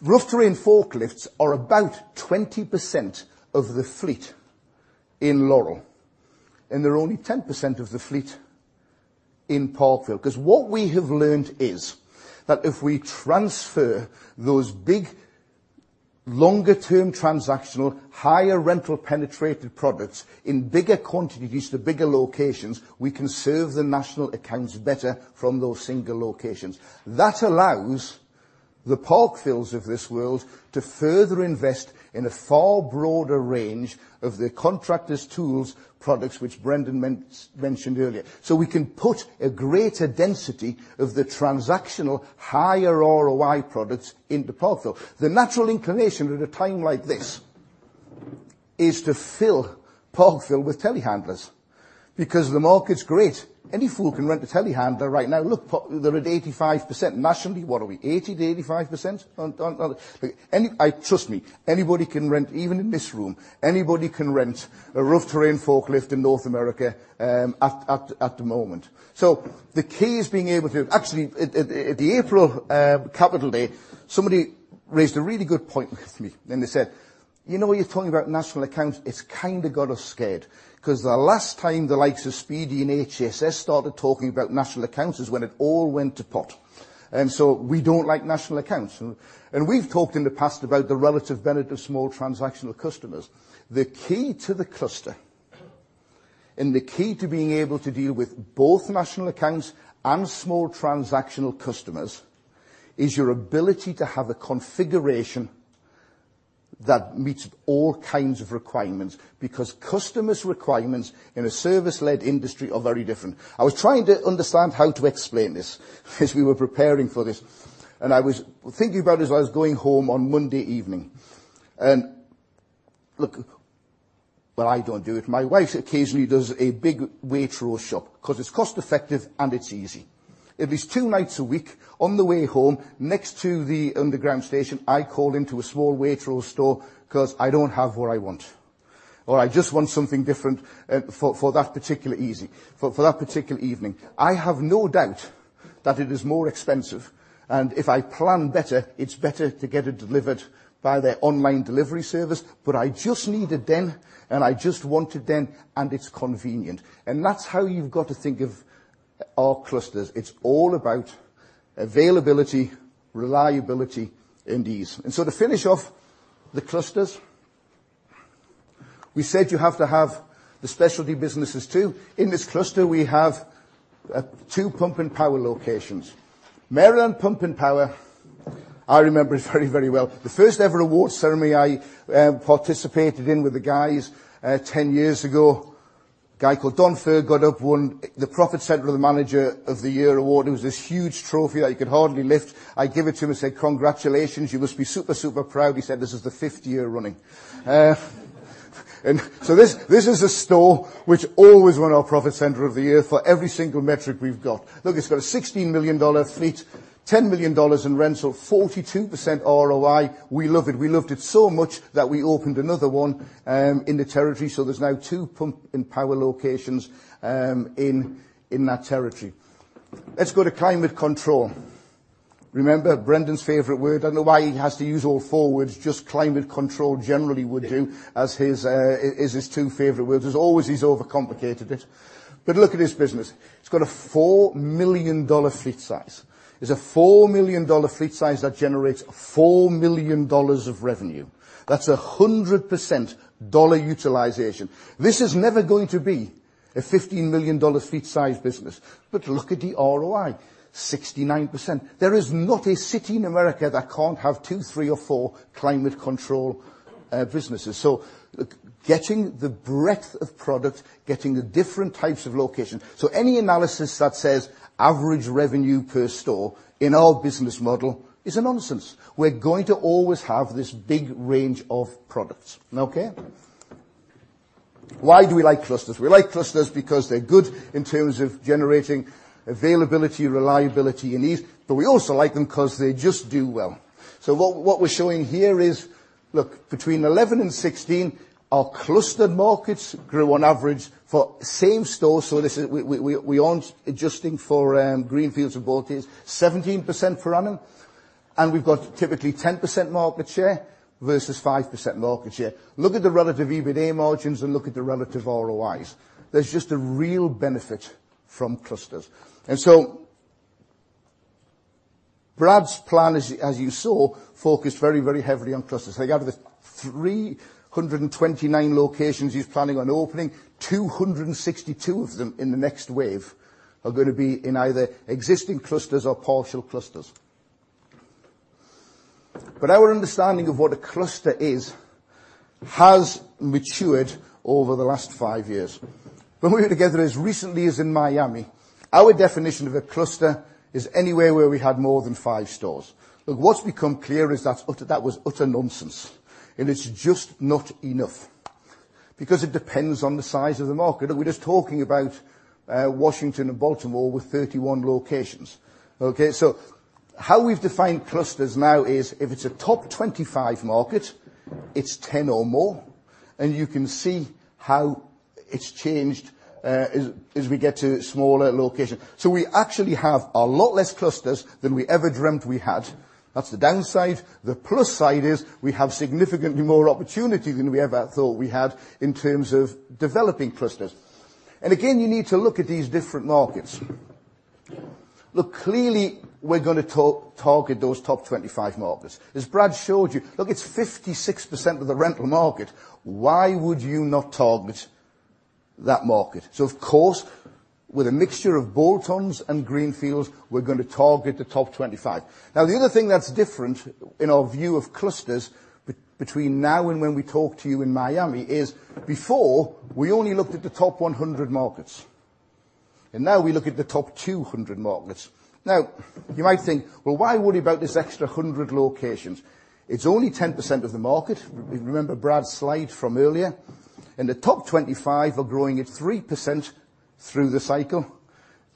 Rough terrain forklifts are about 20% of the fleet in Laurel, and they're only 10% of the fleet in Parkville. What we have learned is that if we transfer those big, longer-term, transactional, higher rental penetrative products in bigger quantities to bigger locations, we can serve the national accounts better from those single locations. That allows the Parkville's of this world to further invest in a far broader range of the contractor's tools products which Brendan mentioned earlier. We can put a greater density of the transactional higher ROI products into Parkville. The natural inclination at a time like this is to fill Parkville with telehandlers because the market's great. Any fool can rent a telehandler right now. Look, they're at 85%. Nationally, what are we, 80%-85%? Trust me. Even in this room, anybody can rent a rough terrain forklift in North America at the moment. The key is, actually, at the April Capital Day, somebody raised a really good point with me when they said, "You know, when you're talking about national accounts, it's kind of got us scared, because the last time the likes of Speedy and HSS started talking about national accounts is when it all went to pot." We don't like national accounts. We've talked in the past about the relative benefit of small transactional customers. The key to the cluster and the key to being able to deal with both national accounts and small transactional customers is your ability to have a configuration that meets all kinds of requirements. Customers requirements in a service-led industry are very different. I was trying to understand how to explain this as we were preparing for this. I was thinking about it as I was going home on Monday evening. Look, well, I don't do it. My wife occasionally does a big Waitrose shop because it's cost-effective and it's easy. At least 2 nights a week, on the way home, next to the underground station, I call into a small Waitrose store because I don't have what I want. Or I just want something different for that particular evening. I have no doubt that it is more expensive, and if I plan better, it's better to get it delivered by their online delivery service. I just need it then, and I just want it then, and it's convenient. That's how you've got to think of our clusters. It's all about availability, reliability, and ease. To finish off the clusters, we said you have to have the specialty businesses, too. In this cluster, we have two Pump and Power locations. Maryland Pump and Power, I remember it very, very well. The first ever award ceremony I participated in with the guys 10 years ago. A guy called Don Farr got up, won the Profit Center Manager of the Year award. It was this huge trophy that he could hardly lift. I gave it to him and said, "Congratulations. You must be super proud." He said, "This is the fifth year running." This is a store which always won our Profit Center of the Year for every single metric we've got. Look, it's got a $16 million fleet, $10 million in rental, 42% ROI. We love it. We loved it so much that we opened another one in the territory. There's now two Pump and Power locations in that territory. Let's go to Climate Control. Remember Brendan's favorite word? I don't know why he has to use all four words. Just Climate Control generally would do as his two favorite words. As always, he's overcomplicated it. Look at his business. It's got a $4 million fleet size. It's a $4 million fleet size that generates $4 million of revenue. That's 100% dollar utilization. This is never going to be a $15 million fleet size business, but look at the ROI, 69%. There is not a city in America that can't have two, three, or four climate control businesses. Getting the breadth of product, getting the different types of locations. Any analysis that says average revenue per store in our business model is a nonsense. We're going to always have this big range of products. Okay. Why do we like clusters? We like clusters because they're good in terms of generating availability, reliability, and ease, but we also like them because they just do well. What we're showing here is, look, between 2011 and 2016, our clustered markets grew on average for same store. We aren't adjusting for greenfields and bolt-ons. 17% per annum, and we've got typically 10% market share versus 5% market share. Look at the relative EBITDA margins and look at the relative ROIs. There's just a real benefit from clusters. Brad's plan, as you saw, focused very heavily on clusters. Out of the 329 locations he's planning on opening, 262 of them in the next wave are going to be in either existing clusters or partial clusters. Our understanding of what a cluster is has matured over the last five years. When we were together as recently as in Miami, our definition of a cluster is anywhere where we had more than five stores. Look, what's become clear is that was utter nonsense, and it's just not enough because it depends on the size of the market. We're just talking about Washington and Baltimore with 31 locations. Okay. How we've defined clusters now is if it's a top 25 market, it's 10 or more, and you can see how it's changed as we get to smaller locations. We actually have a lot less clusters than we ever dreamt we had. That's the downside. The plus side is we have significantly more opportunity than we ever thought we had in terms of developing clusters. Again, you need to look at these different markets. Look, clearly, we're going to target those top 25 markets. As Brad showed you, look, it's 56% of the rental market. Why would you not target that market? Of course, with a mixture of bolt-ons and greenfields, we're going to target the top 25. The other thing that's different in our view of clusters between now and when we talked to you in Miami is before, we only looked at the top 100 markets, and now we look at the top 200 markets. You might think, "Well, why worry about this extra 100 locations? It's only 10% of the market." Remember Brad's slide from earlier? The top 25 are growing at 3% through the cycle,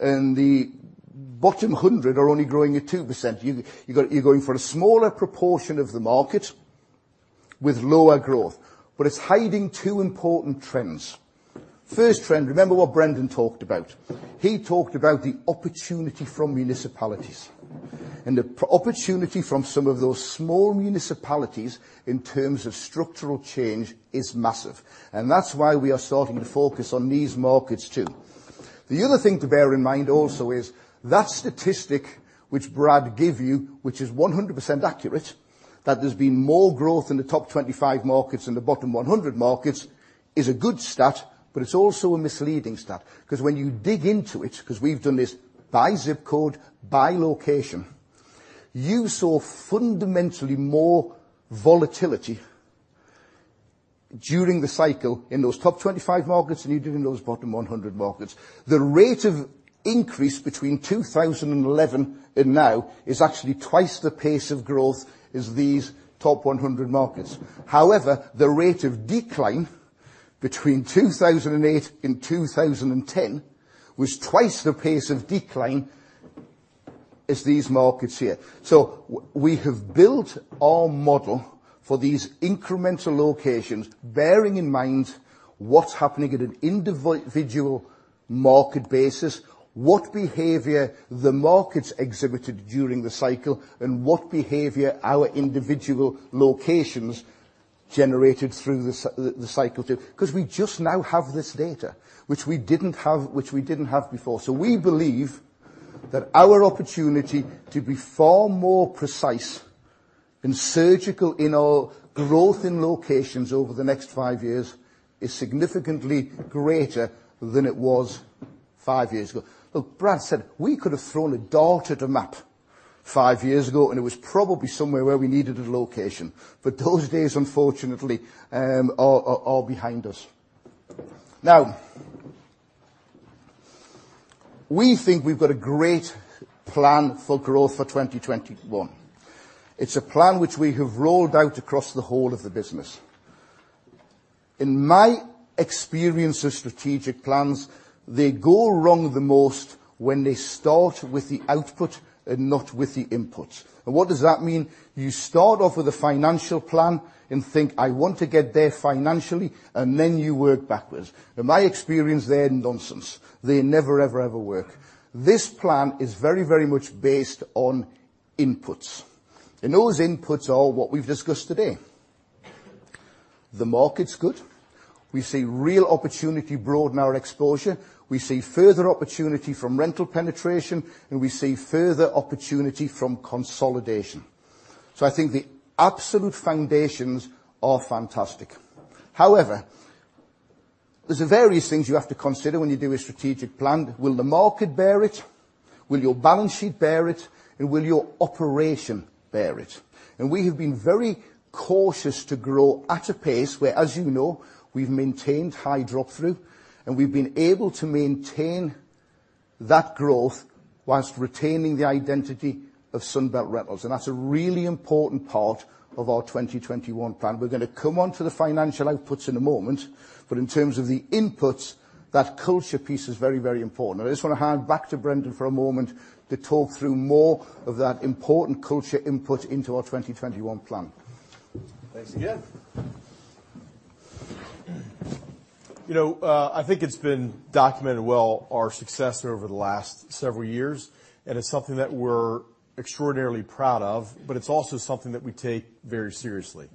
and the bottom 100 are only growing at 2%. You're going for a smaller proportion of the market with lower growth. It's hiding two important trends. First trend, remember what Brendan talked about. He talked about the opportunity from municipalities. The opportunity from some of those small municipalities in terms of structural change is massive. That's why we are starting to focus on these markets, too. The other thing to bear in mind also is that statistic which Brad gave you, which is 100% accurate, that there's been more growth in the top 25 markets than the bottom 100 markets is a good stat, but it's also a misleading stat because when you dig into it, because we've done this by ZIP code, by location, you saw fundamentally more volatility during the cycle in those top 25 markets than you did in those bottom 100 markets. The rate of increase between 2011 and now is actually twice the pace of growth as these top 100 markets. However, the rate of decline between 2008 and 2010 was twice the pace of decline as these markets here. We have built our model for these incremental locations bearing in mind what's happening at an individual market basis, what behavior the markets exhibited during the cycle, and what behavior our individual locations generated through the cycle, too. We just now have this data which we didn't have before. We believe that our opportunity to be far more precise and surgical in our growth in locations over the next five years is significantly greater than it was five years ago. Look, Brad said we could have thrown a dart at a map five years ago, and it was probably somewhere where we needed a location. Those days, unfortunately, are all behind us. We think we've got a great plan for growth for 2021. It's a plan which we have rolled out across the whole of the business. In my experience with strategic plans, they go wrong the most when they start with the output and not with the input. What does that mean? You start off with a financial plan and think, I want to get there financially, and then you work backwards. In my experience, they're nonsense. They never ever work. This plan is very much based on inputs. Those inputs are what we've discussed today. The market's good. We see real opportunity broadening our exposure. We see further opportunity from rental penetration, and we see further opportunity from consolidation. I think the absolute foundations are fantastic. However, there's various things you have to consider when you do a strategic plan. Will the market bear it? Will your balance sheet bear it? Will your operation bear it? We have been very cautious to grow at a pace where, as you know, we've maintained high drop-through, and we've been able to maintain that growth whilst retaining the identity of Sunbelt Rentals. That's a really important part of our Project 2021 plan. We're going to come onto the financial outputs in a moment, but in terms of the inputs, that culture piece is very, very important. I just want to hand back to Brendan for a moment to talk through more of that important culture input into our Project 2021 plan. Thanks again. I think it's been documented well our success over the last several years, and it's something that we're extraordinarily proud of, but it's also something that we take very seriously.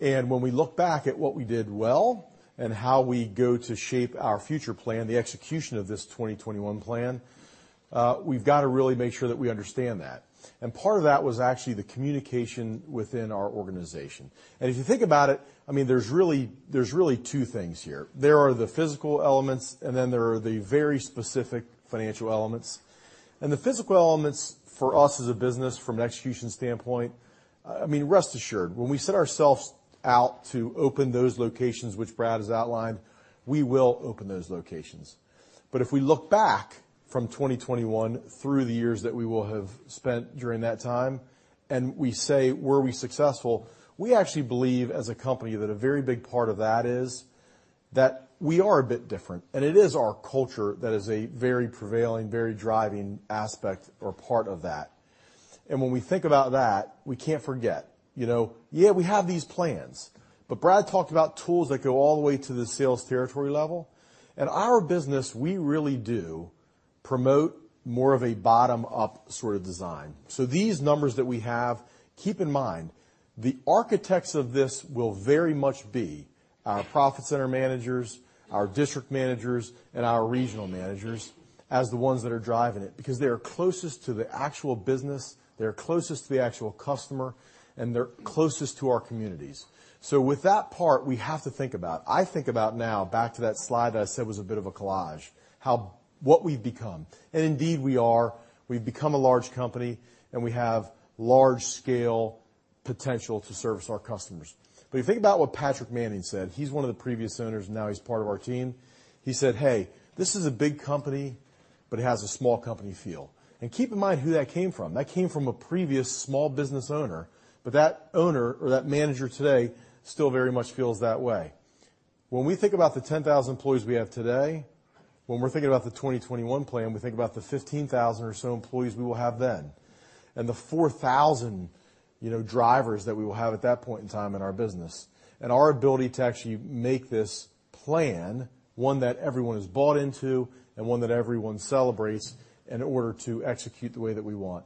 When we look back at what we did well and how we go to shape our future plan, the execution of this Project 2021 plan, we've got to really make sure that we understand that. Part of that was actually the communication within our organization. If you think about it, there's really two things here. There are the physical elements, and then there are the very specific financial elements. The physical elements for us as a business from an execution standpoint, rest assured, when we set ourselves out to open those locations which Brad has outlined, we will open those locations. If we look back from 2021 through the years that we will have spent during that time, and we say, "Were we successful?" We actually believe as a company that a very big part of that is that we are a bit different, and it is our culture that is a very prevailing, very driving aspect or part of that. When we think about that, we can't forget. Yeah, we have these plans, but Brad talked about tools that go all the way to the sales territory level. In our business, we really do promote more of a bottom-up sort of design. These numbers that we have, keep in mind, the architects of this will very much be our Profit Center Managers, our District Managers, and our Regional Managers as the ones that are driving it because they are closest to the actual business, they're closest to the actual customer, and they're closest to our communities. With that part, we have to think about. I think about now, back to that slide that I said was a bit of a collage, what we've become. Indeed we are. We've become a large company, and we have large-scale potential to service our customers. If you think about what Patrick Manning said. He's one of the previous owners, now he's part of our team. He said, "Hey, this is a big company, but it has a small company feel." Keep in mind who that came from. That came from a previous small business owner, that owner or that manager today still very much feels that way. When we think about the 10,000 employees we have today, when we're thinking about the 2021 plan, we think about the 15,000 or so employees we will have then, and the 4,000 drivers that we will have at that point in time in our business, and our ability to actually make this plan one that everyone is bought into and one that everyone celebrates in order to execute the way that we want.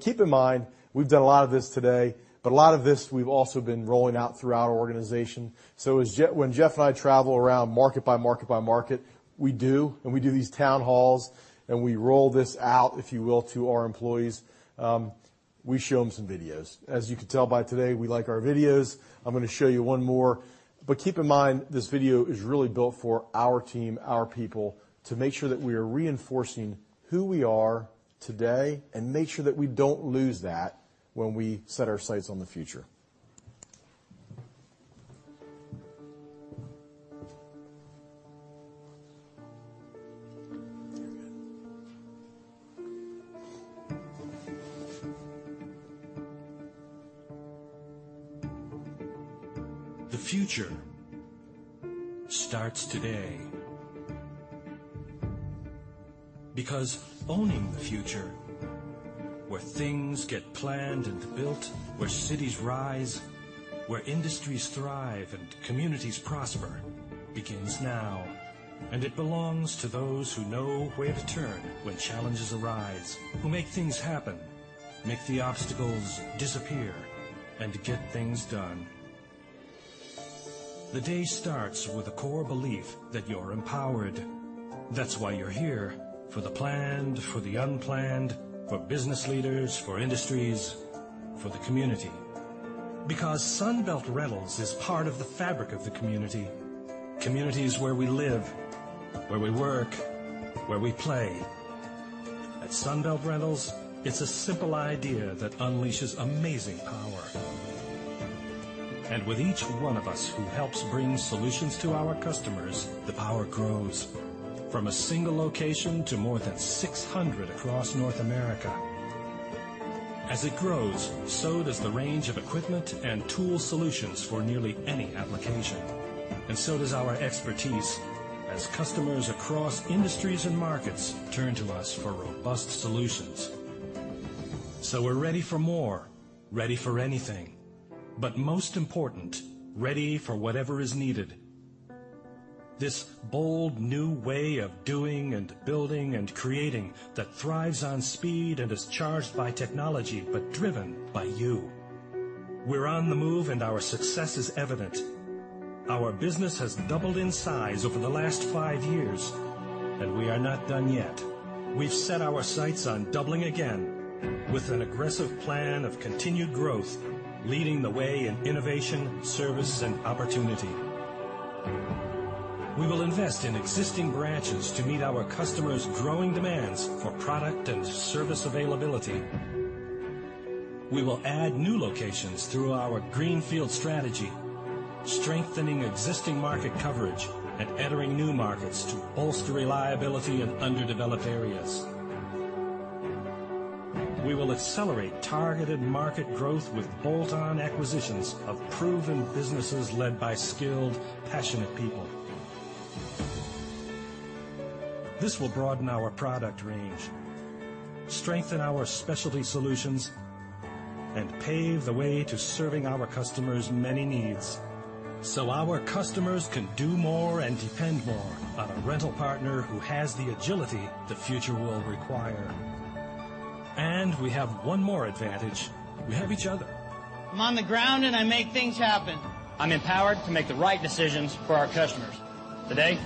Keep in mind, we've done a lot of this today, a lot of this we've also been rolling out throughout our organization. When Jeff and I travel around market by market by market, we do, and we do these town halls, and we roll this out, if you will, to our employees. We show them some videos. As you can tell by today, we like our videos. I'm going to show you one more. Keep in mind, this video is really built for our team, our people, to make sure that we are reinforcing who we are today and make sure that we don't lose that when we set our sights on the future. The future starts today. Owning the future, where things get planned and built, where cities rise, where industries thrive and communities prosper, begins now, it belongs to those who know where to turn when challenges arise, who make things happen, make the obstacles disappear, and get things done. The day starts with a core belief that you're empowered. That's why you're here for the planned, for the unplanned, for business leaders, for industries, for the community. Sunbelt Rentals is part of the fabric of the community. Communities where we live, where we work, where we play. At Sunbelt Rentals, it's a simple idea that unleashes amazing power. With each one of us who helps bring solutions to our customers, the power grows from a single location to more than 600 across North America. As it grows, so does the range of equipment and tool solutions for nearly any application. So does our expertise, as customers across industries and markets turn to us for robust solutions. We're ready for more, ready for anything, but most important, ready for whatever is needed. This bold new way of doing and building and creating that thrives on speed and is charged by technology, but driven by you. We're on the move, and our success is evident. Our business has doubled in size over the last 5 years, and we are not done yet. We've set our sights on doubling again with an aggressive plan of continued growth, leading the way in innovation, service, and opportunity. We will invest in existing branches to meet our customers' growing demands for product and service availability. We will add new locations through our greenfield strategy, strengthening existing market coverage and entering new markets to bolster reliability in underdeveloped areas. We will accelerate targeted market growth with bolt-on acquisitions of proven businesses led by skilled, passionate people. This will broaden our product range, strengthen our specialty solutions, and pave the way to serving our customers' many needs so our customers can do more and depend more on a rental partner who has the agility the future will require. We have one more advantage. We have each other. I'm on the ground, and I make things happen. I'm empowered to make the right decisions for our customers. Today,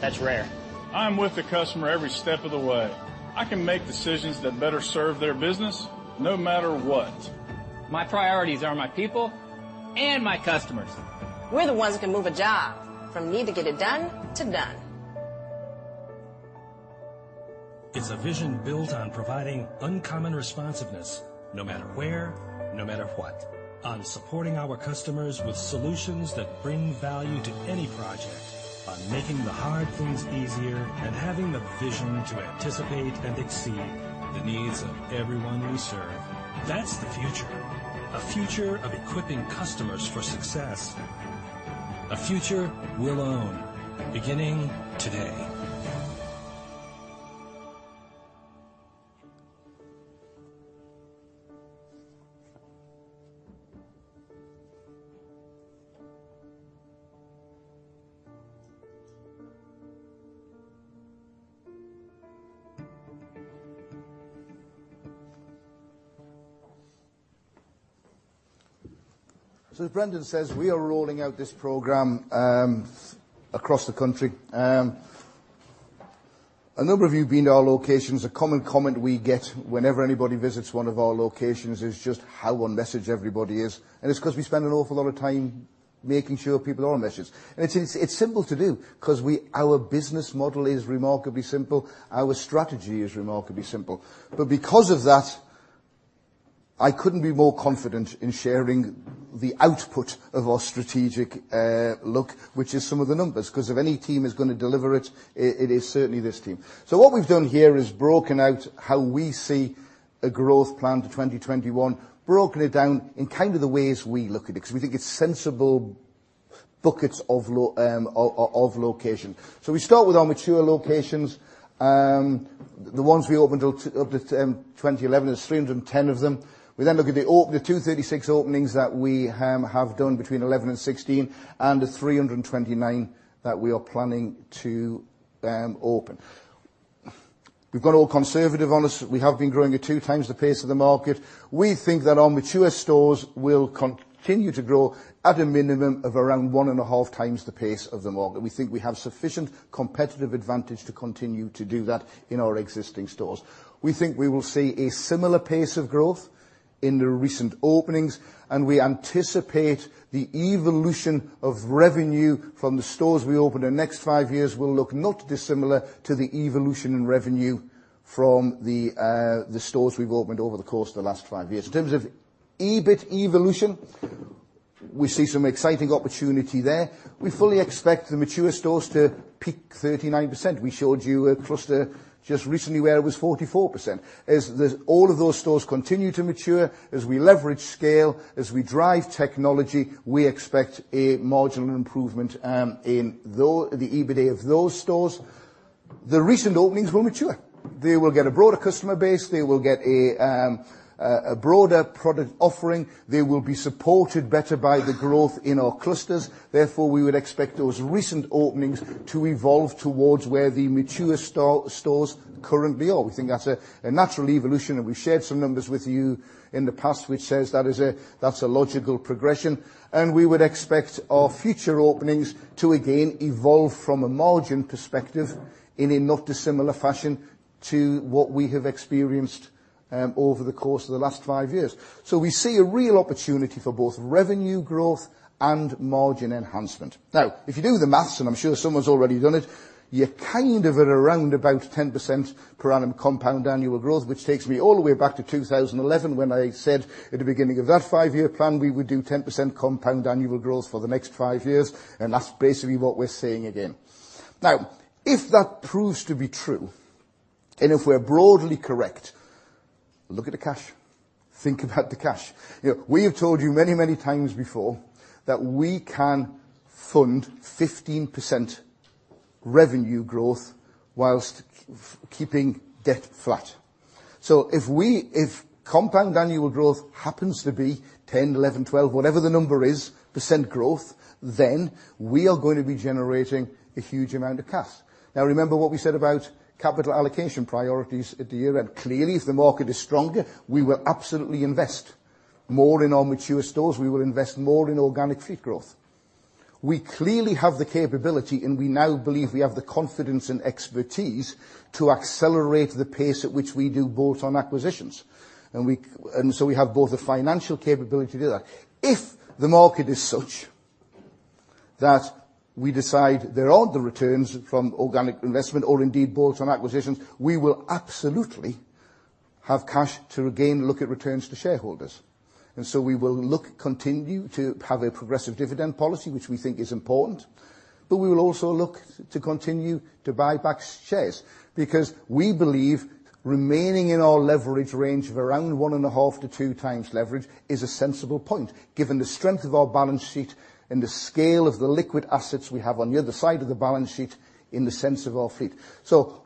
that's rare. I'm with the customer every step of the way. I can make decisions that better serve their business no matter what. My priorities are my people and my customers. We're the ones who can move a job from need to get it done to done. It's a vision built on providing uncommon responsiveness, no matter where, no matter what, on supporting our customers with solutions that bring value to any project, on making the hard things easier, and having the vision to anticipate and exceed the needs of everyone we serve. That's the future, a future of equipping customers for success, a future we'll own beginning today. As Brendan says, we are rolling out this program across the country. A number of you have been to our locations. A common comment we get whenever anybody visits one of our locations is just how on message everybody is, and it's because we spend an awful lot of time making sure people are on message. It's simple to do because our business model is remarkably simple. Our strategy is remarkably simple. Because of that, I couldn't be more confident in sharing the output of our strategic look, which is some of the numbers, because if any team is going to deliver it is certainly this team. What we've done here is broken out how we see a growth plan to 2021, broken it down in kind of the ways we look at it, because we think it's sensible buckets of location. We start with our mature locations. The ones we opened up to 2011, there's 310 of them. We look at the 236 openings that we have done between 2011 and 2016 and the 329 that we are planning to open. We've got all conservative on us. We have been growing at two times the pace of the market. We think that our mature stores will continue to grow at a minimum of around one and a half times the pace of the market. We think we have sufficient competitive advantage to continue to do that in our existing stores. We think we will see a similar pace of growth in the recent openings. We anticipate the evolution of revenue from the stores we open in the next five years will look not dissimilar to the evolution in revenue from the stores we've opened over the course of the last five years. In terms of EBIT evolution, we see some exciting opportunity there. We fully expect the mature stores to peak 39%. We showed you a cluster just recently where it was 44%. As all of those stores continue to mature, as we leverage scale, as we drive technology, we expect a marginal improvement in the EBIT of those stores. The recent openings will mature. They will get a broader customer base. They will get a broader product offering. They will be supported better by the growth in our clusters. We would expect those recent openings to evolve towards where the mature stores currently are. We think that's a natural evolution. We've shared some numbers with you in the past which says that's a logical progression. We would expect our future openings to again evolve from a margin perspective in a not dissimilar fashion to what we have experienced over the course of the last five years. We see a real opportunity for both revenue growth and margin enhancement. If you do the math, I'm sure someone's already done it, you're kind of at around about 10% per annum compound annual growth, which takes me all the way back to 2011 when I said at the beginning of that five-year plan, we would do 10% compound annual growth for the next five years. That's basically what we're saying again. If that proves to be true, if we're broadly correct, look at the cash. Think about the cash. We have told you many, many times before that we can fund 15% revenue growth whilst keeping debt flat. If compound annual growth happens to be 10, 11, 12, whatever the number is, % growth, then we are going to be generating a huge amount of cash. Remember what we said about capital allocation priorities at the year end. If the market is stronger, we will absolutely invest more in our mature stores, we will invest more in organic fleet growth. We clearly have the capability, and we now believe we have the confidence and expertise to accelerate the pace at which we do bolt-on acquisitions. We have both the financial capability to do that. If the market is such that we decide there aren't the returns from organic investment or indeed bolt-on acquisitions, we will absolutely have cash to again look at returns to shareholders. We will continue to have a progressive dividend policy, which we think is important. We will also look to continue to buy back shares, because we believe remaining in our leverage range of around 1.5 to 2 times leverage is a sensible point, given the strength of our balance sheet and the scale of the liquid assets we have on the other side of the balance sheet in the sense of our fleet.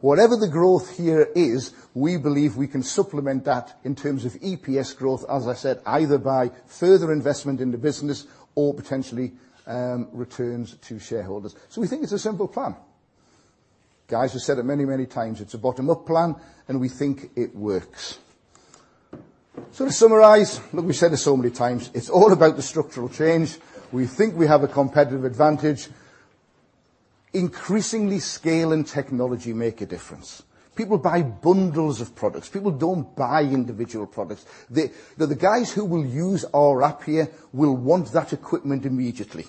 Whatever the growth here is, we believe we can supplement that in terms of EPS growth, as I said, either by further investment in the business or potentially returns to shareholders. We think it's a simple plan. Guys, we've said it many times. It's a bottom-up plan, we think it works. To summarize, look, we've said this so many times, it's all about the structural change. We think we have a competitive advantage. Increasingly, scale and technology make a difference. People buy bundles of products. People don't buy individual products. The guys who will use our app here will want that equipment immediately.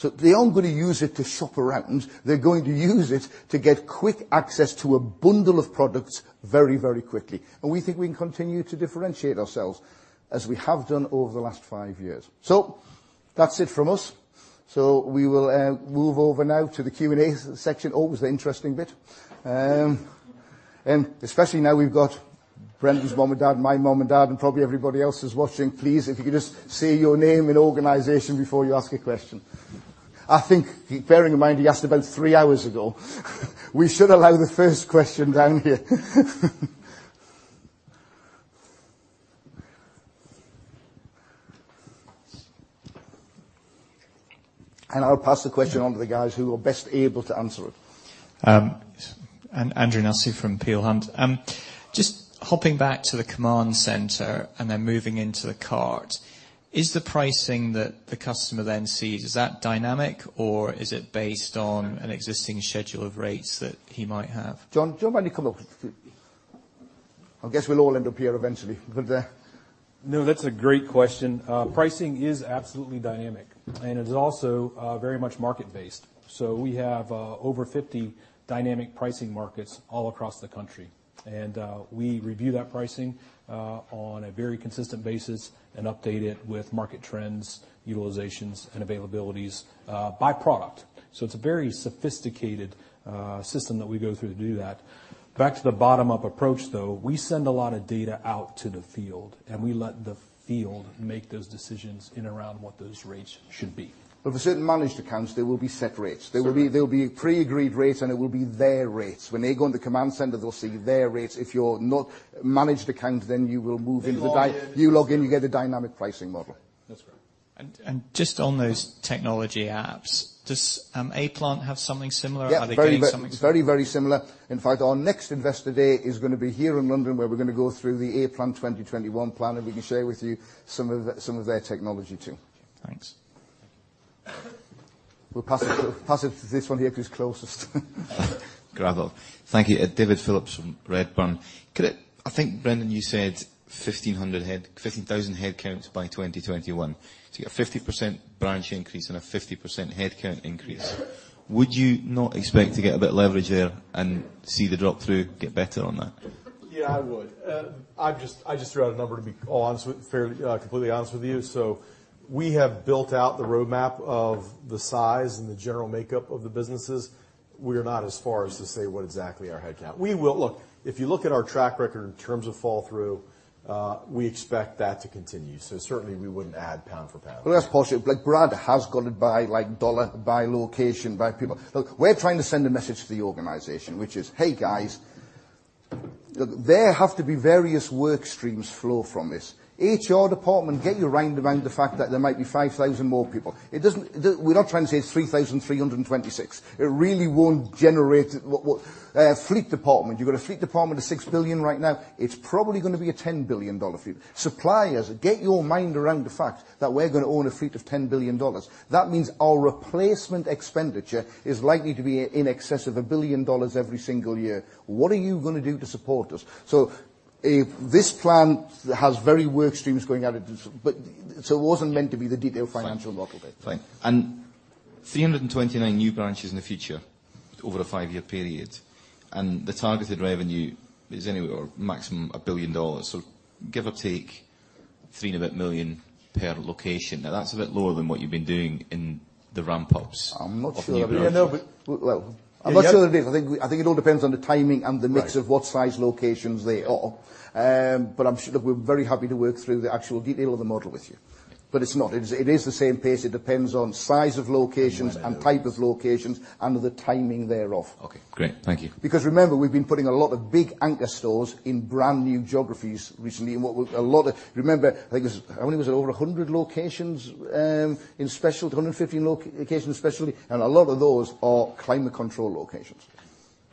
They aren't going to use it to shop around. They're going to use it to get quick access to a bundle of products very quickly. We think we can continue to differentiate ourselves as we have done over the last five years. That's it from us. We will move over now to the Q&A section. Always the interesting bit. Especially now we've got Brendan's mom and dad, my mom and dad, and probably everybody else is watching. Please, if you could just say your name and organization before you ask a question. I think bearing in mind he asked about three hours ago, we should allow the first question down here. I'll pass the question on to the guys who are best able to answer it. Andrew Nussey from Peel Hunt. Just hopping back to the Command Center and then moving into the cart. Is the pricing that the customer then sees, is that dynamic, or is it based on an existing schedule of rates that he might have? John, do you mind coming up? I guess we'll all end up here eventually. That's a great question. Pricing is absolutely dynamic, it is also very much market based. We have over 50 dynamic pricing markets all across the country. We review that pricing on a very consistent basis and update it with market trends, utilizations, and availabilities by product. It's a very sophisticated system that we go through to do that. Back to the bottom-up approach, though, we send a lot of data out to the field, and we let the field make those decisions in around what those rates should be. For certain managed accounts, there will be set rates. Certainly. There'll be pre-agreed rates, it will be their rates. When they go into Command Center, they'll see their rates. If you're not managed account, you will move into the They log in You log in, you get a dynamic pricing model. That's correct. Just on those technology apps, does A-Plant have something similar? Are they doing something similar? Yeah. Very similar. In fact, our next investor day is going to be here in London, where we're going to go through the A-Plant 2021 plan, and we can share with you some of their technology, too. Thanks. We'll pass it to this one here who's closest. [inaudible] Thank you. David Phillips from Redburn. I think, Brendan, you said 15,000 headcounts by 2021. To get a 50% branch increase and a 50% headcount increase, would you not expect to get a bit of leverage there and see the drop-through get better on that? Yeah, I would. I just threw out a number to be completely honest with you. We have built out the roadmap of the size and the general makeup of the businesses. We are not as far as to say what exactly our headcount. Look, if you look at our track record in terms of fall through, we expect that to continue. Certainly we wouldn't add pound for pound. Well, that's partially. Like Brad has got it by like $ by location by people. Look, we're trying to send a message to the organization, which is, "Hey, guys, look, there have to be various work streams flow from this. HR department, get your mind around the fact that there might be 5,000 more people." We're not trying to say it's 3,326. It really won't generate Fleet department. You've got a fleet department of $6 billion right now. It's probably going to be a $10 billion fleet. Suppliers, get your mind around the fact that we're going to own a fleet of $10 billion. That means our replacement expenditure is likely to be in excess of $1 billion every single year. What are you going to do to support us? This plan has very work streams going at it. It wasn't meant to be the detailed financial model bit. Fine. 329 new branches in the future over a five-year period, and the targeted revenue is anywhere or maximum $1 billion. Give or take $3 and a bit million per location. Now, that's a bit lower than what you've been doing in the ramp ups of new branches. I'm not sure. Well, I'm not sure it is. I think it all depends on the timing and the mix. Right of what size locations they are. I'm sure that we're very happy to work through the actual detail of the model with you. It's not. It is the same pace. It depends on size of locations and type of locations and the timing thereof. Okay, great. Thank you. Remember, we've been putting a lot of big anchor stores in brand new geographies recently. Remember, I think, I mean, was it over 100 locations in specialty, 150 locations in specialty? A lot of those are climate controlled locations.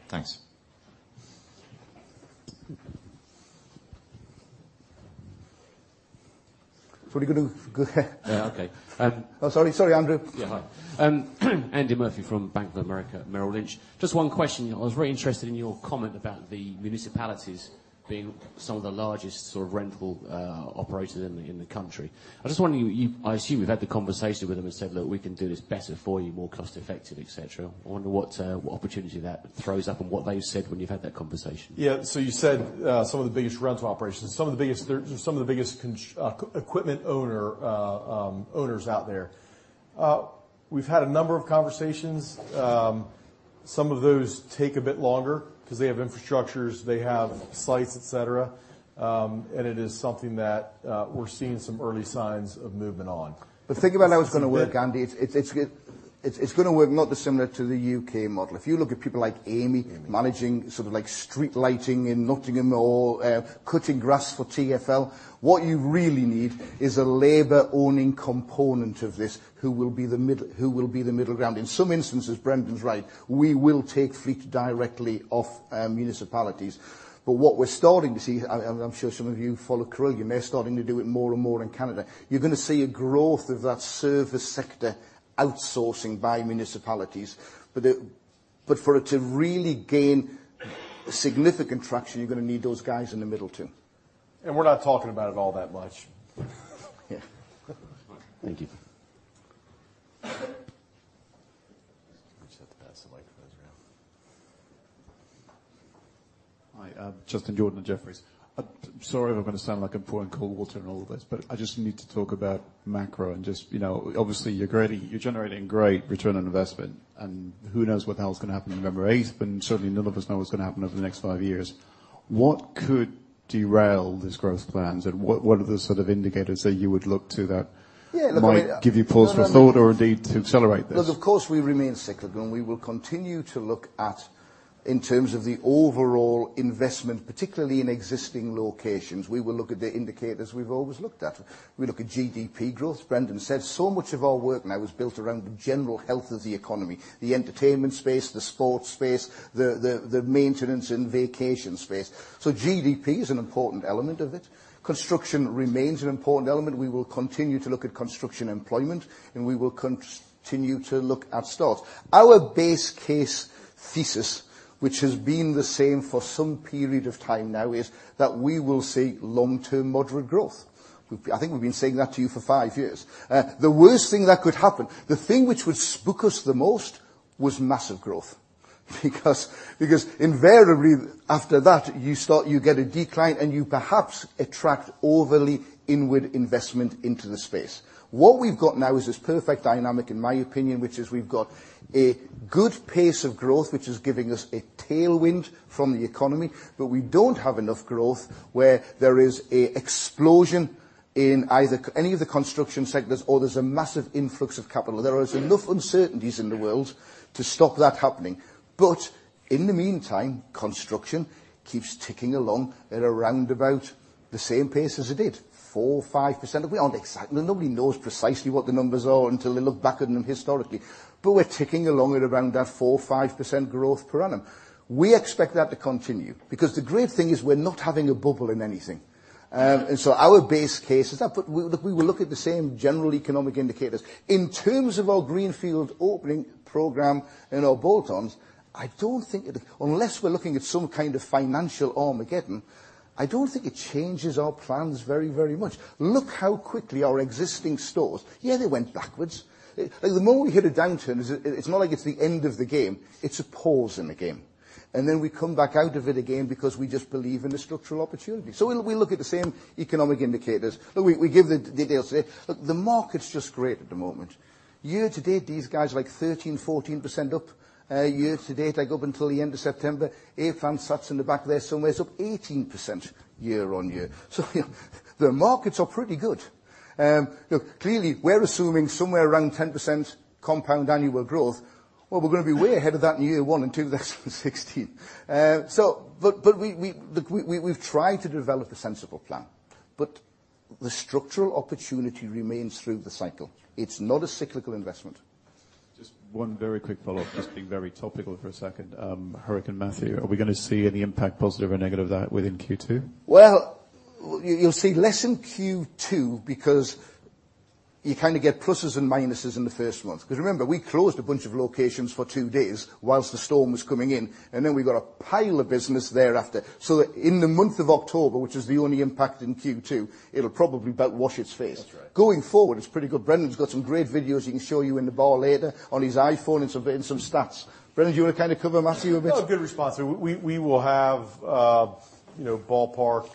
Thanks. Are we good to go? Yeah. Okay. Sorry. Sorry, Andy. Yeah, hi. Andy Murphy from Bank of America Merrill Lynch. Just one question. I was very interested in your comment about the municipalities being some of the largest sort of rental operators in the country. I just wonder, I assume you've had the conversation with them and said, "Look, we can do this better for you, more cost effective," et cetera. I wonder what opportunity that throws up and what they've said when you've had that conversation. Yeah. You said, some of the biggest rental operations. Some of the biggest equipment owners out there. We've had a number of conversations. Some of those take a bit longer because they have infrastructures, they have sites, et cetera. It is something that we're seeing some early signs of movement on. Think about how it's going to work, Andy. It's going to work not dissimilar to the U.K. model. If you look at people like Amey. Amey managing sort of like street lighting in Nottingham or cutting grass for TfL. What you really need is a labor owning component of this who will be the middle ground. In some instances, Brendan's right. We will take fleet directly off municipalities. What we're starting to see, and I'm sure some of you follow Carillion, they're starting to do it more and more in Canada. You're going to see a growth of that service sector outsourcing by municipalities. For it to really gain significant traction, you're going to need those guys in the middle too. We're not talking about it all that much. Yeah. Thank you. We just have to pass the microphones around. Hi, Justin Jordan at Jefferies. Sorry if I'm going to sound like I'm pouring cold water on all of this, I just need to talk about macro and just obviously you're generating great return on investment and who knows what the hell's going to happen on November 8th, certainly none of us know what's going to happen over the next five years. What could derail these growth plans and what are the sort of indicators that you would look to that might give you pause for thought or indeed to accelerate this? Look, of course, we remain cyclical. We will continue to look at, in terms of the overall investment, particularly in existing locations, we will look at the indicators we've always looked at. We look at GDP growth. Brendan said so much of our work now is built around the general health of the economy, the entertainment space, the sports space, the maintenance and vacation space. GDP is an important element of it. Construction remains an important element. We will continue to look at construction employment, we will continue to look at stores. Our base case thesis, which has been the same for some period of time now, is that we will see long-term moderate growth. I think we've been saying that to you for five years. The worst thing that could happen, the thing which would spook us the most was massive growth. Invariably after that, you get a decline and you perhaps attract overly inward investment into the space. What we've got now is this perfect dynamic, in my opinion, which is we've got a good pace of growth, which is giving us a tailwind from the economy, we don't have enough growth where there is an explosion in any of the construction sectors or there's a massive influx of capital. There is enough uncertainties in the world to stop that happening. In the meantime, construction keeps ticking along at around about the same pace as it did, 4%, 5%. Nobody knows precisely what the numbers are until they look back at them historically. We're ticking along at around that 4%, 5% growth per annum. We expect that to continue because the great thing is we're not having a bubble in anything. Our base case is that, but we will look at the same general economic indicators. In terms of our greenfield opening program and our bolt-ons, I don't think, unless we're looking at some kind of financial Armageddon, I don't think it changes our plans very much. Look how quickly our existing stores. Yeah, they went backwards. The moment we hit a downturn, it's not like it's the end of the game. It's a pause in the game. Then we come back out of it again because we just believe in the structural opportunity. We look at the same economic indicators. We give the details today. Look, the market's just great at the moment. Year to date, these guys are like 13%, 14% up. Year to date, like up until the end of September, AFAM sits in the back there somewhere, is up 18% year-on-year. The markets are pretty good. Look, clearly we're assuming somewhere around 10% compound annual growth. Well, we're going to be way ahead of that in year one and two that's the 16th. We've tried to develop a sensible plan. The structural opportunity remains through the cycle. It's not a cyclical investment. Just one very quick follow-up, just being very topical for a second. Hurricane Matthew, are we going to see any impact, positive or negative of that within Q2? You'll see less in Q2 because you kind of get pluses and minuses in the first month. Remember, we closed a bunch of locations for two days whilst the storm was coming in, and then we got a pile of business thereafter. That in the month of October, which is the only impact in Q2, it'll probably about wash its face. That's right. Going forward, it's pretty good. Brendan's got some great videos he can show you in the bar later on his iPhone and some stats. Brendan, do you want to kind of cover Matthew a bit? No, good response. We will have ballpark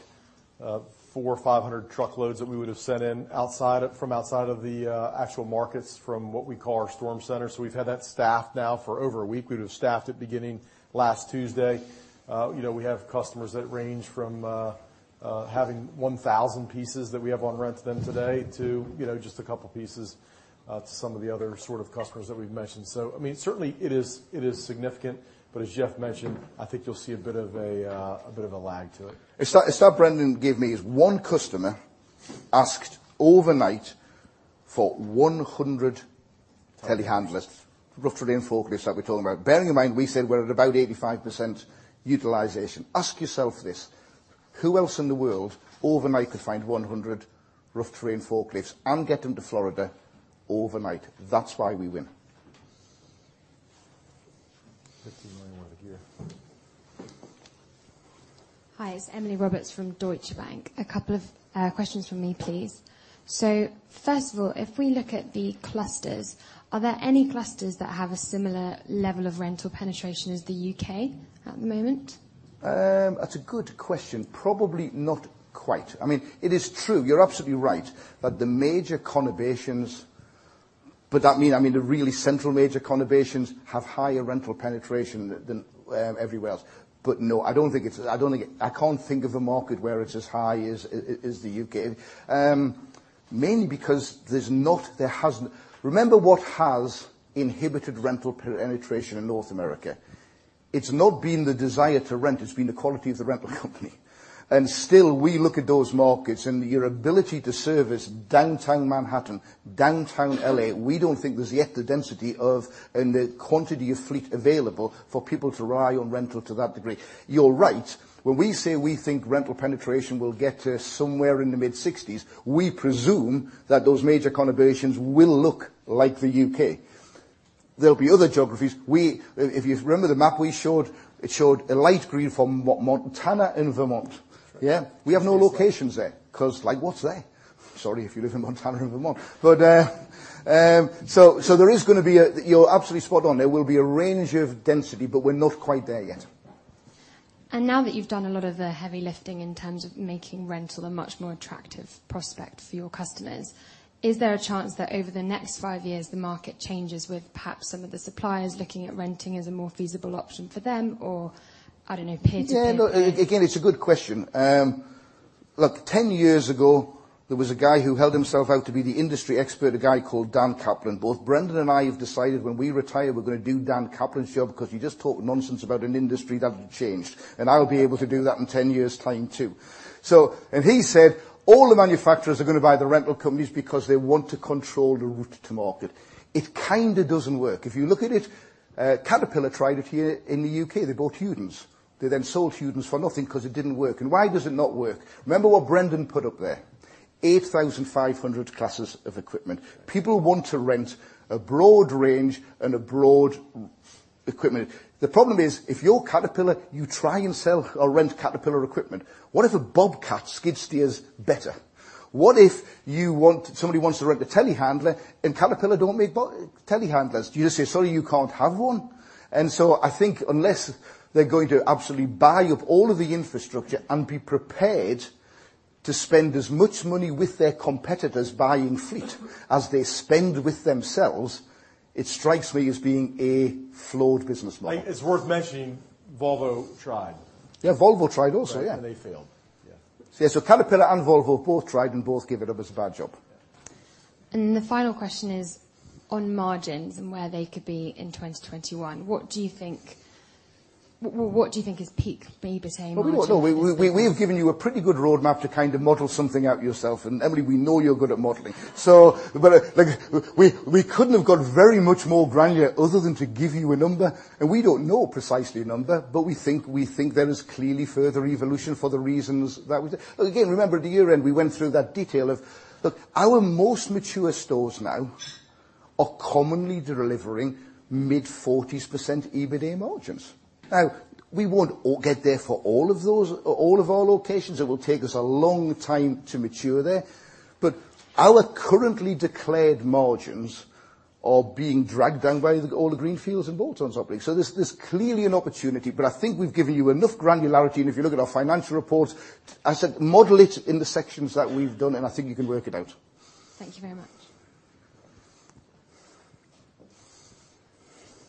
400 or 500 truckloads that we would have sent in from outside of the actual markets from what we call our storm center. We've had that staffed now for over a week. We'd have staffed it beginning last Tuesday. We have customers that range from Having 1,000 pieces that we have on rent to them today to just a couple pieces to some of the other sort of customers that we've mentioned. Certainly, it is significant, but as Jeff mentioned, I think you'll see a bit of a lag to it. A stat Brendan gave me is one customer asked overnight for 100 telehandlers. Telehandlers. Rough terrain forklifts that we're talking about. Bearing in mind, we said we're at about 85% utilization. Ask yourself this: who else in the world overnight could find 100 rough terrain forklifts and get them to Florida overnight? That's why we win. $15 million worth of gear. Hi, it's Emily Roberts from Deutsche Bank. A couple of questions from me, please. First of all, if we look at the clusters, are there any clusters that have a similar level of rental penetration as the U.K. at the moment? That's a good question. Probably not quite. It is true, you're absolutely right, that the major conurbations but the really central major conurbations have higher rental penetration than everywhere else. No, I can't think of a market where it's as high as the U.K. Mainly because there's not Remember what has inhibited rental penetration in North America. It's not been the desire to rent, it's been the quality of the rental company. Still, we look at those markets and your ability to service downtown Manhattan, downtown L.A., we don't think there's yet the density and the quantity of fleet available for people to rely on rental to that degree. You're right, when we say we think rental penetration will get to somewhere in the mid-60s, we presume that those major conurbations will look like the U.K. There'll be other geographies. If you remember the map we showed, it showed a light green from Montana and Vermont. Yeah? We have no locations there because what's there? Sorry if you live in Montana or Vermont. You're absolutely spot on. There will be a range of density, but we're not quite there yet. Now that you've done a lot of the heavy lifting in terms of making rental a much more attractive prospect for your customers, is there a chance that over the next 5 years the market changes with perhaps some of the suppliers looking at renting as a more feasible option for them or, I don't know, peer-to-peer? Again, it's a good question. Look, 10 years ago, there was a guy who held himself out to be the industry expert, a guy called Dan Kaplan. Both Brendan and I have decided when we retire, we're going to do Dan Kaplan's job because he just talked nonsense about an industry that had changed, I'll be able to do that in 10 years' time, too. He said all the manufacturers are going to buy the rental companies because they want to control the route to market. It kind of doesn't work. If you look at it, Caterpillar tried it here in the U.K. They bought Hewden. They then sold Hewden for nothing because it didn't work. Why does it not work? Remember what Brendan put up there, 8,500 classes of equipment. People want to rent a broad range and broad equipment. The problem is, if you're Caterpillar, you try and sell or rent Caterpillar equipment. What if a Bobcat skid steers better? What if somebody wants to rent a telehandler and Caterpillar don't make telehandlers? Do you just say, "Sorry, you can't have one?" I think unless they're going to absolutely buy up all of the infrastructure and be prepared to spend as much money with their competitors buying fleet as they spend with themselves, it strikes me as being a flawed business model. I think it's worth mentioning Volvo tried. Yeah, Volvo tried also. Yeah. They failed. Yeah. Caterpillar and Volvo both tried and both gave it up as a bad job. The final question is on margins and where they could be in 2021. What do you think is peak EBITDA margin? No. We have given you a pretty good roadmap to kind of model something out yourself. Emily, we know you're good at modeling. We couldn't have got very much more granular other than to give you a number, and we don't know precisely a number, but we think there is clearly further evolution for the reasons that we Again, remember at the year-end, we went through that detail of our most mature stores now are commonly delivering mid-40s% EBITDA margins. Now, we won't get there for all of our locations. It will take us a long time to mature there. Our currently declared margins are being dragged down by all the greenfields and bolt-ons operating. There's clearly an opportunity, I think we've given you enough granularity, if you look at our financial reports, as I said, model it in the sections that we've done, I think you can work it out. Thank you very much.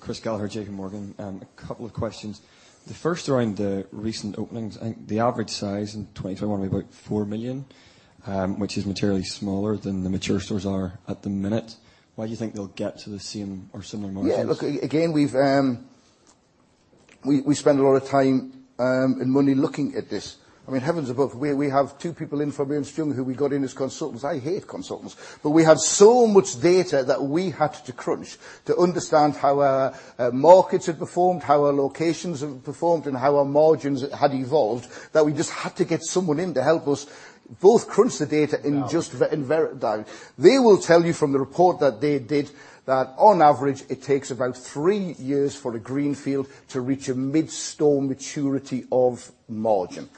Chris Gallagher, J.P. Morgan. A couple of questions. The first around the recent openings. I think the average size in 2021 will be about $4 million, which is materially smaller than the mature stores are at the minute. Why do you think they'll get to the same or similar margins? Yeah. Look, again, we spend a lot of time and money looking at this. Heavens above, we have two people in from Ernst & Young who we got in as consultants. I hate consultants, we had so much data that we had to crunch to understand how our markets had performed, how our locations have performed, and how our margins had evolved, that we just had to get someone in to help us both crunch the data. Down. Down. They will tell you from the report that they did that on average, it takes about three years for a greenfield to reach a mid-store maturity of margin.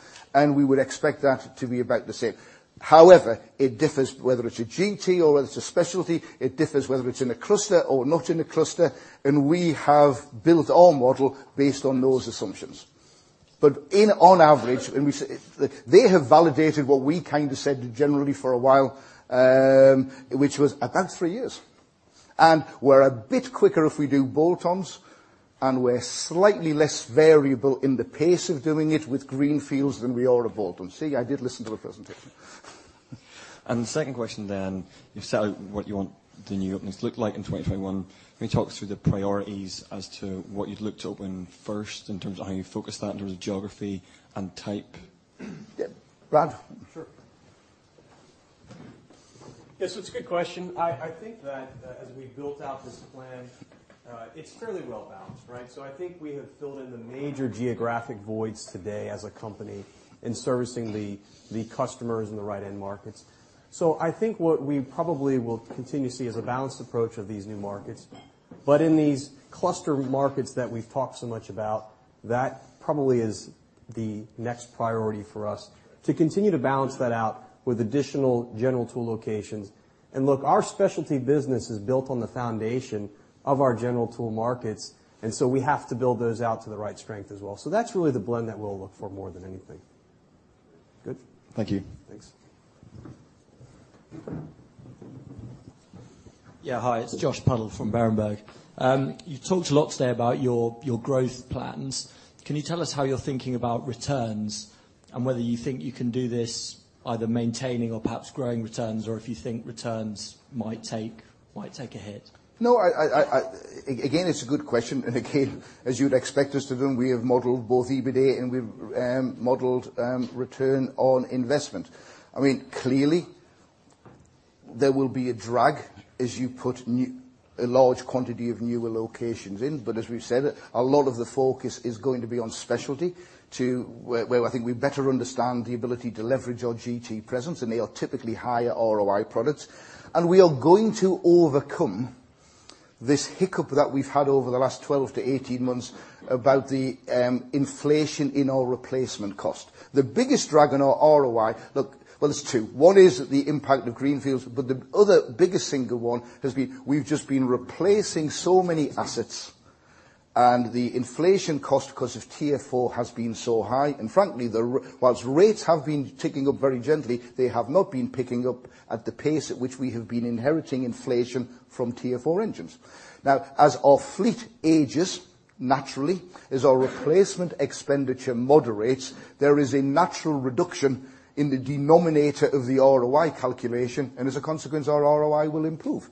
We would expect that to be about the same. However, it differs whether it's a GT or whether it's a specialty. It differs whether it's in a cluster or not in a cluster, and we have built our model based on those assumptions. On average They have validated what we kind of said generally for a while, which was about three years. We're a bit quicker if we do bolt-ons, and we're slightly less variable in the pace of doing it with greenfields than we are with bolt-ons. See? I did listen to the presentation. The second question, you've set out what you want the new openings to look like in 2021. Can you talk through the priorities as to what you'd look to open first in terms of how you focus that in terms of geography and type? Yeah. Brad? Sure. Yes, it's a good question. I think that as we built out this plan, it's fairly well-balanced, right? I think we have filled in the major geographic voids today as a company in servicing the customers in the right end markets. I think what we probably will continue to see is a balanced approach of these new markets. In these cluster markets that we've talked so much about, that probably is the next priority for us to continue to balance that out with additional general tool locations. Look, our specialty business is built on the foundation of our general tool markets, and so we have to build those out to the right strength as well. That's really the blend that we'll look for more than anything. Good. Thank you. Thanks. Yeah. Hi, it's Josh Puddle from Berenberg. You've talked a lot today about your growth plans. Can you tell us how you're thinking about returns and whether you think you can do this either maintaining or perhaps growing returns, or if you think returns might take a hit? Again, it's a good question. Again, as you'd expect us to do, we have modeled both EBITDA and we've modeled return on investment. Clearly, there will be a drag as you put a large quantity of newer locations in. As we've said, a lot of the focus is going to be on specialty to where I think we better understand the ability to leverage our GT presence, and they are typically higher ROI products. We are going to overcome this hiccup that we've had over the last 12 to 18 months about the inflation in our replacement cost. The biggest drag on our ROI. Well, there's two. One is the impact of greenfields. The other biggest single one has been we've just been replacing so many assets and the inflation cost because of Tier 4 has been so high. Frankly, whilst rates have been ticking up very gently, they have not been picking up at the pace at which we have been inheriting inflation from Tier 4 engines. As our fleet ages naturally, as our replacement expenditure moderates, there is a natural reduction in the denominator of the ROI calculation. As a consequence, our ROI will improve.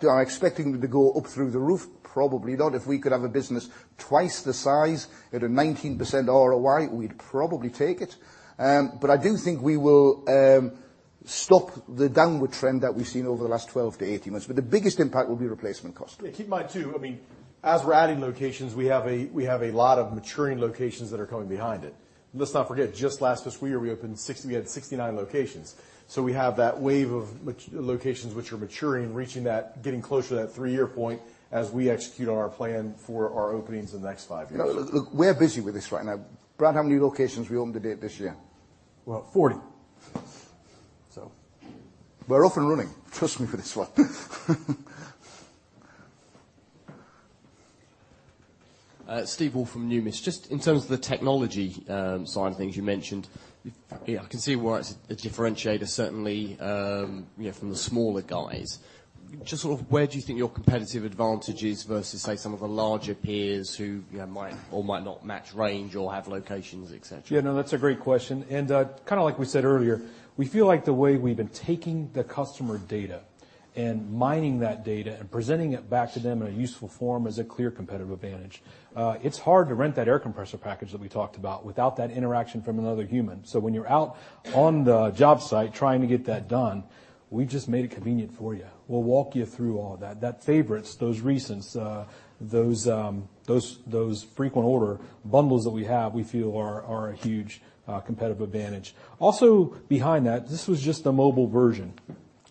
Do I expect it to go up through the roof? Probably not. If we could have a business twice the size at a 19% ROI, we'd probably take it. I do think we will stop the downward trend that we've seen over the last 12 to 18 months. The biggest impact will be replacement cost. Keep in mind, too, as we're adding locations, we have a lot of maturing locations that are coming behind it. Let's not forget, just last fiscal year, we had 69 locations. We have that wave of locations which are maturing, reaching that, getting closer to that three-year point as we execute on our plan for our openings in the next five years. We're busy with this right now. Brad, how many locations have we opened to date this year? About 40. We're off and running. Trust me for this one. Steve Woolf from Numis. In terms of the technology side of things you mentioned, yeah, I can see why it's a differentiator, certainly from the smaller guys. Where do you think your competitive advantage is versus, say, some of the larger peers who might or might not match range or have locations, et cetera? Yeah, no, that's a great question. Like we said earlier, we feel like the way we've been taking the customer data and mining that data and presenting it back to them in a useful form is a clear competitive advantage. It's hard to rent that air compressor package that we talked about without that interaction from another human. When you're out on the job site trying to get that done, we just made it convenient for you. We'll walk you through all of that. That favorites, those recents, those frequent order bundles that we have, we feel are a huge competitive advantage. Also behind that, this was just the mobile version.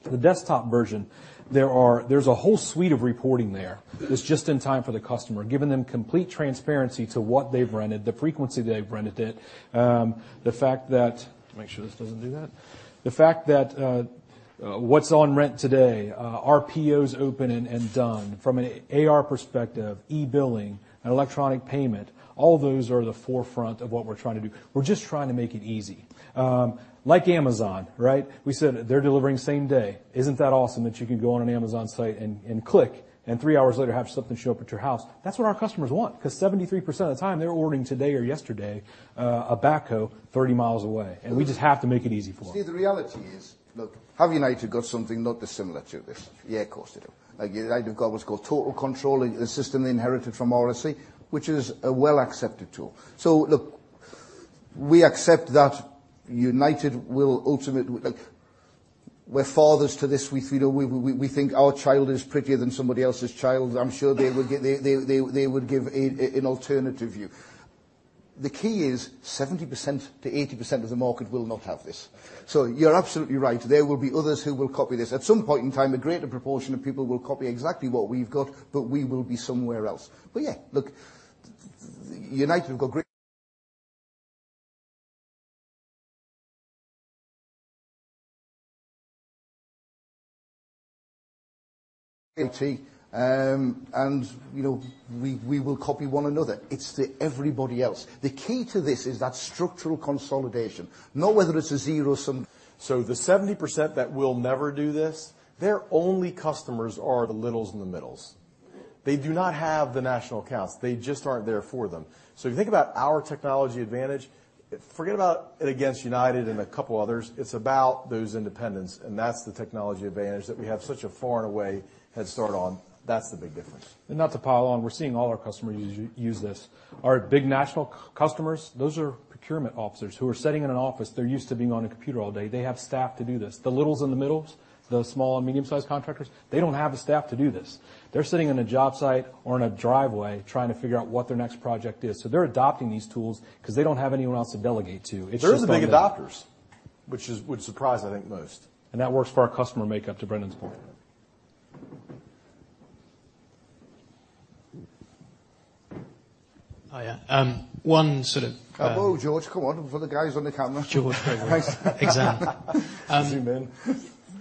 The desktop version, there's a whole suite of reporting there that's just in time for the customer, giving them complete transparency to what they've rented, the frequency they've rented it. The fact that what's on rent today, are POs open and done from an AR perspective, e-billing, electronic payment, all those are the forefront of what we're trying to do. We're just trying to make it easy. Like Amazon, right? We said they're delivering same day. Isn't that awesome that you can go on an Amazon site and click and three hours later, have something show up at your house? That's what our customers want because 73% of the time, they're ordering today or yesterday a backhoe 30 miles away, and we just have to make it easy for them. Steve, the reality is, look, have United got something not dissimilar to this? Yeah, of course, they do. United have got what's called Total Control, a system they inherited from RSC, which is a well-accepted tool. Look, we accept that United will. We're fathers to this. We think our child is prettier than somebody else's child. I'm sure they would give an alternative view. The key is 70%-80% of the market will not have this. You're absolutely right. There will be others who will copy this. At some point in time, a greater proportion of people will copy exactly what we've got, but we will be somewhere else. Yeah, look, United have got. We will copy one another. It's the everybody else. The key to this is that structural consolidation. Not whether it's a zero-sum- The 70% that will never do this, their only customers are the littles and the middles. They do not have the national accounts. They just aren't there for them. You think about our technology advantage, forget about it against United and a couple others. It's about those independents, that's the technology advantage that we have such a far and away head start on. That's the big difference. Not to pile on, we're seeing all our customers use this. Our big national customers, those are procurement officers who are sitting in an office. They're used to being on a computer all day. They have staff to do this. The littles and the middles, the small and medium-sized contractors, they don't have the staff to do this. They're sitting in a job site or in a driveway trying to figure out what their next project is. They're adopting these tools because they don't have anyone else to delegate to. It's just them. They're the big adopters, which would surprise, I think, most. That works for our customer makeup, to Brendan's point. Hiya. Hello, George. Come on. For the guys on the camera. George, how are you? Zoom in.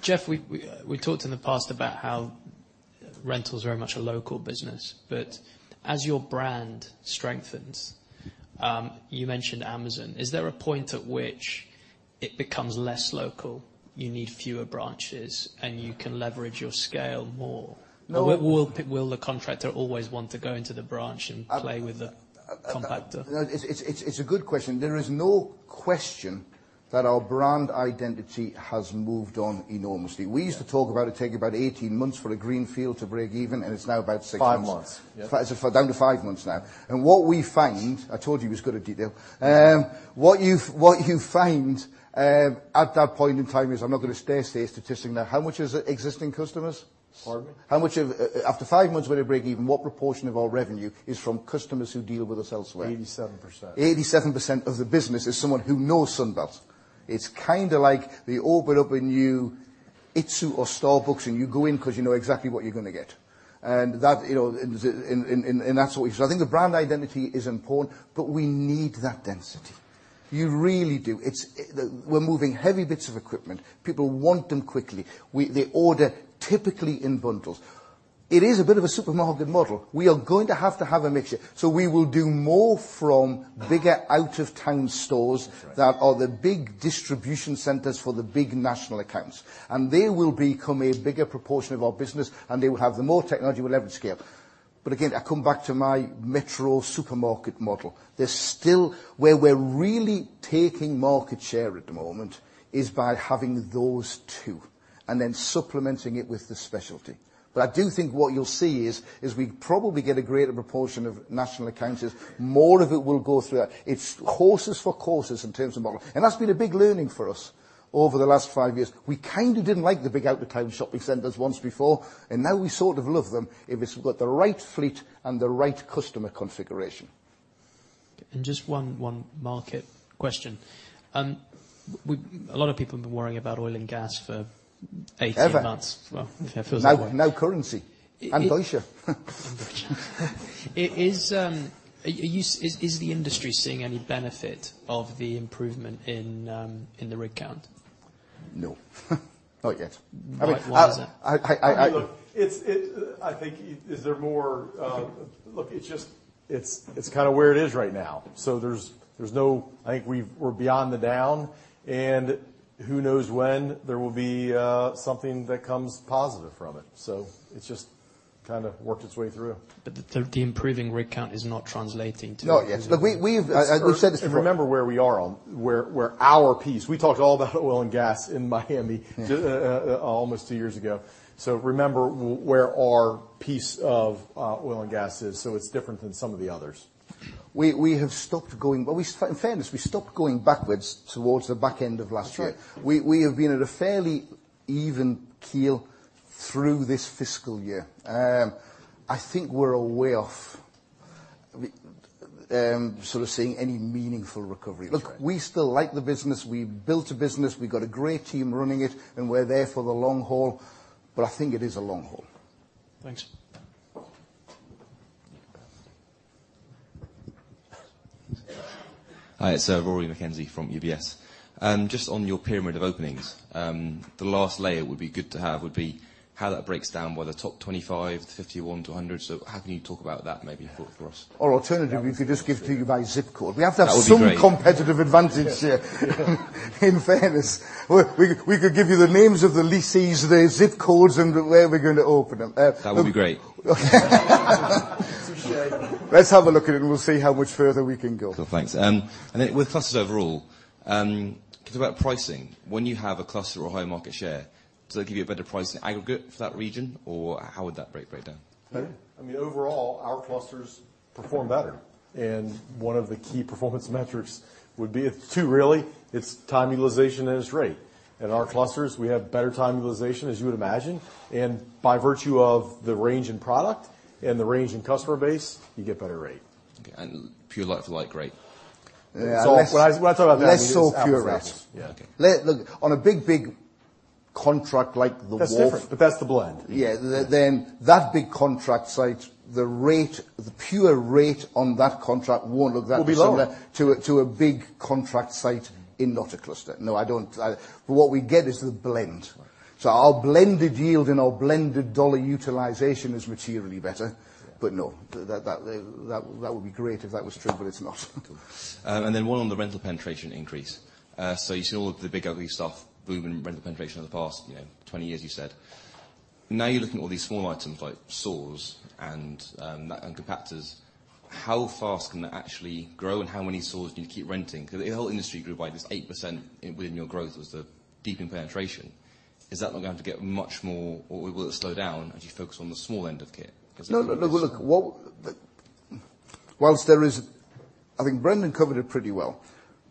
Jeff, we talked in the past about how rental is very much a local business. As your brand strengthens, you mentioned Amazon, is there a point at which it becomes less local, you need fewer branches, and you can leverage your scale more? No. Will the contractor always want to go into the branch and play with the compactor? It's a good question. There is no question that our brand identity has moved on enormously. We used to talk about it taking about 18 months for a greenfield to break even, it's now about 6 months. 5 months. Yeah. Down to 5 months now. What we find-- I told you he was good at detail. What you find at that point in time is, I'm not going to state a statistic now, how much is it existing customers? Pardon me? After five months, when they break even, what proportion of our revenue is from customers who deal with us elsewhere? 87%. 87% of the business is someone who knows Sunbelt. It's kind of like they open up a new itsu or Starbucks, and you go in because you know exactly what you're going to get. I think the brand identity is important. We need that density. You really do. We're moving heavy bits of equipment. People want them quickly. They order typically in bundles. It is a bit of a supermarket model. We are going to have to have a mixture. We will do more from bigger, out-of-town stores. That's right. That are the big distribution centers for the big national accounts. They will become a bigger proportion of our business, and they will have the more technology we'll ever scale. Again, I come back to my metro supermarket model. Where we're really taking market share at the moment is by having those two and then supplementing it with the specialty. I do think what you'll see is we probably get a greater proportion of national accounts is more of it will go through that. It's horses for courses in terms of model. That's been a big learning for us over the last five years. We kind of didn't like the big out-of-town shopping centers once before, and now we sort of love them if it's got the right fleet and the right customer configuration. Just one market question. A lot of people have been worrying about oil and gas for 18 months. Ever. Well, if it feels like it. No currency. Russia. Russia. Is the industry seeing any benefit of the improvement in the rig count? No. Not yet. Why is that? I think, Look, it's kind of where it is right now. I think we're beyond the down and who knows when there will be something that comes positive from it. It's just kind of worked its way through. The improving rig count is not translating to. Not yet. We've, as we said. Remember where we are on. We talked all about oil and gas in Miami almost two years ago. Remember where our piece of oil and gas is. It's different than some of the others. We have stopped going. In fairness, we stopped going backwards towards the back end of last year. That's right. We have been at a fairly even keel through this fiscal year. I think we're a way off sort of seeing any meaningful recovery. That's right. Look, we still like the business. We built a business. We've got a great team running it and we're there for the long haul. I think it is a long haul. Thanks. Hi, it's Rory McKenzie from UBS. Just on your pyramid of openings, the last layer would be good to have would be how that breaks down, whether top 25, 51 to 100. How can you talk about that maybe for us? Alternatively, we could just give to you by ZIP code. That would be great. We have to have some competitive advantage here, in fairness. We could give you the names of the lessees, the ZIP codes, and where we're going to open them. That would be great. Appreciate it. Let's have a look at it and we'll see how much further we can go. Cool. Thanks. Then with clusters overall, because about pricing, when you have a cluster or high market share, does that give you a better price in aggregate for that region? Or how would that break down? I mean, overall, our clusters perform better. One of the key performance metrics would be, two really, it's time utilization and it's rate. In our clusters, we have better time utilization, as you would imagine. By virtue of the range in product and the range in customer base, you get better rate. Okay. Like-for-like rate. When I talk about that. Less so pure rate. It's apples to apples. Yeah, okay. Look, on a big contract like The Wharf. That's different, that's the blend. Yeah, that big contract site, the pure rate on that contract won't look that similar. Will be lower. to a big contract site in not a cluster. No, I don't. What we get is the blend. Our blended yield and our blended dollar utilization is materially better. No, that would be great if that was true, but it's not. One on the rental penetration increase. You've seen all of the big ugly stuff boom in rental penetration over the past 20 years, you said. Now you're looking at all these small items like saws and compactors. How fast can that actually grow and how many saws do you need to keep renting? Because the whole industry grew by just 8% within your growth was the deepen penetration. Is that now going to get much more? Or will it slow down as you focus on the small end of kit? Look, whilst there is I think Brendan covered it pretty well.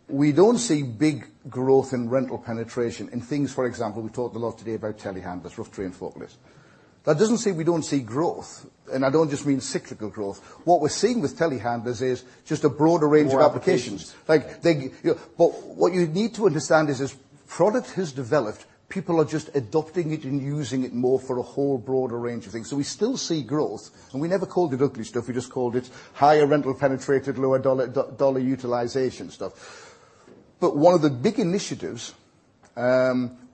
We don't see big growth in rental penetration in things. For example, we talked a lot today about telehandlers, rough terrain, forklift. That doesn't say we don't see growth, and I don't just mean cyclical growth. What we're seeing with telehandlers is just a broader range of applications. More applications. What you need to understand is, as product has developed, people are just adopting it and using it more for a whole broader range of things. We still see growth, and we never called it ugly stuff. We just called it higher rental penetrated, lower dollar utilization stuff. One of the big initiatives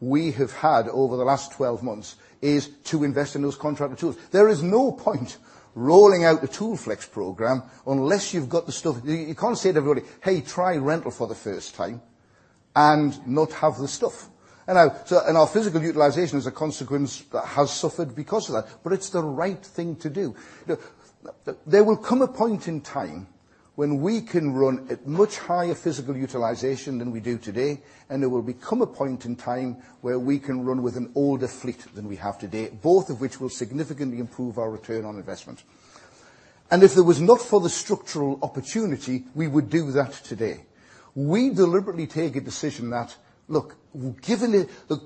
we have had over the last 12 months is to invest in those contractor tools. There is no point rolling out the ToolFlex program unless you've got the stuff. You can't say to everybody, "Hey, try rental for the first time," and not have the stuff. Our physical utilization as a consequence has suffered because of that, but it's the right thing to do. Look, there will come a point in time when we can run at much higher physical utilization than we do today and there will become a point in time where we can run with an older fleet than we have today, both of which will significantly improve our ROI. If it was not for the structural opportunity, we would do that today. We deliberately take a decision that, look,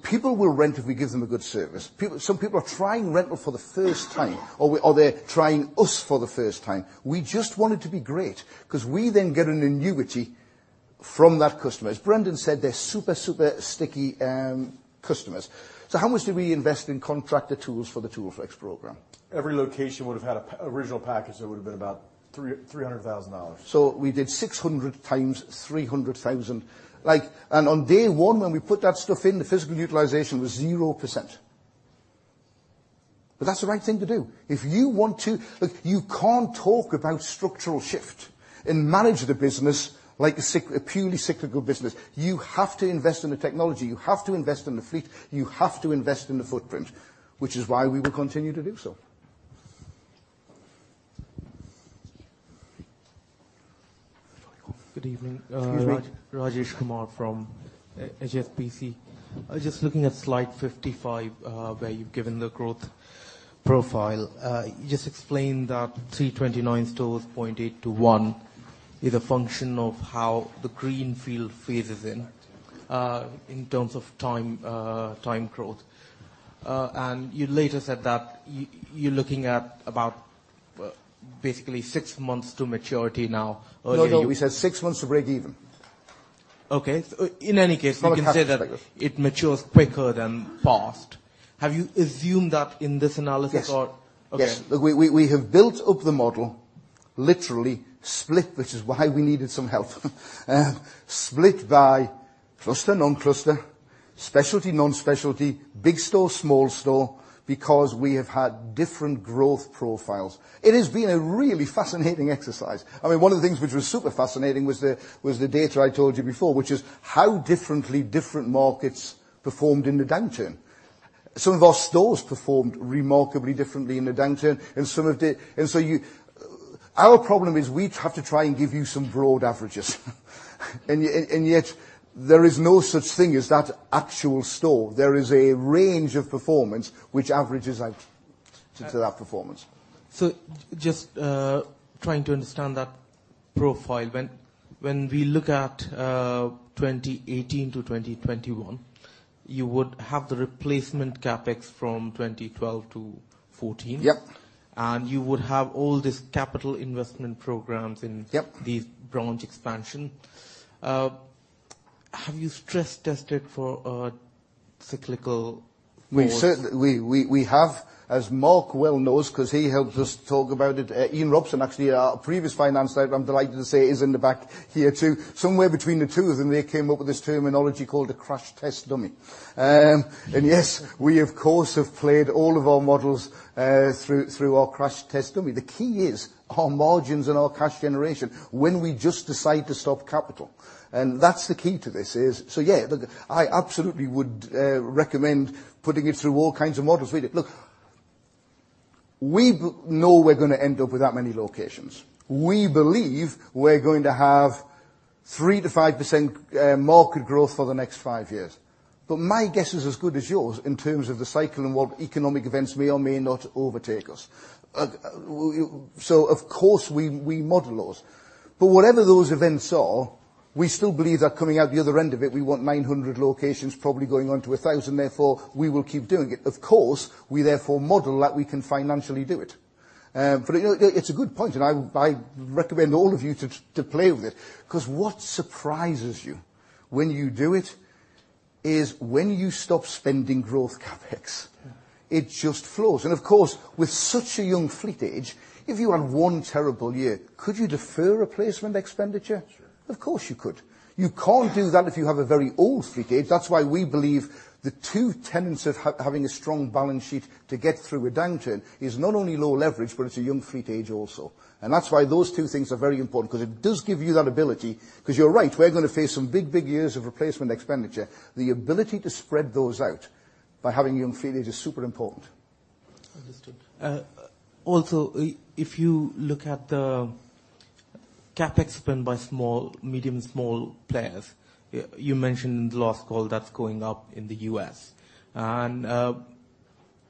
people will rent if we give them a good service. Some people are trying rental for the first time or they're trying us for the first time. We just want it to be great because we then get an annuity from that customer. As Brendan said, they're super sticky customers. How much did we invest in contractor tools for the ToolFlex program? Every location would have had an original package that would've been about $300,000. We did 600 times $300,000. That's the right thing to do. Look, you can't talk about structural shift and manage the business like a purely cyclical business. You have to invest in the technology. You have to invest in the fleet. You have to invest in the footprint, which is why we will continue to do so. Good evening. Excuse me? Rajesh Kumar from HSBC. Just looking at slide 55, where you've given the growth profile. You just explained that 329 stores, 0.8 to 1 is a function of how the greenfield phases in terms of time growth. You later said that you're looking at about basically six months to maturity now. No, we said six months to break-even. Okay. It's probably half of that you can say that it matures quicker than fast. Have you assumed that in this analysis? Yes. Okay. Look, we have built up the model literally split, which is why we needed some help. Split by cluster, non-cluster, specialty, non-specialty, big store, small store because we have had different growth profiles. It has been a really fascinating exercise. One of the things which was super fascinating was the data I told you before, which is how differently different markets performed in the downturn. Some of our stores performed remarkably differently in the downturn. Our problem is we have to try and give you some broad averages. Yet there is no such thing as that actual store. There is a range of performance which averages out to that performance. Just trying to understand that profile. When we look at 2018-2021, you would have the replacement CapEx from 2012-2014. Yep. You would have all this capital investment programs. Yep These branch expansion. Have you stress tested for a cyclical forward? We have. As Mark well knows because he helps us talk about it. Ian Robson actually our previous Finance Director, I am delighted to say is in the back here too. Somewhere between the two of them they came up with this terminology called a crash test dummy. Yes, we of course have played all of our models through our crash test dummy. The key is our margins and our cash generation when we just decide to stop capital and that's the key to this is. Yeah, I absolutely would recommend putting it through all kinds of models. Look, we know we're going to end up with that many locations. We believe we're going to have 3%-5% market growth for the next five years. My guess is as good as yours in terms of the cycle and what economic events may or may not overtake us. Of course, we model those. Whatever those events are, we still believe that coming out the other end of it we want 900 locations probably going on to 1,000 therefore we will keep doing it. Of course, we therefore model that we can financially do it. It's a good point and I recommend all of you to play with it because what surprises you when you do it is when you stop spending growth CapEx. It just flows. Of course, with such a young fleet age, if you had one terrible year, could you defer replacement expenditure? Of course, you could. You can't do that if you have a very old fleet age. That's why we believe the two tenets of having a strong balance sheet to get through a downturn is not only low leverage, but it's a young fleet age also. That's why those two things are very important, because it does give you that ability. You're right, we're going to face some big years of replacement expenditure. The ability to spread those out by having young fleet age is super important. Understood. Also, if you look at the CapEx spend by medium and small players, you mentioned in the last call that's going up in the U.S. Are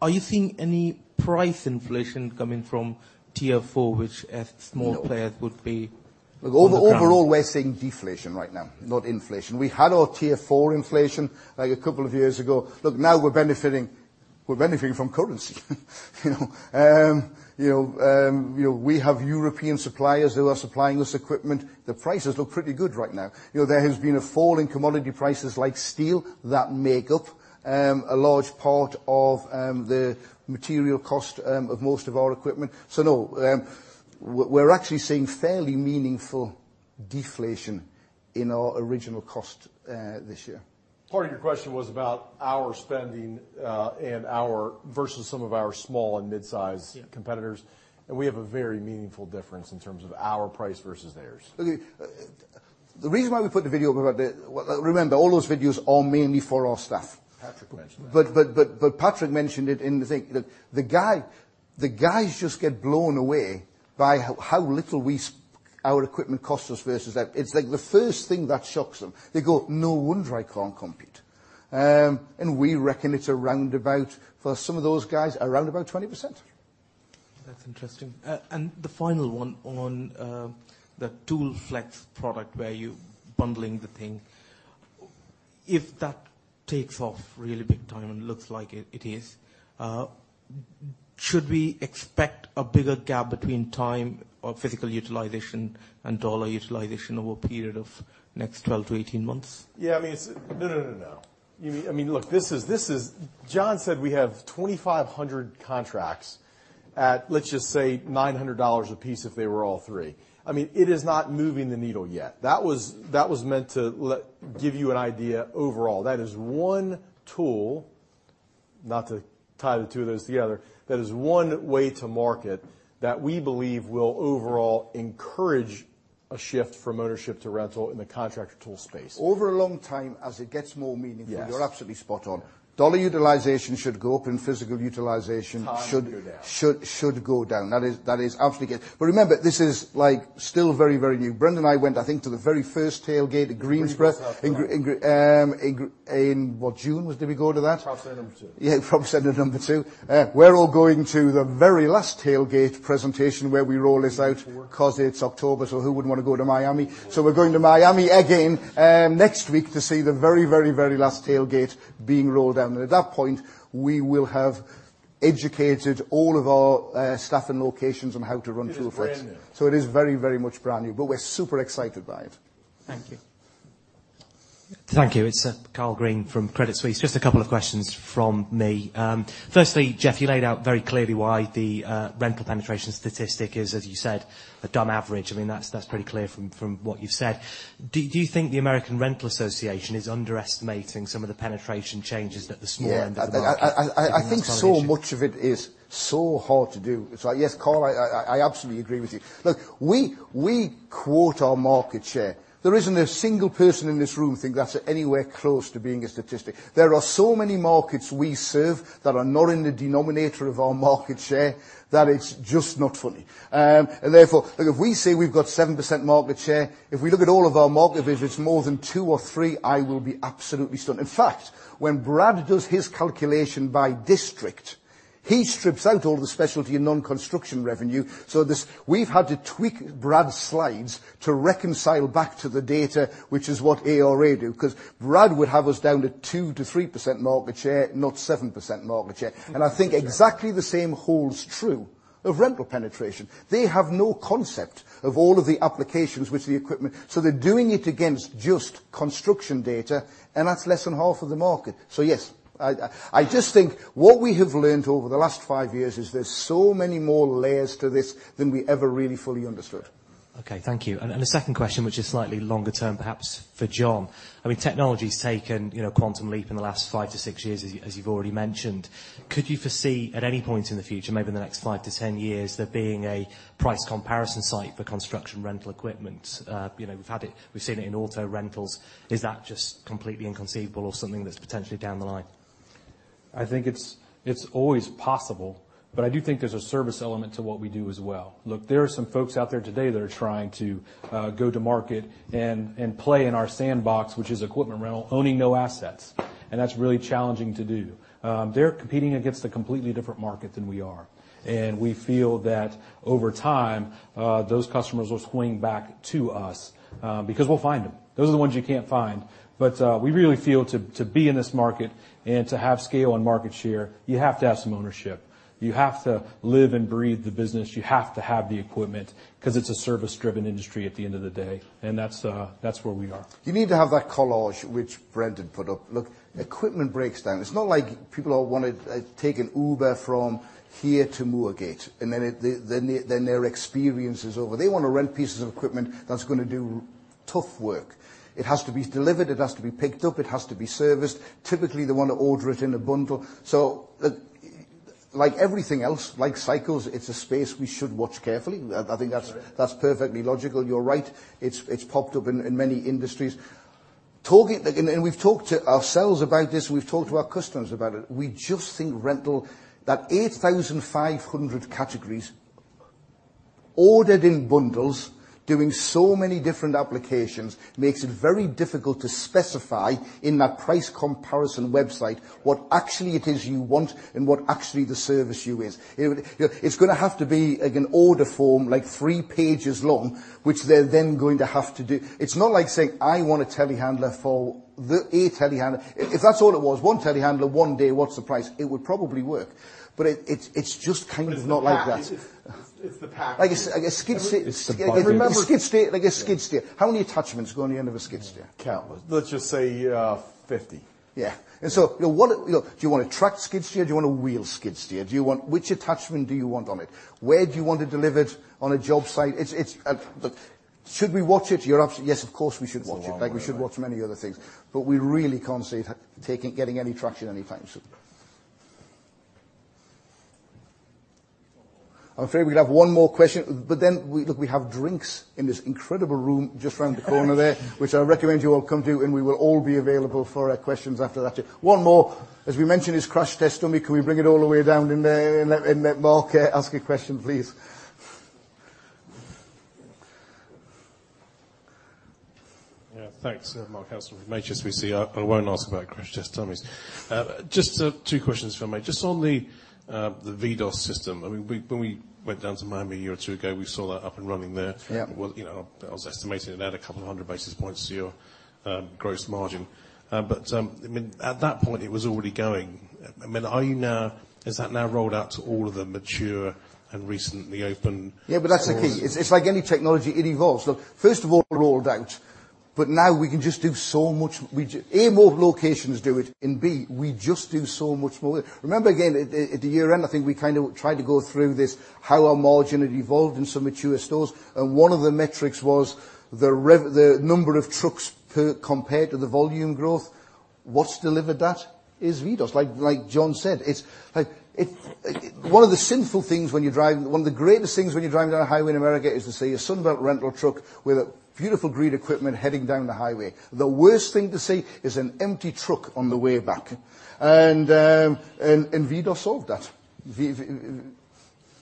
you seeing any price inflation coming from Tier 4, which small players would be- No on the ground? Look, overall, we're seeing deflation right now, not inflation. We had our Tier 4 inflation a couple of years ago. Look, now we're benefiting from currency. We have European suppliers who are supplying us equipment. The prices look pretty good right now. There has been a fall in commodity prices like steel that make up a large part of the material cost of most of our equipment. No, we're actually seeing fairly meaningful deflation in our original cost this year. Part of your question was about our spending versus some of our small and mid-size Yeah competitors. We have a very meaningful difference in terms of our price versus theirs. Look, the reason why we put the video up about Remember, all those videos are mainly for our staff. Patrick mentioned that. Patrick mentioned it in the thing. The guys just get blown away by how little our equipment costs us versus them. It's like the first thing that shocks them. They go, "No wonder I can't compete." We reckon it's around about, for some of those guys, around about 20%. That's interesting. The final one on the ToolFlex product where you're bundling the thing. If that takes off really big time and looks like it is, should we expect a bigger gap between time or physical utilization and dollar utilization over a period of the next 12-18 months? Yeah. No. Look, John said we have 2,500 contracts at, let's just say, $900 a piece if they were all three. It is not moving the needle yet. That was meant to give you an idea overall. That is one tool, not to tie the two of those together, that is one way to market that we believe will overall encourage a shift from ownership to rental in the contractor tool space. Over a long time, as it gets more meaningful. Yes you're absolutely spot on. Dollar utilization should go up and physical utilization should. Time go down. should go down. That is absolutely correct. Remember, this is still very new. Brendan and I went, I think, to the very first Tailgate at Greensboro. Greensboro South, right in what, June, did we go to that? Profit Center number 2. Yeah, Profit Center number 2. We're all going to the very last Tailgate presentation where we roll this out. Number 4 It's October, so who wouldn't want to go to Miami? We're going to Miami again next week to see the very last Tailgate being rolled out. At that point, we will have educated all of our staff and locations on how to run ToolFlex. It is brand new. It is very much brand new, but we're super excited by it. Thank you. Thank you. It's Carl Green from Credit Suisse. Just a couple of questions from me. Firstly, Jeff, you laid out very clearly why the rental penetration statistic is, as you said, a dumb average. That's pretty clear from what you've said. Do you think the American Rental Association is underestimating some of the penetration changes that the small end of the market- Yeah have been solid issue? I think so much of it is so hard to do. Yes, Carl, I absolutely agree with you. Look, we quote our market share. There isn't a single person in this room who think that's anywhere close to being a statistic. There are so many markets we serve that are not in the denominator of our market share, that it's just not funny. Therefore, look, if we say we've got 7% market share, if we look at all of our market, if it's more than two or three, I will be absolutely stunned. In fact, when Brad does his calculation by district, he strips out all the specialty and non-construction revenue. So we've had to tweak Brad's slides to reconcile back to the data, which is what ARA do, because Brad would have us down to 2%-3% market share, not 7% market share. Sure. I think exactly the same holds true of rental penetration. They have no concept of all of the applications which the equipment. They're doing it against just construction data, and that's less than half of the market. Yes. I just think what we have learned over the last five years is there's so many more layers to this than we ever really fully understood. Okay, thank you. The second question, which is slightly longer term, perhaps for John. Technology's taken a quantum leap in the last 5 to 6 years, as you've already mentioned. Could you foresee at any point in the future, maybe in the next 5 to 10 years, there being a price comparison site for construction rental equipment? We've seen it in auto rentals. Is that just completely inconceivable or something that's potentially down the line? I think it's always possible, but I do think there's a service element to what we do as well. Look, there are some folks out there today that are trying to go to market and play in our sandbox, which is equipment rental, owning no assets. That's really challenging to do. They're competing against a completely different market than we are. We feel that over time, those customers will swing back to us, because we'll find them. Those are the ones you can't find. We really feel to be in this market and to have scale and market share, you have to have some ownership. You have to live and breathe the business. You have to have the equipment because it's a service-driven industry at the end of the day. That's where we are. You need to have that collage which Brendan had put up. Look, equipment breaks down. It's not like people all want to take an Uber from here to Moorgate, and then their experience is over. They want to rent pieces of equipment that's going to do tough work. It has to be delivered, it has to be picked up, it has to be serviced. Typically, they want to order it in a bundle. Like everything else, like cycles, it's a space we should watch carefully. I think that's perfectly logical. You're right. It's popped up in many industries. We've talked ourselves about this, we've talked to our customers about it. We just think rental, that 8,500 categories ordered in bundles, doing so many different applications, makes it very difficult to specify in that price comparison website what actually it is you want and what actually the service you is. It's going to have to be an order form three pages long, which they're then going to have to do. It's not like saying, "I want a telehandler, a telehandler." If that's all it was, one telehandler, one day, what's the price? It would probably work. It's just kind of not like that. It's the pack. It's the pack. Like a skid steer. It's the bundle. Remember a skid steer. How many attachments go on the end of a skid steer? Countless. Let's just say 50. Do you want a track skid steer? Do you want a wheel skid steer? Which attachment do you want on it? Where do you want it delivered on a job site? Should we watch it? Yes, of course, we should watch it. I know. Like we should watch many other things. We really can't see it getting any traction anytime soon. I'm afraid we have one more question. Then, look, we have drinks in this incredible room just around the corner there, which I recommend you all come to, and we will all be available for questions after that. One more. As we mentioned, his crash test dummy. Can we bring it all the way down in there and let Mark ask a question, please? Yeah. Thanks. Mark Haster from HSBC. I won't ask about crash test dummies. Just two questions for me. Just on the VDOS system. When we went down to Miami a year or two ago, we saw that up and running there. Yeah. I was estimating it at a couple of 100 basis points to your gross margin. At that point, it was already going. Is that now rolled out to all of the mature and recently opened stores? Yeah, that's the key. It's like any technology, it evolves. Look, first of all, rolled out. Now we can just do so much. A, more locations do it. B, we just do so much more. Remember, again, at the year-end, I think we tried to go through this how our margin had evolved in some mature stores. One of the metrics was the number of trucks compared to the volume growth. What's delivered that is VDOS. Like John said. One of the greatest things when you're driving down a highway in America is to see a Sunbelt rental truck with beautiful green equipment heading down the highway. The worst thing to see is an empty truck on the way back. VDOS solved that.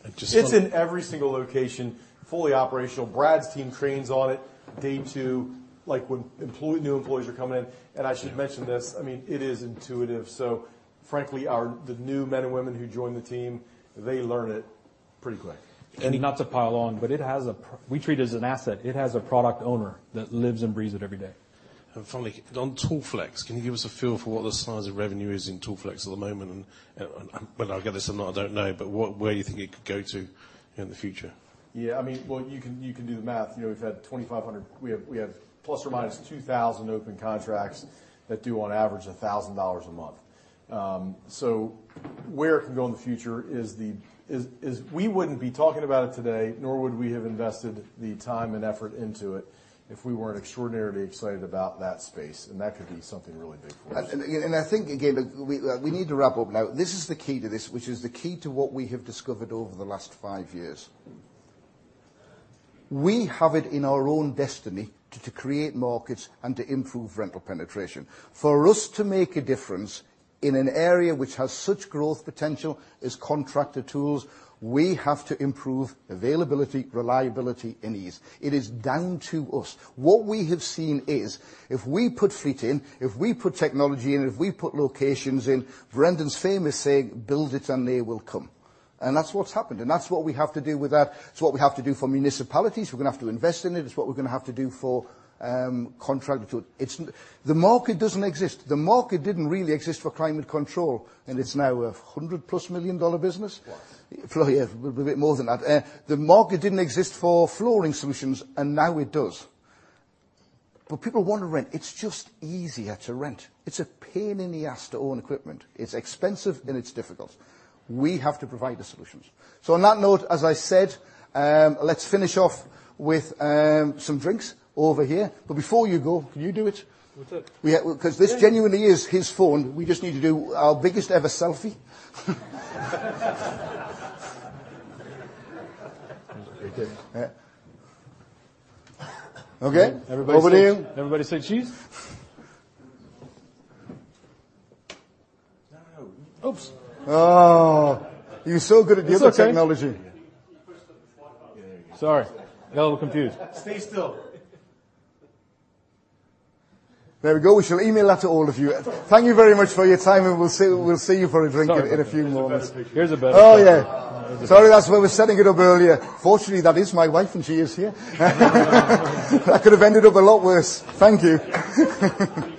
It's in every single location, fully operational. Brad's team trains on it day two, like when new employees are coming in. I should mention this, it is intuitive. Frankly, the new men and women who join the team, they learn it pretty quick. Not to pile on, but we treat it as an asset. It has a product owner that lives and breathes it every day. Finally, on ToolFlex, can you give us a feel for what the size of revenue is in ToolFlex at the moment? Whether I'll get this or not, I don't know, but where do you think it could go to in the future? Yeah. Well, you can do the math. We have plus or minus 2,000 open contracts that do on average $1,000 a month. Where it can go in the future is, we wouldn't be talking about it today, nor would we have invested the time and effort into it if we weren't extraordinarily excited about that space, and that could be something really big for us. I think, again, we need to wrap up now. This is the key to this, which is the key to what we have discovered over the last five years. We have it in our own destiny to create markets and to improve rental penetration. For us to make a difference in an area which has such growth potential as contractor tools, we have to improve availability, reliability, and ease. It is down to us. What we have seen is, if we put feet in, if we put technology in, and if we put locations in, Brendan's famous saying, "Build it and they will come." That's what's happened, and that's what we have to do with that. It's what we have to do for municipalities. We're going to have to invest in it. It's what we're going to have to do for contractor tools. The market doesn't exist. The market didn't really exist for climate control, it's now a $100-plus million business. What? Yeah. A bit more than that. The market didn't exist for flooring solutions, now it does. People want to rent. It's just easier to rent. It's a pain in the ass to own equipment. It's expensive and it's difficult. We have to provide the solutions. On that note, as I said, let's finish off with some drinks over here. Before you go, can you do it? What's that? This genuinely is his phone. We just need to do our biggest ever selfie. Okay. Over to you. Everybody say cheese. Oops. Oh. He's so good at the other technology. It's okay. You pushed the slide button. Sorry. A little confused. Stay still. There we go. We shall email that to all of you. Thank you very much for your time, and we'll see you for a drink in a few moments. Sorry. Here's a better picture. Here's a better one. Yeah. Sorry, that's where we were setting it up earlier. Fortunately, that is my wife, and she is here. That could have ended up a lot worse. Thank you. Can you just say that one more time?